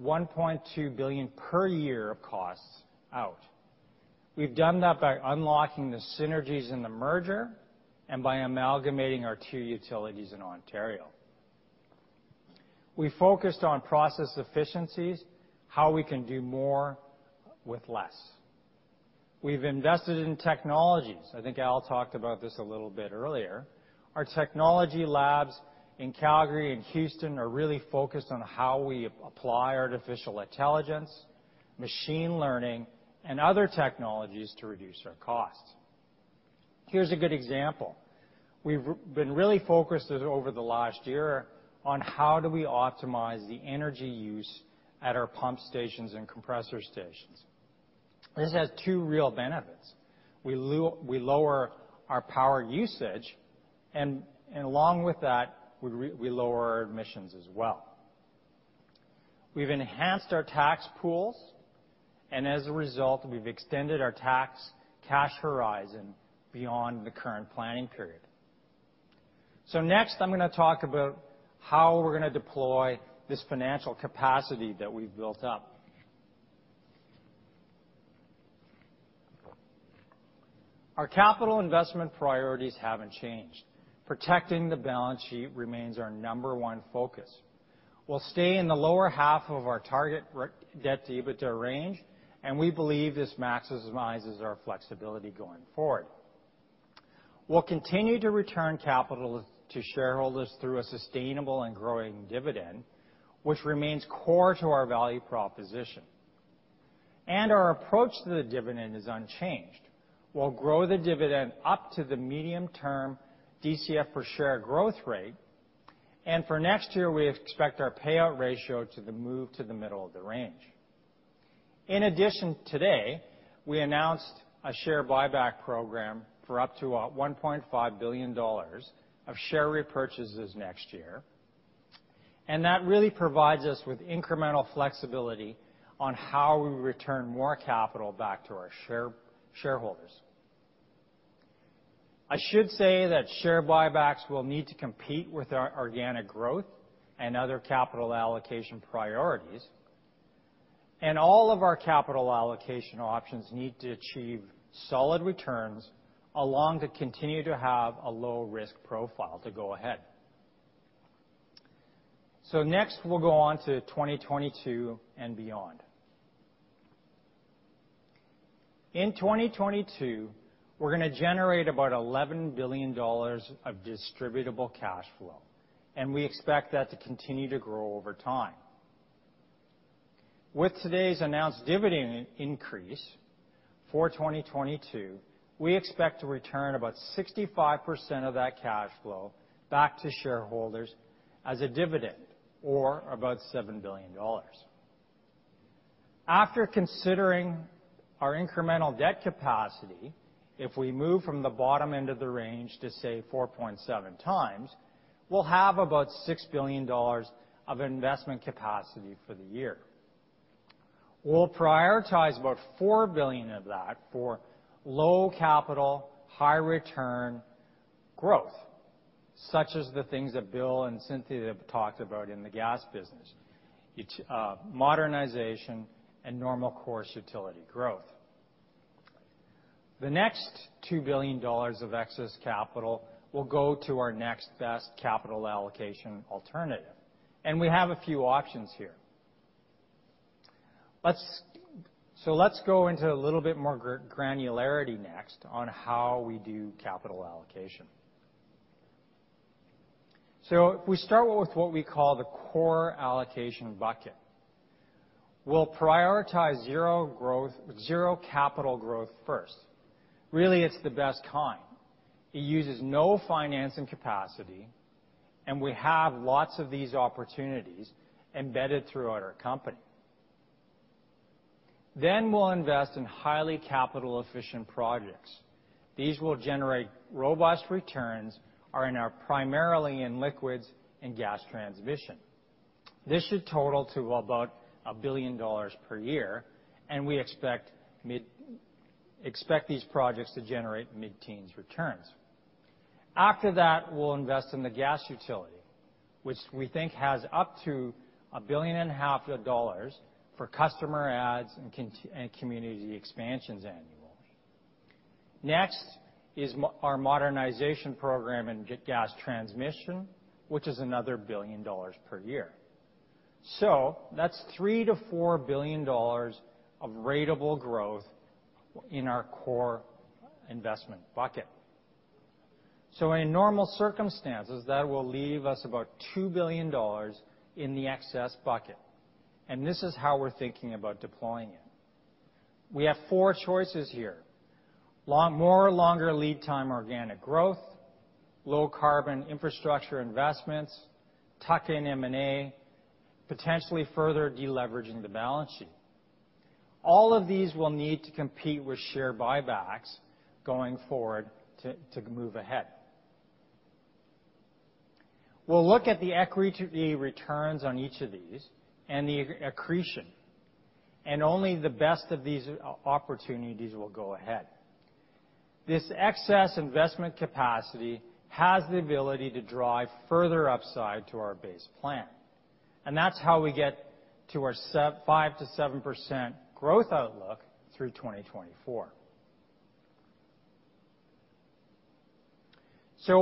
1.2 billion per year of costs out. We've done that by unlocking the synergies in the merger and by amalgamating our two utilities in Ontario. We focused on process efficiencies, how we can do more with less. We've invested in technologies. I think Al talked about this a little bit earlier. Our technology labs in Calgary and Houston are really focused on how we apply artificial intelligence, machine learning, and other technologies to reduce our costs. Here's a good example. We've been really focused over the last year on how do we optimize the energy use at our pump stations and compressor stations. This has two real benefits. We lower our power usage, and along with that, we lower our emissions as well. We've enhanced our tax pools, and as a result, we've extended our tax cash horizon beyond the current planning period. Next, I'm gonna talk about how we're gonna deploy this financial capacity that we've built up. Our capital investment priorities haven't changed. Protecting the balance sheet remains our number one focus. We'll stay in the lower half of our target debt-to-EBITDA range, and we believe this maximizes our flexibility going forward. We'll continue to return capital to shareholders through a sustainable and growing dividend, which remains core to our value proposition. Our approach to the dividend is unchanged. We'll grow the dividend up to the medium-term DCF per share growth rate. For next year, we expect our payout ratio to move to the middle of the range. In addition, today, we announced a share buyback program for up to 1.5 billion dollars of share repurchases next year, and that really provides us with incremental flexibility on how we return more capital back to our shareholders. I should say that share buybacks will need to compete with our organic growth and other capital allocation priorities, and all of our capital allocation options need to achieve solid returns in order to continue to have a low-risk profile to go ahead. Next, we'll go on to 2022 and beyond. In 2022, we're gonna generate about 11 billion dollars of distributable cash flow, and we expect that to continue to grow over time. With today's announced dividend increase for 2022, we expect to return about 65% of that cash flow back to shareholders as a dividend, or about 7 billion dollars. After considering our incremental debt capacity, if we move from the bottom end of the range to say 4.7 times, we'll have about 6 billion dollars of investment capacity for the year. We'll prioritize about 4 billion of that for low capital, high return growth, such as the things that Bill and Cynthia have talked about in the gas business. It's modernization and normal course utility growth. The next 2 billion dollars of excess capital will go to our next best capital allocation alternative, and we have a few options here. Let's go into a little bit more granularity next on how we do capital allocation. If we start with what we call the core allocation bucket, we'll prioritize zero capital growth first. Really, it's the best kind. It uses no financing capacity, and we have lots of these opportunities embedded throughout our company. We'll invest in highly capital-efficient projects. These will generate robust returns primarily in liquids and gas transmission. This should total to about 1 billion dollars per year, and we expect these projects to generate mid-teens returns. After that, we'll invest in the gas utility, which we think has up to 1.5 billion for customer adds and community expansions annually. Next is our modernization program in gas transmission, which is another 1 billion dollars per year. That's 3 billion-4 billion dollars of ratable growth in our core investment bucket. In normal circumstances, that will leave us about 2 billion dollars in the excess bucket, and this is how we're thinking about deploying it. We have four choices here: longer lead time organic growth, low carbon infrastructure investments, tuck-in M&A, potentially further deleveraging the balance sheet. All of these will need to compete with share buybacks going forward to move ahead. We'll look at the equity returns on each of these and the accretion, and only the best of these opportunities will go ahead. This excess investment capacity has the ability to drive further upside to our base plan, and that's how we get to our 5%-7% growth outlook through 2024.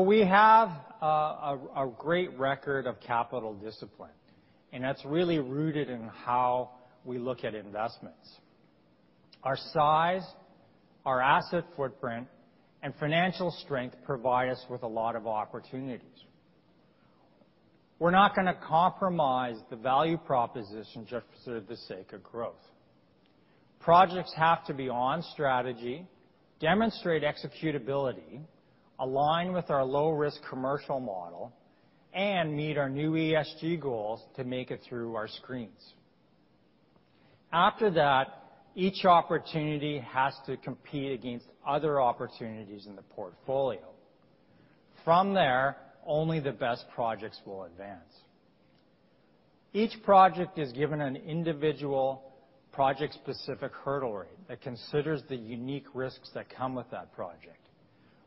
We have a great record of capital discipline, and that's really rooted in how we look at investments. Our size, our asset footprint, and financial strength provide us with a lot of opportunities. We're not gonna compromise the value proposition just for the sake of growth. Projects have to be on strategy, demonstrate executability, align with our low-risk commercial model, and meet our new ESG goals to make it through our screens. After that, each opportunity has to compete against other opportunities in the portfolio. From there, only the best projects will advance. Each project is given an individual project-specific hurdle rate that considers the unique risks that come with that project.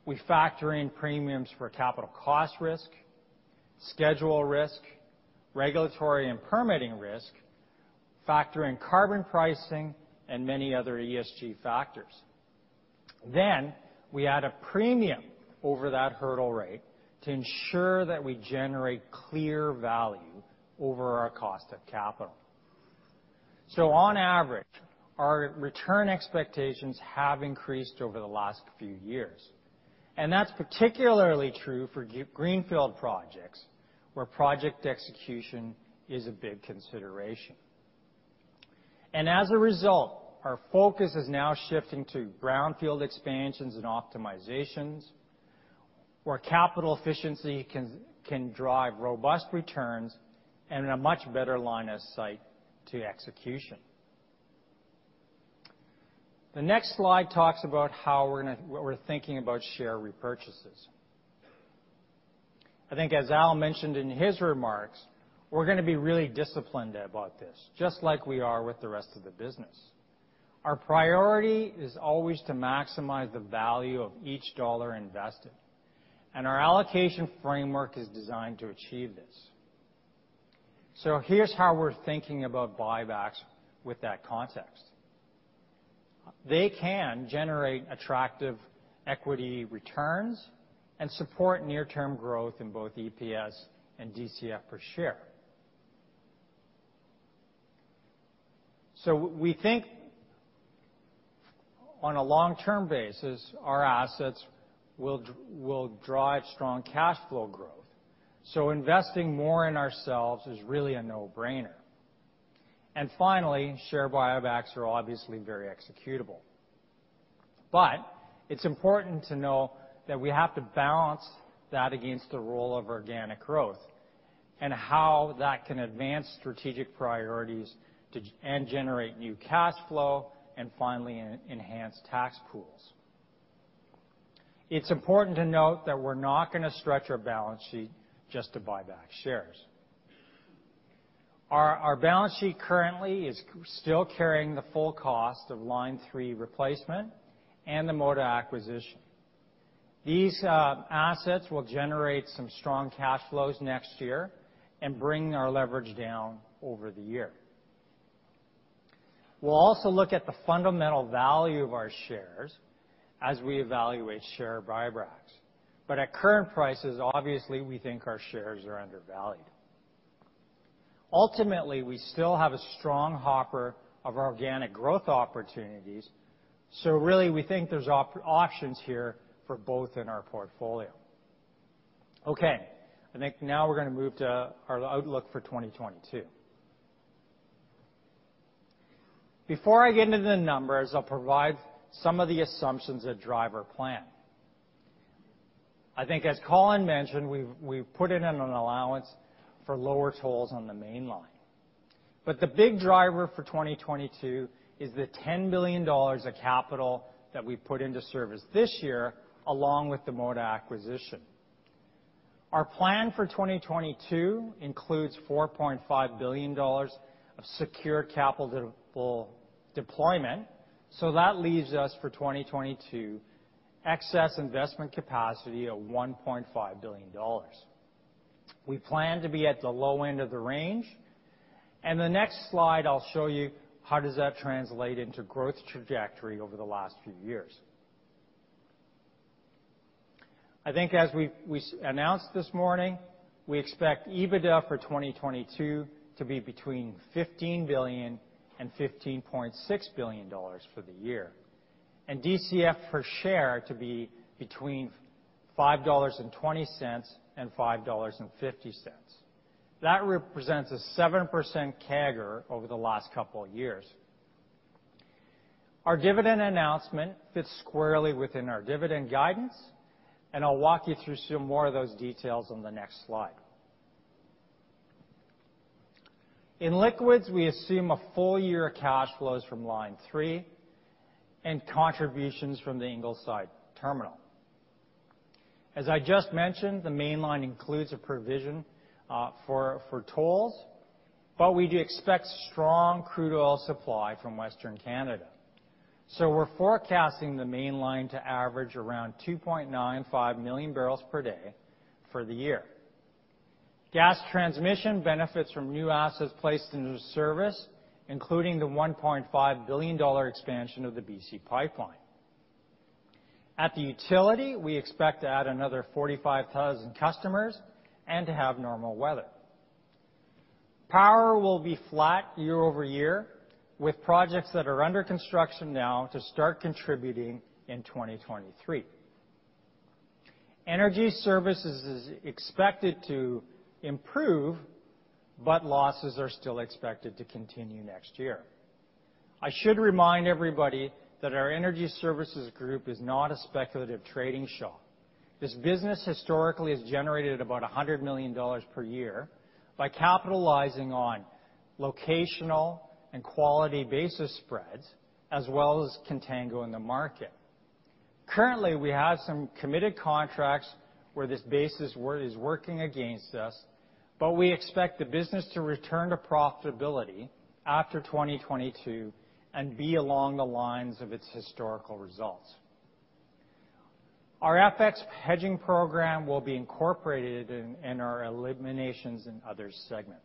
We factor in premiums for capital cost risk, schedule risk, regulatory and permitting risk, factor in carbon pricing and many other ESG factors. Then we add a premium over that hurdle rate to ensure that we generate clear value over our cost of capital. On average, our return expectations have increased over the last few years, and that's particularly true for greenfield projects, where project execution is a big consideration. As a result, our focus is now shifting to brownfield expansions and optimizations, where capital efficiency can drive robust returns and a much better line of sight to execution. The next slide talks about how we're thinking about share repurchases. I think as Al mentioned in his remarks, we're gonna be really disciplined about this, just like we are with the rest of the business. Our priority is always to maximize the value of each dollar invested, and our allocation framework is designed to achieve this. Here's how we're thinking about buybacks with that context. They can generate attractive equity returns and support near-term growth in both EPS and DCF per share. We think on a long-term basis, our assets will drive strong cash flow growth, so investing more in ourselves is really a no-brainer. Finally, share buybacks are obviously very executable. It's important to know that we have to balance that against the role of organic growth and how that can advance strategic priorities and generate new cash flow and finally enhance tax pools. It's important to note that we're not gonna stretch our balance sheet just to buy back shares. Our balance sheet currently is still carrying the full cost of Line 3 Replacement and the Moda acquisition. These assets will generate some strong cash flows next year and bring our leverage down over the year. We'll also look at the fundamental value of our shares as we evaluate share buybacks, but at current prices, obviously, we think our shares are undervalued. Ultimately, we still have a strong hopper of organic growth opportunities, so really we think there's options here for both in our portfolio. Okay, I think now we're gonna move to our outlook for 2022. Before I get into the numbers, I'll provide some of the assumptions that drive our plan. I think as Colin mentioned, we've put in an allowance for lower tolls on the mainline. The big driver for 2022 is the 10 billion dollars of capital that we put into service this year, along with the Moda acquisition. Our plan for 2022 includes 4.5 billion dollars of secure capital deployment, so that leaves us for 2022 excess investment capacity of 1.5 billion dollars. We plan to be at the low end of the range. In the next slide, I'll show you how does that translate into growth trajectory over the last few years. I think as we announced this morning, we expect EBITDA for 2022 to be between 15 billion and 15.6 billion dollars for the year, and DCF per share to be between 5.20 dollars and 5.50 dollars. That represents a 7% CAGR over the last couple of years. Our dividend announcement fits squarely within our dividend guidance, and I'll walk you through some more of those details on the next slide. In Liquids, we assume a full year of cash flows from Line 3 and contributions from the Ingleside terminal. As I just mentioned, the mainline includes a provision for tolls, but we do expect strong crude oil supply from Western Canada. We're forecasting the mainline to average around 2.95 million barrels per day for the year. Gas Transmission benefits from new assets placed into service, including the 1.5 billion dollar expansion of the BC Pipeline. At the utility, we expect to add another 45,000 customers and to have normal weather. Power will be flat year-over-year, with projects that are under construction now to start contributing in 2023. Energy Services is expected to improve, but losses are still expected to continue next year. I should remind everybody that our Energy Services group is not a speculative trading shop. This business historically has generated about 100 million dollars per year by capitalizing on locational and quality basis spreads, as well as contango in the market. Currently, we have some committed contracts where this basis is working against us, but we expect the business to return to profitability after 2022 and be along the lines of its historical results. Our FX hedging program will be incorporated in our Eliminations and Other segment.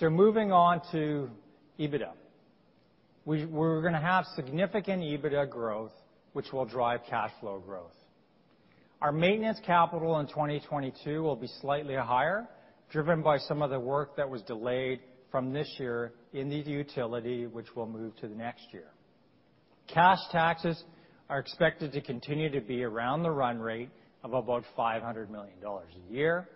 Moving on to EBITDA. We're gonna have significant EBITDA growth, which will drive cash flow growth. Our maintenance capital in 2022 will be slightly higher, driven by some of the work that was delayed from this year in the utility which will move to the next year. Cash taxes are expected to continue to be around the run rate of about 500 million dollars a year.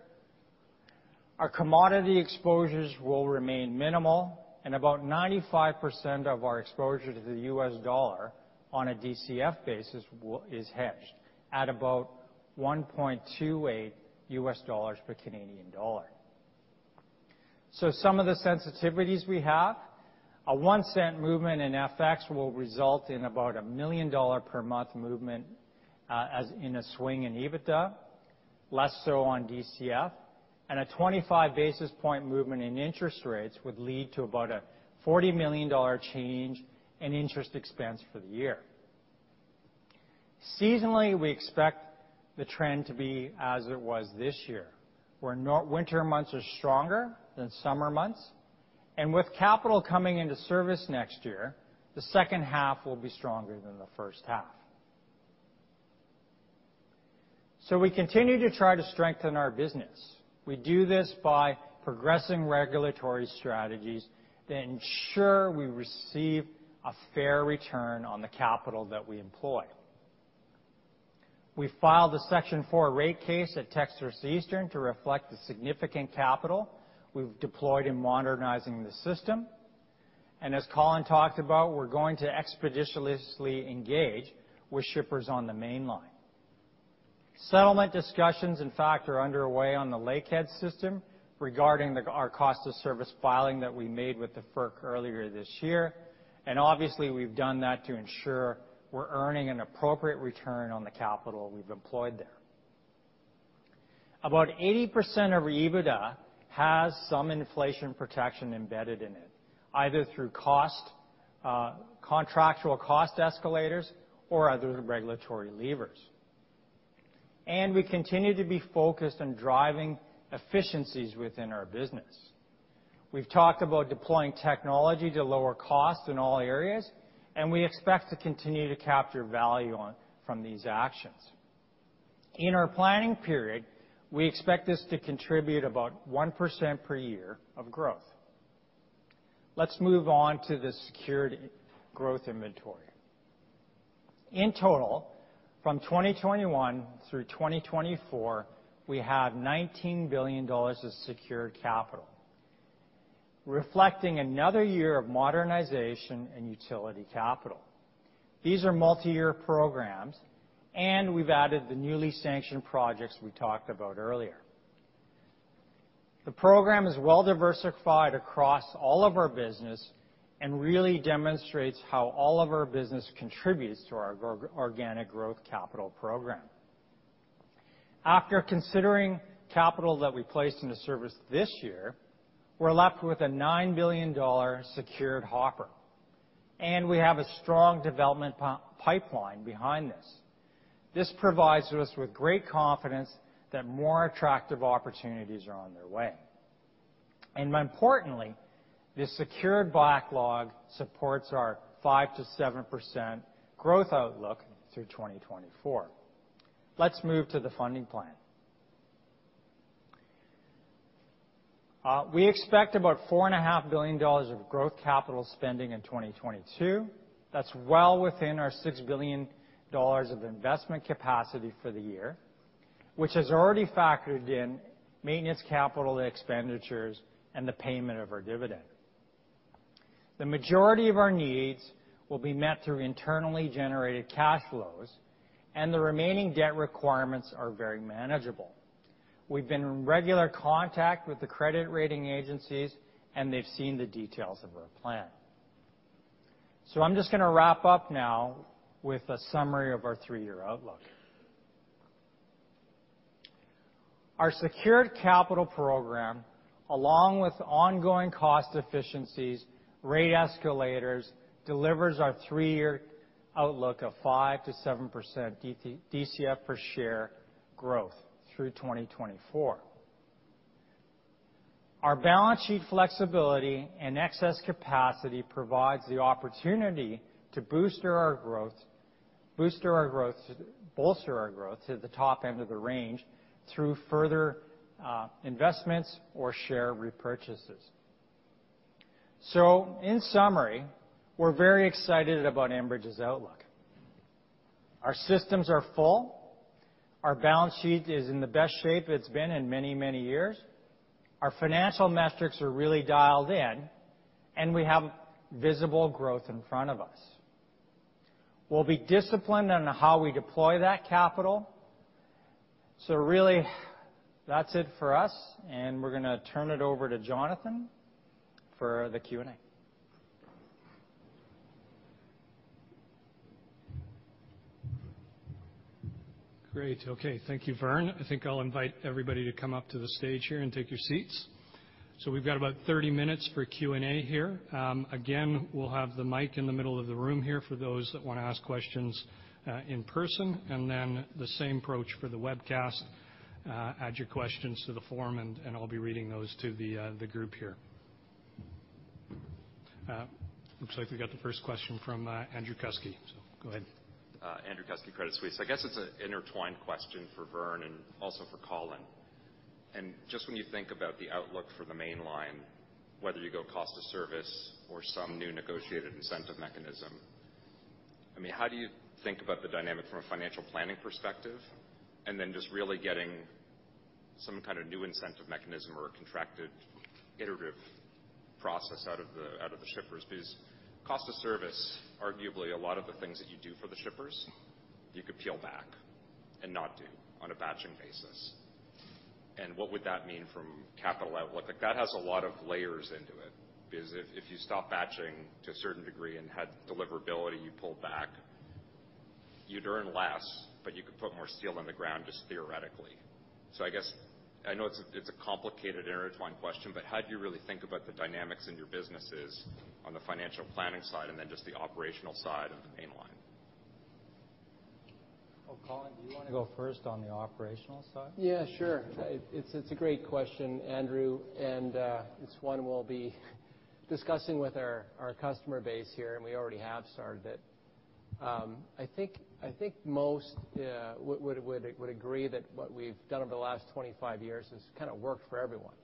Our commodity exposures will remain minimal, and about 95% of our exposure to the U.S. dollar on a DCF basis is hedged at about 1.28 U.S. dollars per Canadian dollar. Some of the sensitivities we have, a $0.01 movement in FX will result in about 1 million dollar per month movement, as in a swing in EBITDA, less so on DCF. A 25 basis point movement in interest rates would lead to about a 40 million dollar change in interest expense for the year. Seasonally, we expect the trend to be as it was this year, where winter months are stronger than summer months. With capital coming into service next year, the second half will be stronger than the first half. We continue to try to strengthen our business. We do this by progressing regulatory strategies that ensure we receive a fair return on the capital that we employ. We filed a Section 4 rate case at Texas Eastern to reflect the significant capital we've deployed in modernizing the system. As Colin talked about, we're going to expeditiously engage with shippers on the Mainline. Settlement discussions, in fact, are underway on the Lakehead system regarding our cost of service filing that we made with the FERC earlier this year. Obviously, we've done that to ensure we're earning an appropriate return on the capital we've employed there. About 80% of our EBITDA has some inflation protection embedded in it, either through contractual cost escalators or other regulatory levers. We continue to be focused on driving efficiencies within our business. We've talked about deploying technology to lower costs in all areas, and we expect to continue to capture value on, from these actions. In our planning period, we expect this to contribute about 1% per year of growth. Let's move on to the secured growth inventory. In total, from 2021 through 2024, we have 19 billion dollars of secured capital, reflecting another year of modernization and utility capital. These are multiyear programs, and we've added the newly sanctioned projects we talked about earlier. The program is well-diversified across all of our business and really demonstrates how all of our business contributes to our organic growth capital program. After considering capital that we placed into service this year, we're left with a 9 billion dollar secured hopper, and we have a strong development pipeline behind this. This provides us with great confidence that more attractive opportunities are on their way. More importantly, this secured backlog supports our 5%-7% growth outlook through 2024. Let's move to the funding plan. We expect about 4.5 billion dollars of growth capital spending in 2022. That's well within our 6 billion dollars of investment capacity for the year, which has already factored in maintenance capital expenditures and the payment of our dividend. The majority of our needs will be met through internally generated cash flows, and the remaining debt requirements are very manageable. We've been in regular contact with the credit rating agencies, and they've seen the details of our plan. I'm just gonna wrap up now with a summary of our three-year outlook. Our secured capital program, along with ongoing cost efficiencies, rate escalators, delivers our three-year outlook of 5%-7% DCF per share growth through 2024. Our balance sheet flexibility and excess capacity provides the opportunity to bolster our growth to the top end of the range through further investments or share repurchases. In summary, we're very excited about Enbridge's outlook. Our systems are full. Our balance sheet is in the best shape it's been in many, many years. Our financial metrics are really dialed in, and we have visible growth in front of us. We'll be disciplined in how we deploy that capital. Really, that's it for us, and we're gonna turn it over to Jonathan for the Q&A. Great. Okay, thank you, Vern. I think I'll invite everybody to come up to the stage here and take your seats. We've got about 30 minutes for Q&A here. Again, we'll have the mic in the middle of the room here for those that wanna ask questions in person, and then the same approach for the webcast. Add your questions to the forum, and I'll be reading those to the group here. Looks like we got the first question from Andrew Kuske. Go ahead. Andrew Kuske, Credit Suisse. I guess it's an intertwined question for Vern and also for Colin. Just when you think about the outlook for the mainline, whether you go cost of service or some new negotiated incentive mechanism, I mean, how do you think about the dynamic from a financial planning perspective? Just really getting some kind of new incentive mechanism or a contracted iterative process out of the shippers? Because cost of service, arguably a lot of the things that you do for the shippers, you could peel back and not do on a batching basis. What would that mean from capital outlook? Like, that has a lot of layers into it because if you stop batching to a certain degree and had deliverability, you pull back, you'd earn less, but you could put more steel on the ground, just theoretically. I guess, I know it's a complicated, intertwined question, but how do you really think about the dynamics in your businesses on the financial planning side and then just the operational side of the mainline? Well, Colin, do you wanna go first on the operational side? Yeah, sure. It's a great question, Andrew, and it's one we'll be discussing with our customer base here, and we already have started it. I think most would agree that what we've done over the last 25 years has kinda worked for everyone,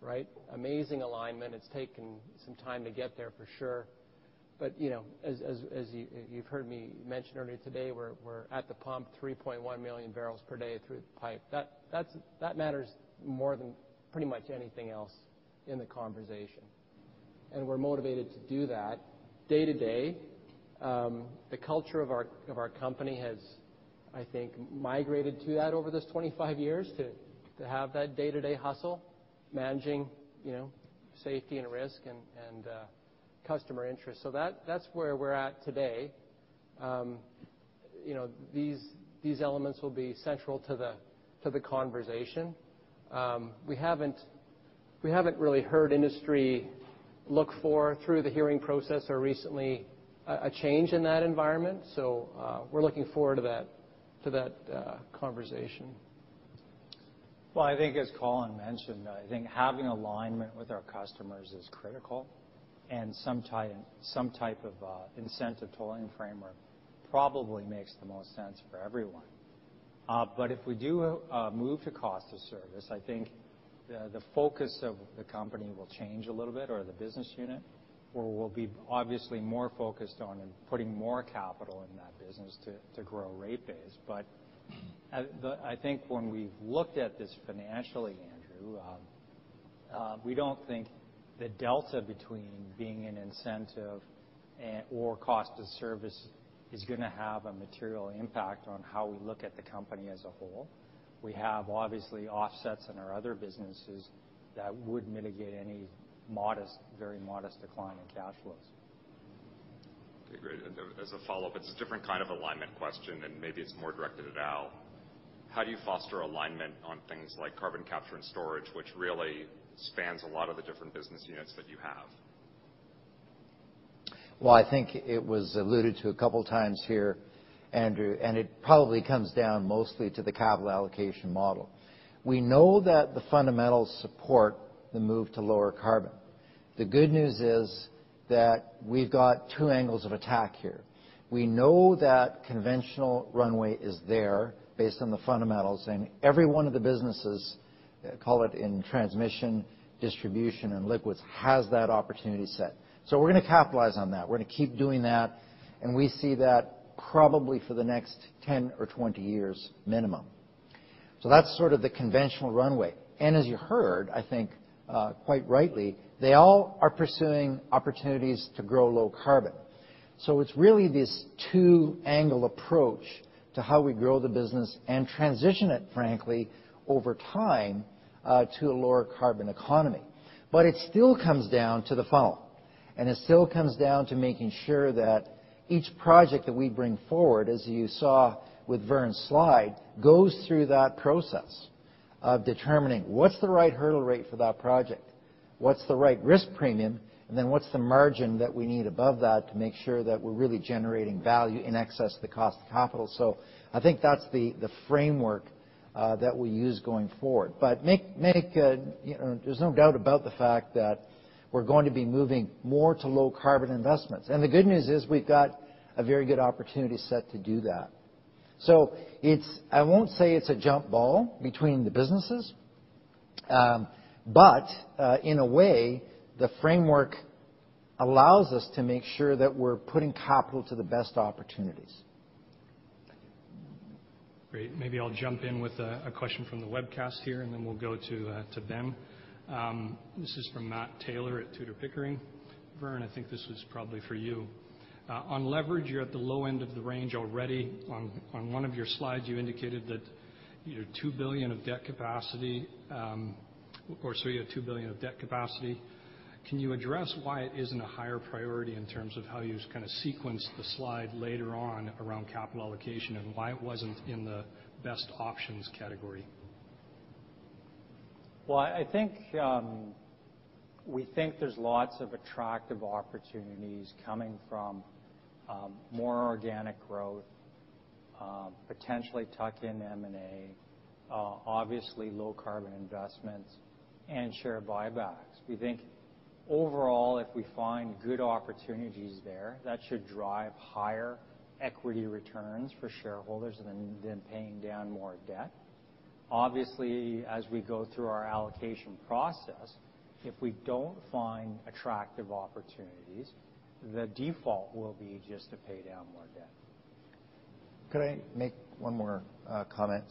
right? Amazing alignment. It's taken some time to get there for sure. You know, as you've heard me mention earlier today, we're at the pump 3.1 million barrels per day through the pipe. That matters more than pretty much anything else in the conversation. We're motivated to do that day to day. The culture of our company has, I think, migrated to that over this 25 years to have that day-to-day hustle, managing, you know, safety and risk and customer interest. That's where we're at today. You know, these elements will be central to the conversation. We haven't really heard industry look for through the hearing process or recently a change in that environment. We're looking forward to that conversation. Well, I think as Colin mentioned, I think having alignment with our customers is critical, and some type of incentive tolling framework probably makes the most sense for everyone. If we do move to cost of service, I think the focus of the company will change a little bit or the business unit, where we'll be obviously more focused on putting more capital in that business to grow rate base. I think when we've looked at this financially, Andrew, we don't think the delta between being an incentive and/or cost of service is gonna have a material impact on how we look at the company as a whole. We have obviously offsets in our other businesses that would mitigate any modest, very modest decline in cash flows. Okay, great. As a follow-up, it's a different kind of alignment question, and maybe it's more directed at Al. How do you foster alignment on things like carbon capture and storage, which really spans a lot of the different business units that you have? Well, I think it was alluded to a couple times here, Andrew, and it probably comes down mostly to the capital allocation model. We know that the fundamentals support the move to lower carbon. The good news is that we've got two angles of attack here. We know that conventional runway is there based on the fundamentals, and every one of the businesses, call it in transmission, distribution, and liquids, has that opportunity set. We're gonna capitalize on that. We're gonna keep doing that, and we see that probably for the next 10 or 20 years minimum. That's sort of the conventional runway. As you heard, I think, quite rightly, they all are pursuing opportunities to grow low carbon. It's really this two-angle approach to how we grow the business and transition it frankly over time, to a lower carbon economy. It still comes down to the following, and it still comes down to making sure that each project that we bring forward, as you saw with Vern's slide, goes through that process of determining what's the right hurdle rate for that project, what's the right risk premium, and then what's the margin that we need above that to make sure that we're really generating value in excess of the cost of capital. I think that's the framework that we use going forward. You know, there's no doubt about the fact that we're going to be moving more to low carbon investments. The good news is we've got a very good opportunity set to do that. I won't say it's a jump ball between the businesses, but in a way, the framework allows us to make sure that we're putting capital to the best opportunities. Thank you. Great. Maybe I'll jump in with a question from the webcast here, and then we'll go to Ben. This is from Matt Taylor at Tudor, Pickering. Vern, I think this was probably for you. On leverage, you're at the low end of the range already. On one of your slides, you indicated that- You have 2 billion of debt capacity. Can you address why it isn't a higher priority in terms of how you just kind of sequenced the slide later on around capital allocation and why it wasn't in the best options category? Well, I think we think there's lots of attractive opportunities coming from more organic growth, potentially tuck-in M&A, obviously low carbon investments and share buybacks. We think overall, if we find good opportunities there, that should drive higher equity returns for shareholders than paying down more debt. Obviously, as we go through our allocation process, if we don't find attractive opportunities, the default will be just to pay down more debt. Could I make one more comment?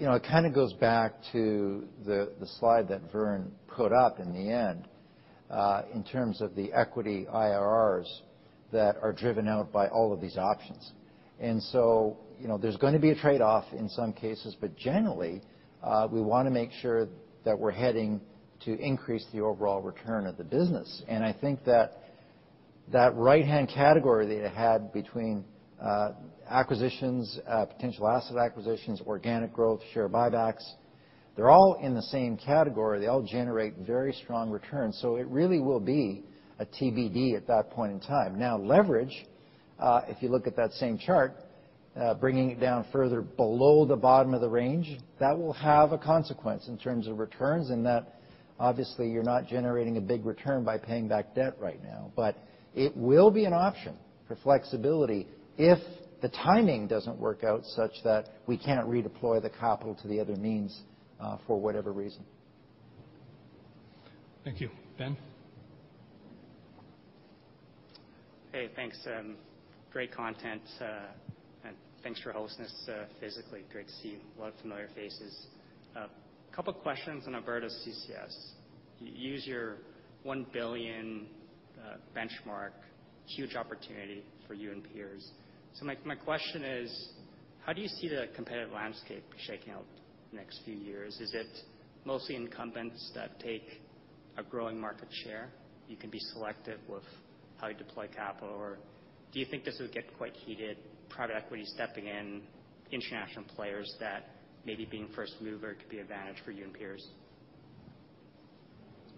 It kind of goes back to the slide that Vern put up in the end in terms of the equity IRRs that are driven out by all of these options. There's gonna be a trade-off in some cases, but generally we wanna make sure that we're heading to increase the overall return of the business. I think that right-hand category that it had between acquisitions, potential asset acquisitions, organic growth, share buybacks, they're all in the same category. They all generate very strong returns. It really will be a TBD at that point in time. Now, leverage, if you look at that same chart, bringing it down further below the bottom of the range, that will have a consequence in terms of returns in that obviously you're not generating a big return by paying back debt right now. It will be an option for flexibility if the timing doesn't work out such that we can't redeploy the capital to the other means, for whatever reason. Thank you. Ben? Hey, thanks. Great content, and thanks for hosting this, physically. Great to see a lot of familiar faces. A couple of questions on Alberta CCS. You use your 1 billion benchmark, huge opportunity for you and peers. My question is, how do you see the competitive landscape shaking out the next few years? Is it mostly incumbents that take a growing market share? You can be selective with how you deploy capital or do you think this will get quite heated, private equity stepping in, international players that maybe being first mover could be advantage for you and peers?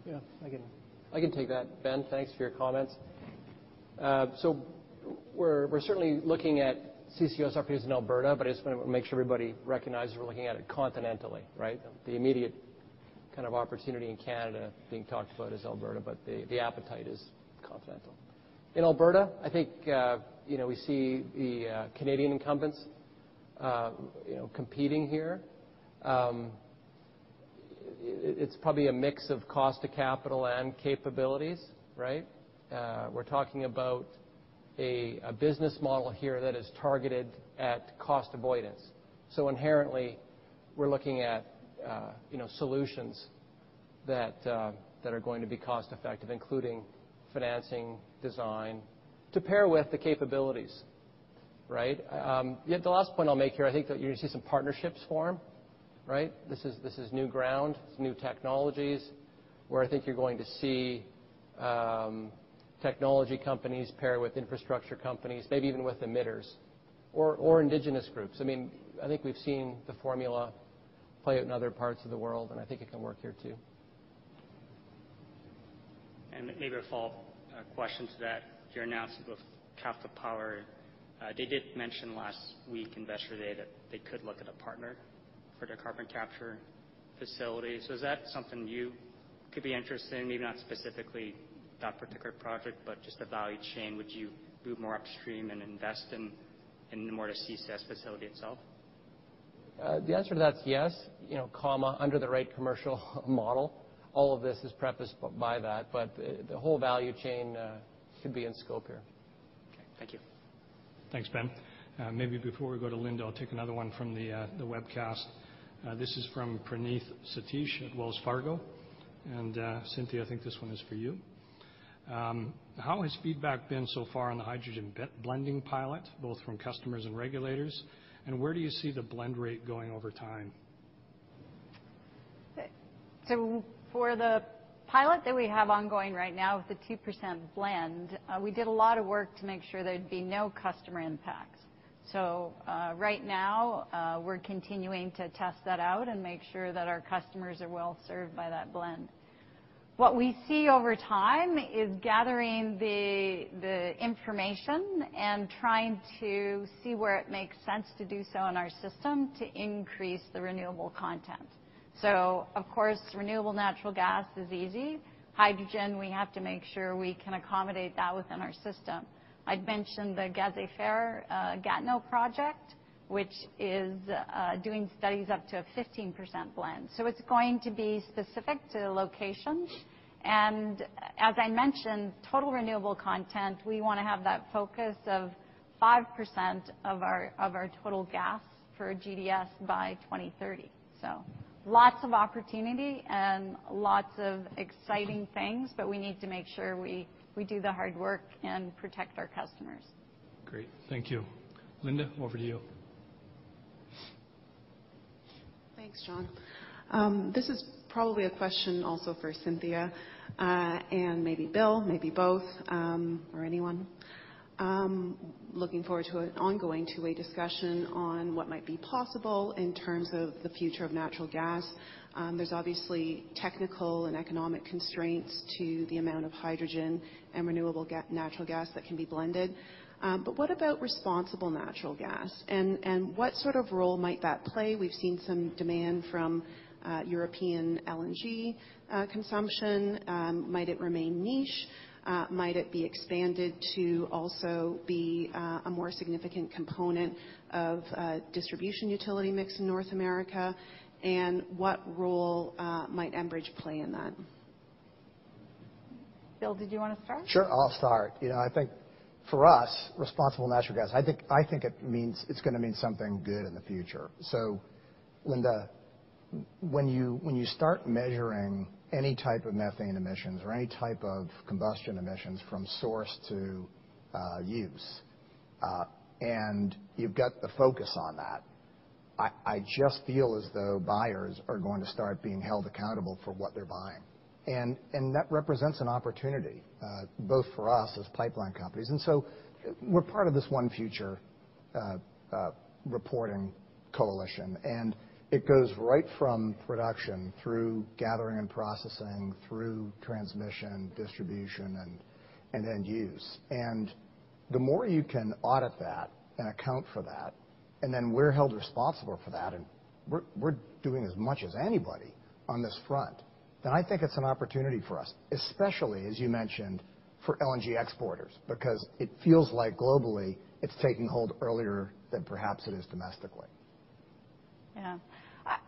Yeah, I can take that. Ben, thanks for your comments. We're certainly looking at CCS opportunities in Alberta, but I just wanna make sure everybody recognizes we're looking at it continentally, right? The immediate kind of opportunity in Canada being talked about is Alberta, but the appetite is continental. In Alberta, I think you know we see the Canadian incumbents you know competing here. It's probably a mix of cost of capital and capabilities, right? We're talking about a business model here that is targeted at cost avoidance. Inherently, we're looking at you know solutions that are going to be cost effective, including financing, designed to pair with the capabilities, right? Yeah, the last point I'll make here, I think that you're gonna see some partnerships form, right? This is new ground, it's new technologies where I think you're going to see technology companies pair with infrastructure companies, maybe even with emitters or indigenous groups. I mean, I think we've seen the formula play out in other parts of the world, and I think it can work here too. Maybe a follow-up question to that, your announcement with Capital Power. They did mention last week Investor Day that they could look at a partner for their carbon capture facilities. Is that something you could be interested in? Maybe not specifically that particular project, but just the value chain. Would you move more upstream and invest in more of the CCS facility itself? The answer to that is yes, you know, under the right commercial model. All of this is prefaced by that, but the whole value chain should be in scope here. Okay. Thank you. Thanks, Ben. Maybe before we go to Linda, I'll take another one from the webcast. This is from Praneeth Satish at Wells Fargo. Cynthia, I think this one is for you. How has feedback been so far on the hydrogen blending pilot, both from customers and regulators? Where do you see the blend rate going over time? For the pilot that we have ongoing right now with the 2% blend, we did a lot of work to make sure there'd be no customer impacts. Right now, we're continuing to test that out and make sure that our customers are well served by that blend. What we see over time is gathering the information and trying to see where it makes sense to do so in our system to increase the renewable content. Of course, renewable natural gas is easy. Hydrogen, we have to make sure we can accommodate that within our system. I'd mentioned the Gazifère, Gatineau project, which is doing studies up to a 15% blend. It's going to be specific to locations. As I mentioned, total renewable content, we wanna have that focus of 5% of our total gas for GDS by 2030. Lots of opportunity and lots of exciting things, but we need to make sure we do the hard work and protect our customers. Great. Thank you. Linda, over to you. Thanks, John. This is probably a question also for Cynthia, and maybe Bill, maybe both, or anyone. Looking forward to an ongoing two-way discussion on what might be possible in terms of the future of natural gas. There's obviously technical and economic constraints to the amount of hydrogen and renewable natural gas that can be blended. But what about responsible natural gas, and what sort of role might that play? We've seen some demand from European LNG consumption. Might it remain niche? Might it be expanded to also be a more significant component of distribution utility mix in North America? What role might Enbridge play in that? Bill, did you wanna start? I'll start. I think for us, responsible natural gas means it's gonna mean something good in the future. Linda, when you start measuring any type of methane emissions or any type of combustion emissions from source to use, and you've got the focus on that, I just feel as though buyers are going to start being held accountable for what they're buying. That represents an opportunity both for us as pipeline companies. We're part of this ONE Future reporting coalition, and it goes right from production through gathering and processing, through transmission, distribution, and end use. The more you can audit that and account for that, and then we're held responsible for that, and we're doing as much as anybody on this front, then I think it's an opportunity for us, especially as you mentioned, for LNG exporters, because it feels like globally it's taking hold earlier than perhaps it is domestically. Yeah.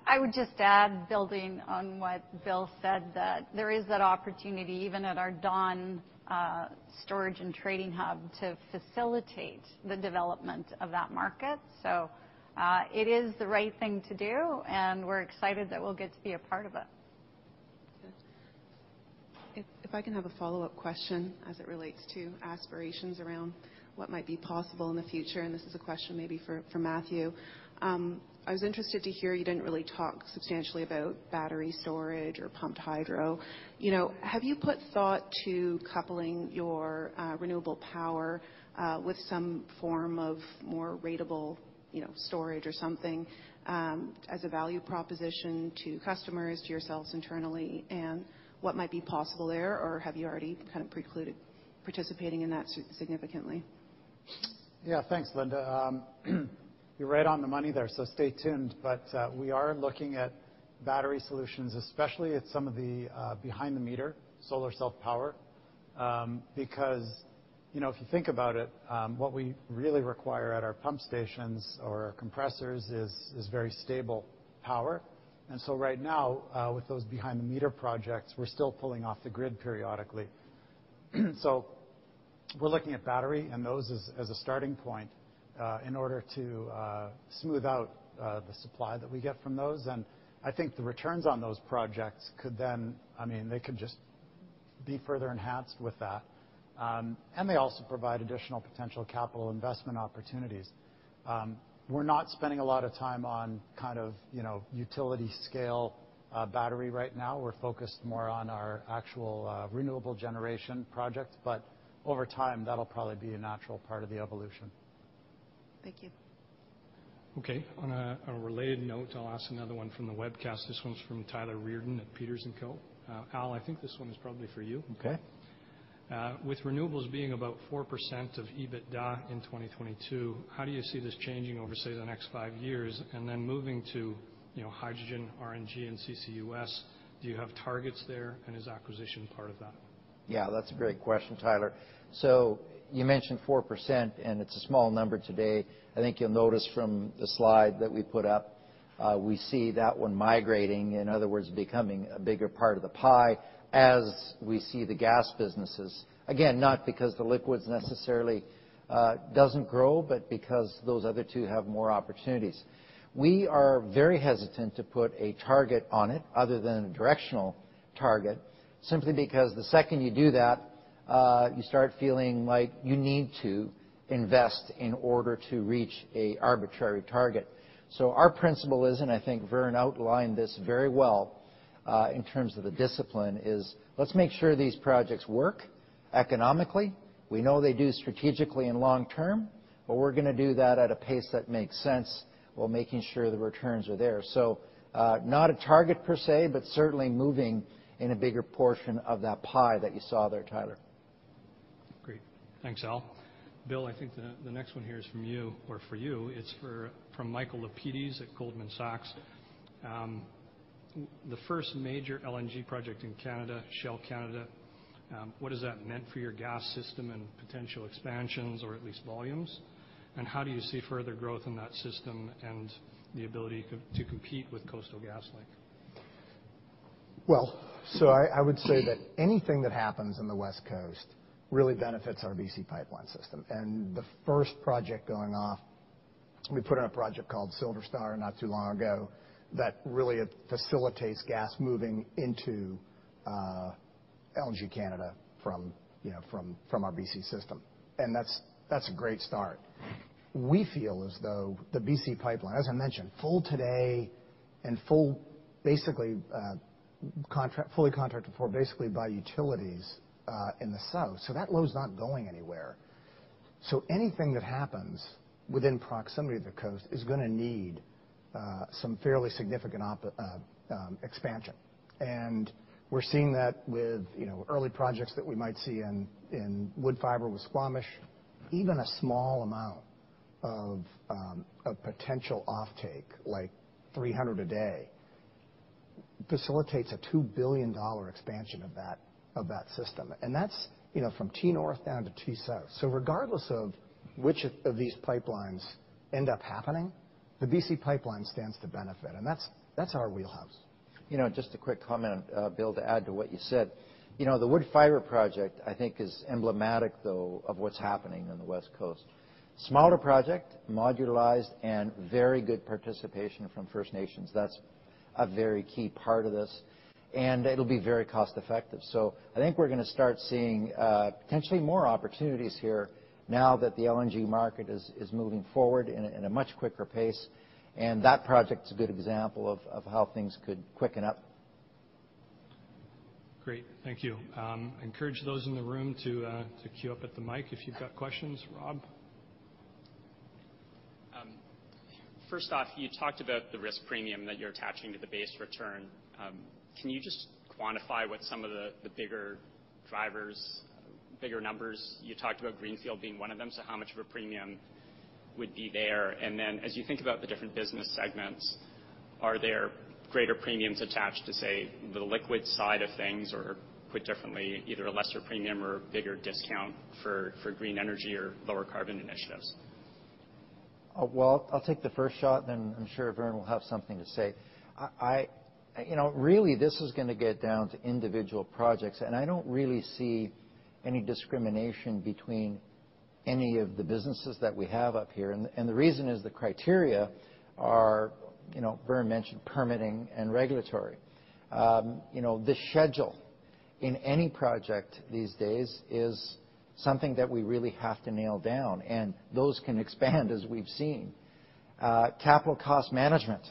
I would just add, building on what Bill said, that there is that opportunity, even at our Dawn storage and trading hub, to facilitate the development of that market. It is the right thing to do, and we're excited that we'll get to be a part of it. If I can have a follow-up question as it relates to aspirations around what might be possible in the future, and this is a question maybe for Matthew. I was interested to hear you didn't really talk substantially about battery storage or pumped hydro. You know, have you given thought to coupling your renewable power with some form of more ratable, you know, storage or something, as a value proposition to customers, to yourselves internally, and what might be possible there? Or have you already kind of precluded participating in that significantly? Yeah. Thanks, Linda. You're right on the money there, so stay tuned. We are looking at battery solutions, especially at some of the behind-the-meter solar self power, because, you know, if you think about it, what we really require at our pump stations or our compressors is very stable power. Right now, with those behind-the-meter projects, we're still pulling off the grid periodically. We're looking at battery and those as a starting point in order to smooth out the supply that we get from those. I think the returns on those projects could then, I mean, they could just be further enhanced with that. They also provide additional potential capital investment opportunities. We're not spending a lot of time on kind of, you know, utility scale battery right now. We're focused more on our actual, renewable generation project. Over time, that'll probably be a natural part of the evolution. Thank you. Okay. On a related note, I'll ask another one from the webcast. This one's from Tyler Reardon at Peters & Co. Al, I think this one is probably for you. Okay. With renewables being about 4% of EBITDA in 2022, how do you see this changing over, say, the next 5 years? Moving to, you know, hydrogen, RNG and CCUS, do you have targets there, and is acquisition part of that? Yeah, that's a great question, Tyler. So you mentioned 4%, and it's a small number today. I think you'll notice from the slide that we put up, we see that one migrating, in other words, becoming a bigger part of the pie as we see the gas businesses. Again, not because the liquids necessarily doesn't grow, but because those other two have more opportunities. We are very hesitant to put a target on it other than a directional target, simply because the second you do that, you start feeling like you need to invest in order to reach an arbitrary target. Our principle is, and I think Vern outlined this very well, in terms of the discipline, is let's make sure these projects work economically. We know they do strategically and long term, but we're gonna do that at a pace that makes sense while making sure the returns are there. Not a target per se, but certainly moving in a bigger portion of that pie that you saw there, Tyler. Great. Thanks, Al. Bill, I think the next one here is from you or for you. It's from Michael Lapides at Goldman Sachs. The first major LNG project in Canada, Shell Canada, what has that meant for your gas system and potential expansions or at least volumes? How do you see further growth in that system and the ability to compete with Coastal GasLink? Well, I would say that anything that happens in the West Coast really benefits our BC Pipeline system. The first project going off, we put in a project called Silverstar not too long ago that really facilitates gas moving into. LNG Canada from our BC system, and that's a great start. We feel as though the BC Pipeline, as I mentioned, full today and fully contracted for basically by utilities in the south, so that load's not going anywhere. Anything that happens within proximity to the coast is gonna need some fairly significant expansion. We're seeing that with early projects that we might see in Woodfibre with Squamish. Even a small amount of a potential offtake, like 300 a day, facilitates a 2 billion dollar expansion of that system. That's from T-North down to T-South. Regardless of which of these pipelines end up happening, the BC Pipeline stands to benefit, and that's our wheelhouse. You know, just a quick comment, Bill, to add to what you said. You know, the Woodfibre project, I think is emblematic though of what's happening on the West Coast. Smaller project, modularized, and very good participation from First Nations. That's a very key part of this, and it'll be very cost-effective. I think we're gonna start seeing potentially more opportunities here now that the LNG market is moving forward in a much quicker pace. That project's a good example of how things could quicken up. Great. Thank you. Encourage those in the room to queue up at the mic if you've got questions. Rob? First off, you talked about the risk premium that you're attaching to the base return. Can you just quantify what some of the bigger drivers, bigger numbers? You talked about greenfield being one of them, so how much of a premium would be there? Then as you think about the different business segments, are there greater premiums attached to, say, the liquid side of things? Or put differently, either a lesser premium or bigger discount for green energy or lower carbon initiatives? Well, I'll take the first shot, then I'm sure Vern will have something to say. You know, really this is gonna get down to individual projects, and I don't really see any discrimination between any of the businesses that we have up here, and the reason is the criteria are, you know, Vern mentioned permitting and regulatory. You know, the schedule in any project these days is something that we really have to nail down, and those can expand as we've seen. Capital cost management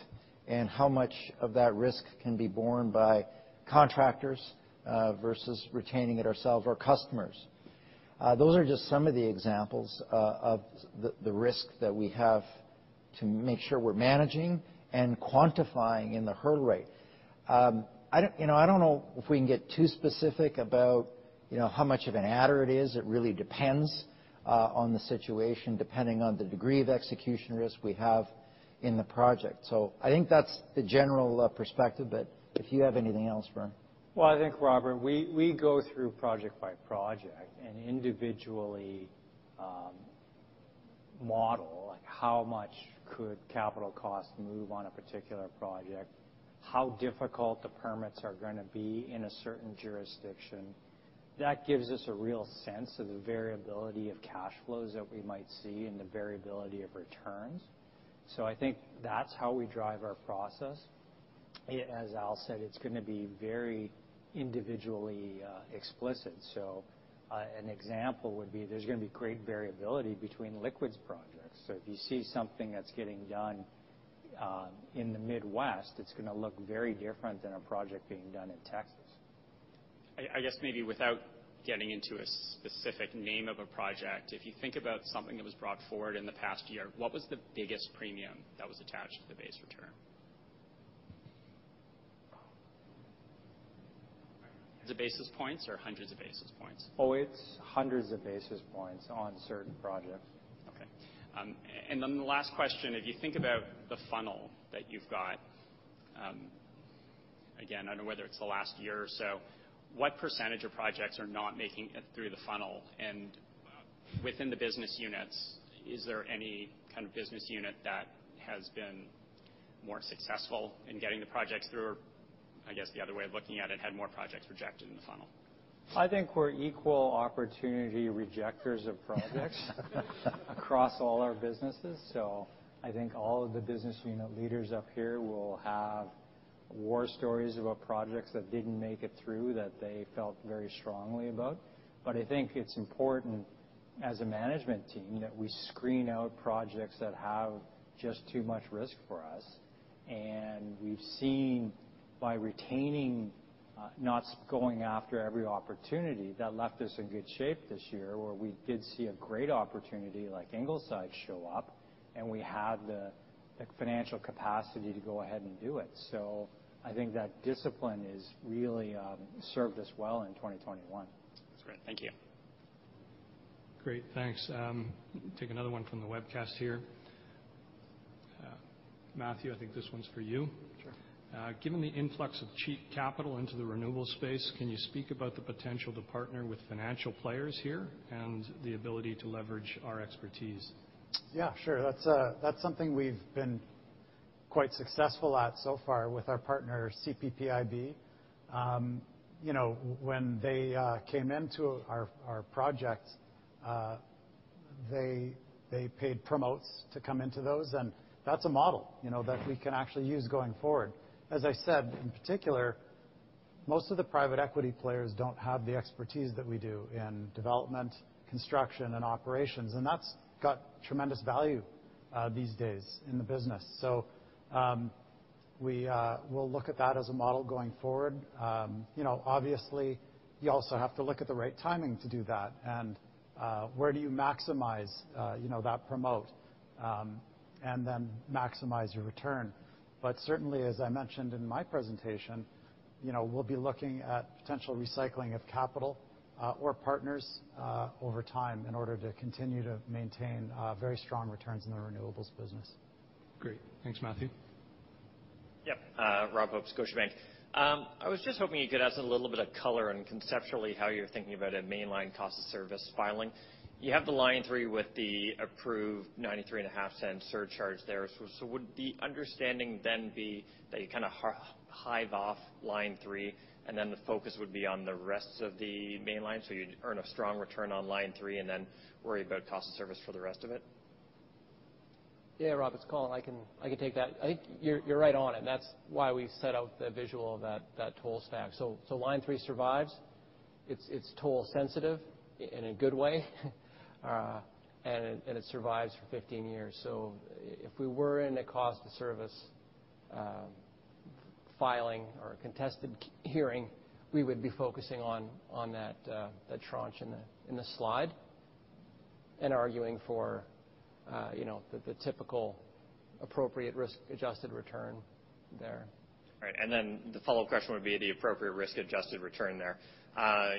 and how much of that risk can be borne by contractors, versus retaining it ourselves or customers. Those are just some of the examples, of the risk that we have to make sure we're managing and quantifying in the hurdle rate. I don't, you know, I don't know if we can get too specific about, you know, how much of an adder it is. It really depends on the situation, depending on the degree of execution risk we have in the project. I think that's the general perspective, but if you have anything else, Vern. Well, I think, Robert, we go through project by project and individually model, like how much could capital costs move on a particular project, how difficult the permits are gonna be in a certain jurisdiction. That gives us a real sense of the variability of cash flows that we might see and the variability of returns. I think that's how we drive our process. As Al said, it's gonna be very individually explicit. An example would be there's gonna be great variability between liquids projects. If you see something that's getting done in the Midwest, it's gonna look very different than a project being done in Texas. I guess maybe without getting into a specific name of a project, if you think about something that was brought forward in the past year, what was the biggest premium that was attached to the base return? Is it basis points or hundreds of basis points? Oh, it's hundreds of basis points on certain projects. The last question, if you think about the funnel that you've got, again, I don't know whether it's the last year or so, what percentage of projects are not making it through the funnel? Within the business units, is there any kind of business unit that has been more successful in getting the projects through? I guess the other way of looking at it, had more projects rejected in the funnel. I think we're equal opportunity rejecters of projects across all our businesses. I think all of the business unit leaders up here will have war stories about projects that didn't make it through that they felt very strongly about. I think it's important as a management team that we screen out projects that have just too much risk for us, and we've seen by retaining not going after every opportunity, that left us in good shape this year, where we did see a great opportunity like Ingleside show up, and we had the financial capacity to go ahead and do it. I think that discipline has really served us well in 2021. That's great. Thank you. Great. Thanks. Take another one from the webcast here. Matthew Akman, I think this one's for you. Sure. Given the influx of cheap capital into the renewable space, can you speak about the potential to partner with financial players here and the ability to leverage our expertise? Yeah, sure. That's something we've been quite successful at so far with our partner, CPPIB. You know, when they came into our project, they paid promotes to come into those, and that's a model, you know, that we can actually use going forward. As I said, in particular, most of the private equity players don't have the expertise that we do in development, construction, and operations, and that's got tremendous value these days in the business. We'll look at that as a model going forward. You know, obviously, you also have to look at the right timing to do that and where do you maximize, you know, that promote and then maximize your return. Certainly, as I mentioned in my presentation, you know, we'll be looking at potential recycling of capital, or partners, over time in order to continue to maintain very strong returns in the renewables business. Great. Thanks, Matthew. Rob Hope, Scotiabank. I was just hoping you could add a little bit of color on conceptually how you're thinking about a Mainline cost of service filing. You have the Line 3 with the approved $0.935 surcharge there. Would the understanding then be that you kind of hive off Line 3, and then the focus would be on the rest of the Mainline, so you'd earn a strong return on Line 3 and then worry about cost of service for the rest of it? Rob, it's Colin. I can take that. I think you're right on it. That's why we set out the visual of that toll stack. Line 3 survives. It's toll sensitive in a good way. And it survives for 15 years. If we were in a cost of service filing or a contested hearing, we would be focusing on that tranche in the slide and arguing for you know, the typical appropriate risk-adjusted return there. Right. Then the follow-up question would be the appropriate risk-adjusted return there.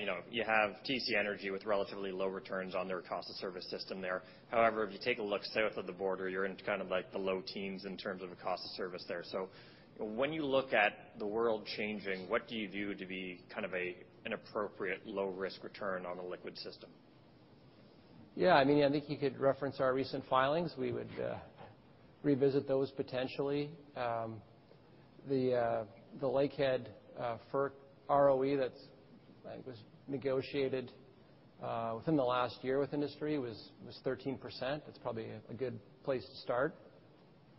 You know, you have TC Energy with relatively low returns on their cost of service system there. However, if you take a look south of the border, you're in kind of, like, the low teens in terms of a cost of service there. When you look at the world changing, what do you view to be kind of an appropriate low-risk return on a liquid system? Yeah, I mean, I think you could reference our recent filings. We would revisit those potentially. The Lakehead FERC ROE that's, I think, was negotiated within the last year with industry was 13%. It's probably a good place to start.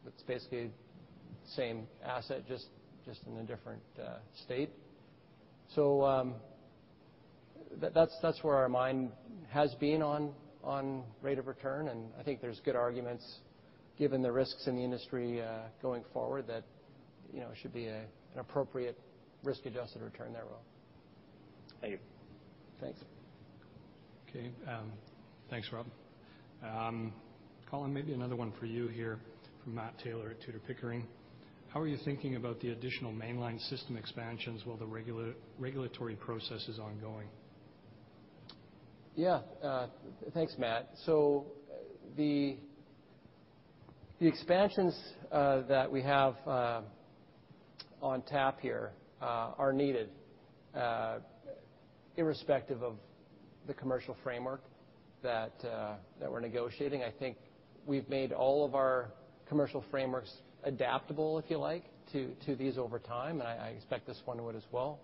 It's basically same asset, just in a different state. That's where our mind has been on rate of return, and I think there's good arguments given the risks in the industry going forward that, you know, should be an appropriate risk-adjusted return there, Rob. Thank you. Thanks. Okay, thanks, Rob. Colin, maybe another one for you here from Matt Taylor at Tudor, Pickering. How are you thinking about the additional mainline system expansions while the regulatory process is ongoing? Yeah. Thanks, Matt. The expansions that we have on tap here are needed irrespective of the commercial framework that we're negotiating. I think we've made all of our commercial frameworks adaptable, if you like, to these over time, and I expect this one would as well.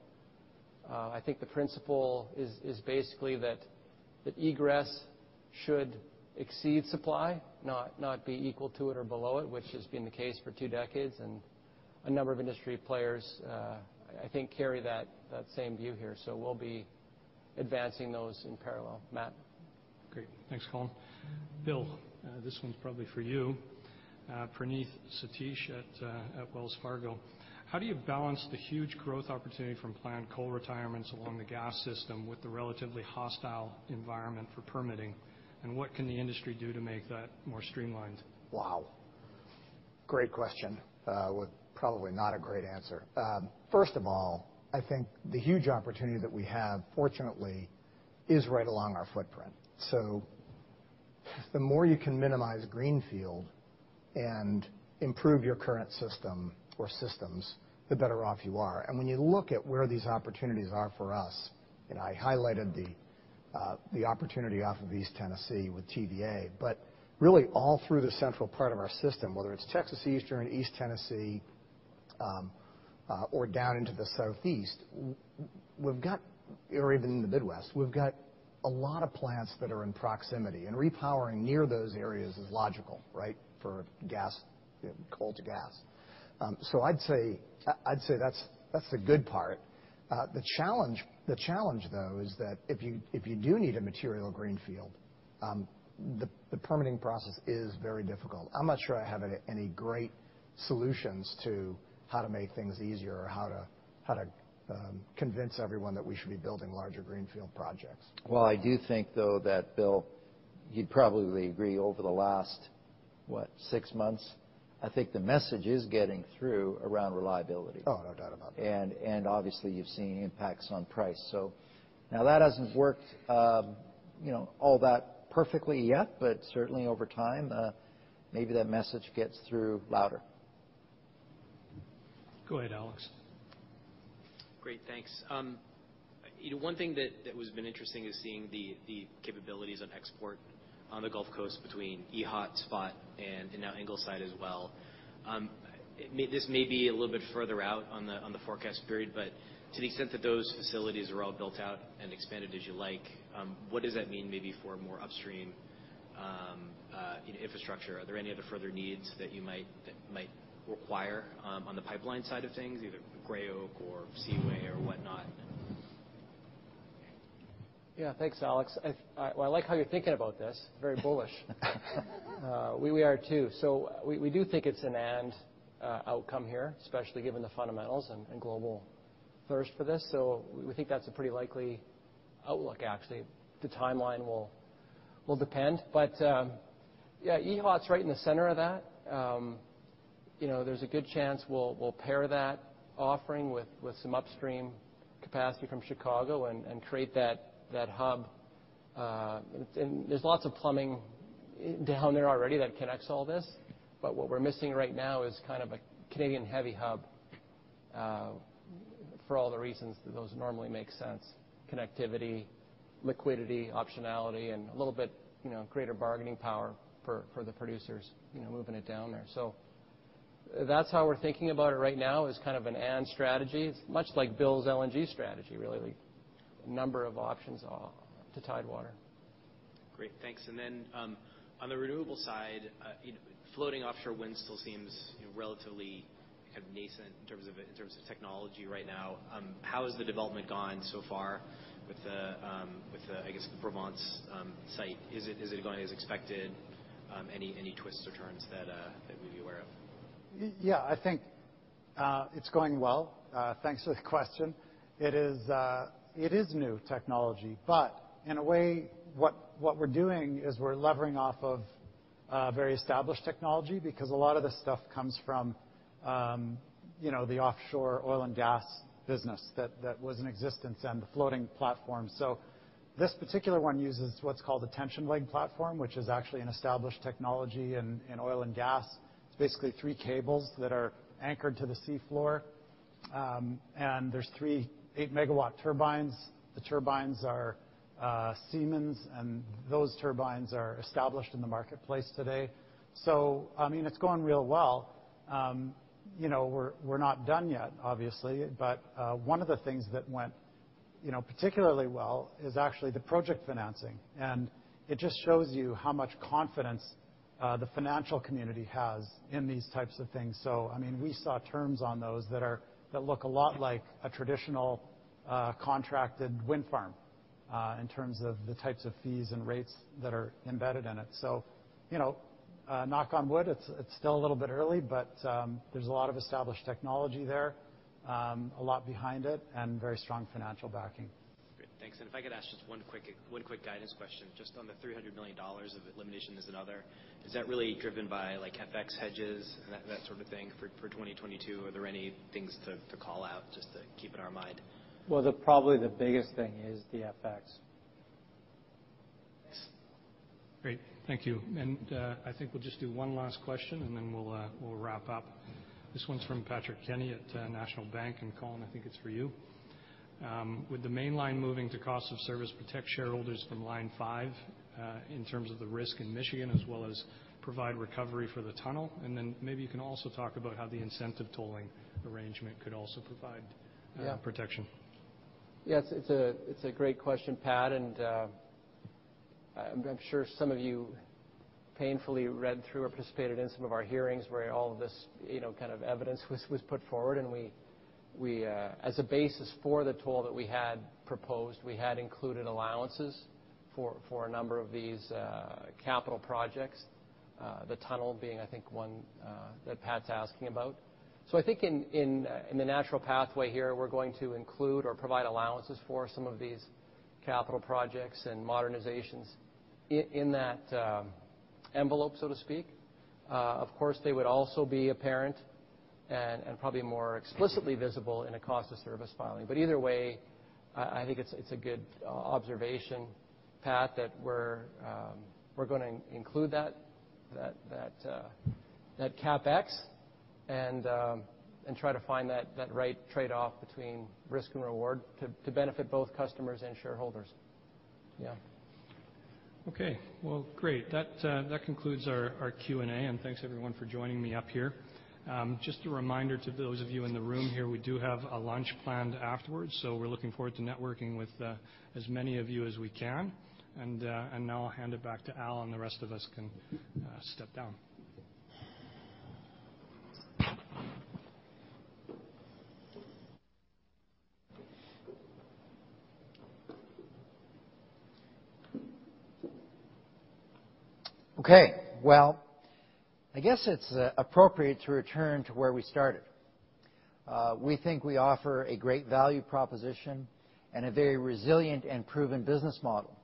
I think the principle is basically that egress should exceed supply, not be equal to it or below it, which has been the case for two decades. A number of industry players I think carry that same view here. We'll be advancing those in parallel, Matt. Great. Thanks, Colin. Bill, this one's probably for you. Praneeth Satish at Wells Fargo. How do you balance the huge growth opportunity from planned coal retirements along the gas system with the relatively hostile environment for permitting? What can the industry do to make that more streamlined? Wow. Great question. With probably not a great answer. First of all, I think the huge opportunity that we have, fortunately, is right along our footprint. So the more you can minimize greenfield and improve your current system or systems, the better off you are. When you look at where these opportunities are for us, and I highlighted the opportunity off of East Tennessee with TVA, but really all through the central part of our system, whether it's Texas Eastern, East Tennessee, or down into the Southeast, we've got, or even in the Midwest, we've got a lot of plants that are in proximity, and repowering near those areas is logical, right, for gas, coal to gas. So I'd say that's the good part. The challenge, though, is that if you do need a material greenfield, the permitting process is very difficult. I'm not sure I have any great solutions to how to make things easier or how to convince everyone that we should be building larger greenfield projects. Well, I do think, though, that Bill, you'd probably agree over the last, what? six months, I think the message is getting through around reliability. Oh, no doubt about that. Obviously, you've seen impacts on price. Now that hasn't worked, you know, all that perfectly yet, but certainly over time, maybe that message gets through louder. Go ahead, Alex. Great. Thanks. You know, one thing that has been interesting is seeing the capabilities of export on the Gulf Coast between EHOT, Spot, and now Ingleside as well. This may be a little bit further out on the forecast period, but to the extent that those facilities are all built out and expanded as you like, what does that mean maybe for more upstream infrastructure? Are there any other further needs that you might require on the pipeline side of things, either Gray Oak or Seaway or whatnot? Yeah. Thanks, Alex. Well, I like how you're thinking about this. Very bullish. We are too. We do think it's an and outcome here, especially given the fundamentals and global thirst for this. We think that's a pretty likely outlook, actually. The timeline will depend. Yeah, EHOT's right in the center of that. You know, there's a good chance we'll pair that offering with some upstream capacity from Chicago and create that hub. And there's lots of plumbing down there already that connects all this. What we're missing right now is kind of a Canadian heavy hub for all the reasons that those normally make sense, connectivity, liquidity, optionality, and a little bit, you know, greater bargaining power for the producers, you know, moving it down there. That's how we're thinking about it right now, is kind of an and strategy. It's much like Bill's LNG strategy, really. A number of options to tidewater. Great. Thanks. Then, on the renewable side, you know, floating offshore wind still seems, you know, relatively kind of nascent in terms of technology right now. How has the development gone so far with the I guess the Provence site? Is it going as expected? Any twists or turns that we'd be aware of? Yeah, I think it's going well. Thanks for the question. It is new technology. But in a way, what we're doing is we're leveraging off of very established technology, because a lot of this stuff comes from you know, the offshore oil and gas business that was in existence and the floating platforms. So this particular one uses what's called a tension leg platform, which is actually an established technology in oil and gas. It's basically three cables that are anchored to the sea floor. And there's three 8-MW turbines. The turbines are Siemens, and those turbines are established in the marketplace today. So I mean, it's going real well. You know, we're not done yet, obviously. One of the things that went, you know, particularly well is actually the project financing, and it just shows you how much confidence the financial community has in these types of things. I mean, we saw terms on those that look a lot like a traditional contracted wind farm in terms of the types of fees and rates that are embedded in it. You know, knock on wood, it's still a little bit early, but there's a lot of established technology there, a lot behind it and very strong financial backing. Great. Thanks. If I could ask just one quick guidance question. Just on the 300 million dollars of elimination this and other, is that really driven by, like, FX hedges and that sort of thing for 2022? Are there any things to call out just to keep in our mind? Well, probably the biggest thing is the FX. Thanks. Great. Thank you. I think we'll just do one last question, and then we'll wrap up. This one's from Patrick Kenny at National Bank, and Colin, I think it's for you. With the Mainline moving to cost of service, protect shareholders from Line 5 in terms of the risk in Michigan as well as provide recovery for the tunnel, and then maybe you can also talk about how the incentive tolling arrangement could also provide- Yeah. protection. Yes, it's a great question, Pat, and I'm sure some of you painfully read through or participated in some of our hearings where all of this, you know, kind of evidence was put forward. As a basis for the toll that we had proposed, we had included allowances for a number of these capital projects, the tunnel being, I think, one that Pat's asking about. I think in the natural pathway here, we're going to include or provide allowances for some of these capital projects and modernizations in that envelope, so to speak. Of course, they would also be apparent and probably more explicitly visible in a cost of service filing. Either way, I think it's a good observation, Pat, that we're gonna include that CapEx and try to find that right trade-off between risk and reward to benefit both customers and shareholders. Yeah. Okay. Well, great. That concludes our Q&A, and thanks everyone for joining me up here. Just a reminder to those of you in the room here, we do have a lunch planned afterwards, so we're looking forward to networking with as many of you as we can. Now I'll hand it back to Al, and the rest of us can step down. Okay. Well, I guess it's appropriate to return to where we started. We think we offer a great value proposition and a very resilient and proven business model.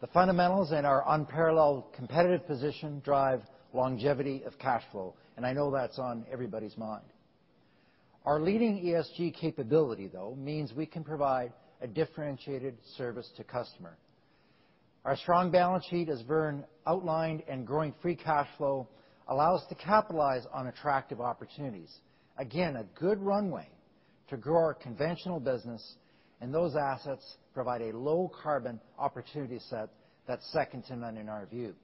The fundamentals and our unparalleled competitive position drive longevity of cash flow, and I know that's on everybody's mind. Our leading ESG capability, though, means we can provide a differentiated service to customer. Our strong balance sheet, as Vern outlined, and growing free cash flow allow us to capitalize on attractive opportunities. Again, a good runway to grow our conventional business, and those assets provide a low carbon opportunity set that's second to none in our view.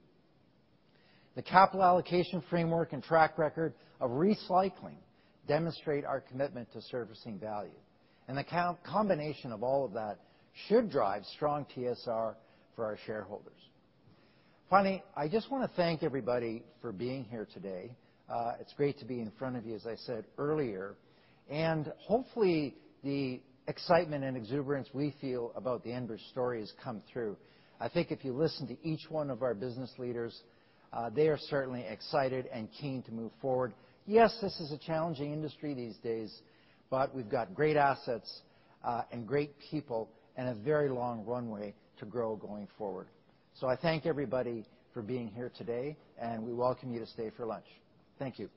The capital allocation framework and track record of recycling demonstrate our commitment to servicing value. The combination of all of that should drive strong TSR for our shareholders. Finally, I just wanna thank everybody for being here today. It's great to be in front of you, as I said earlier, and hopefully the excitement and exuberance we feel about the Enbridge story has come through. I think if you listen to each one of our business leaders, they are certainly excited and keen to move forward. Yes, this is a challenging industry these days, but we've got great assets, and great people, and a very long runway to grow going forward. I thank everybody for being here today, and we welcome you to stay for lunch. Thank you.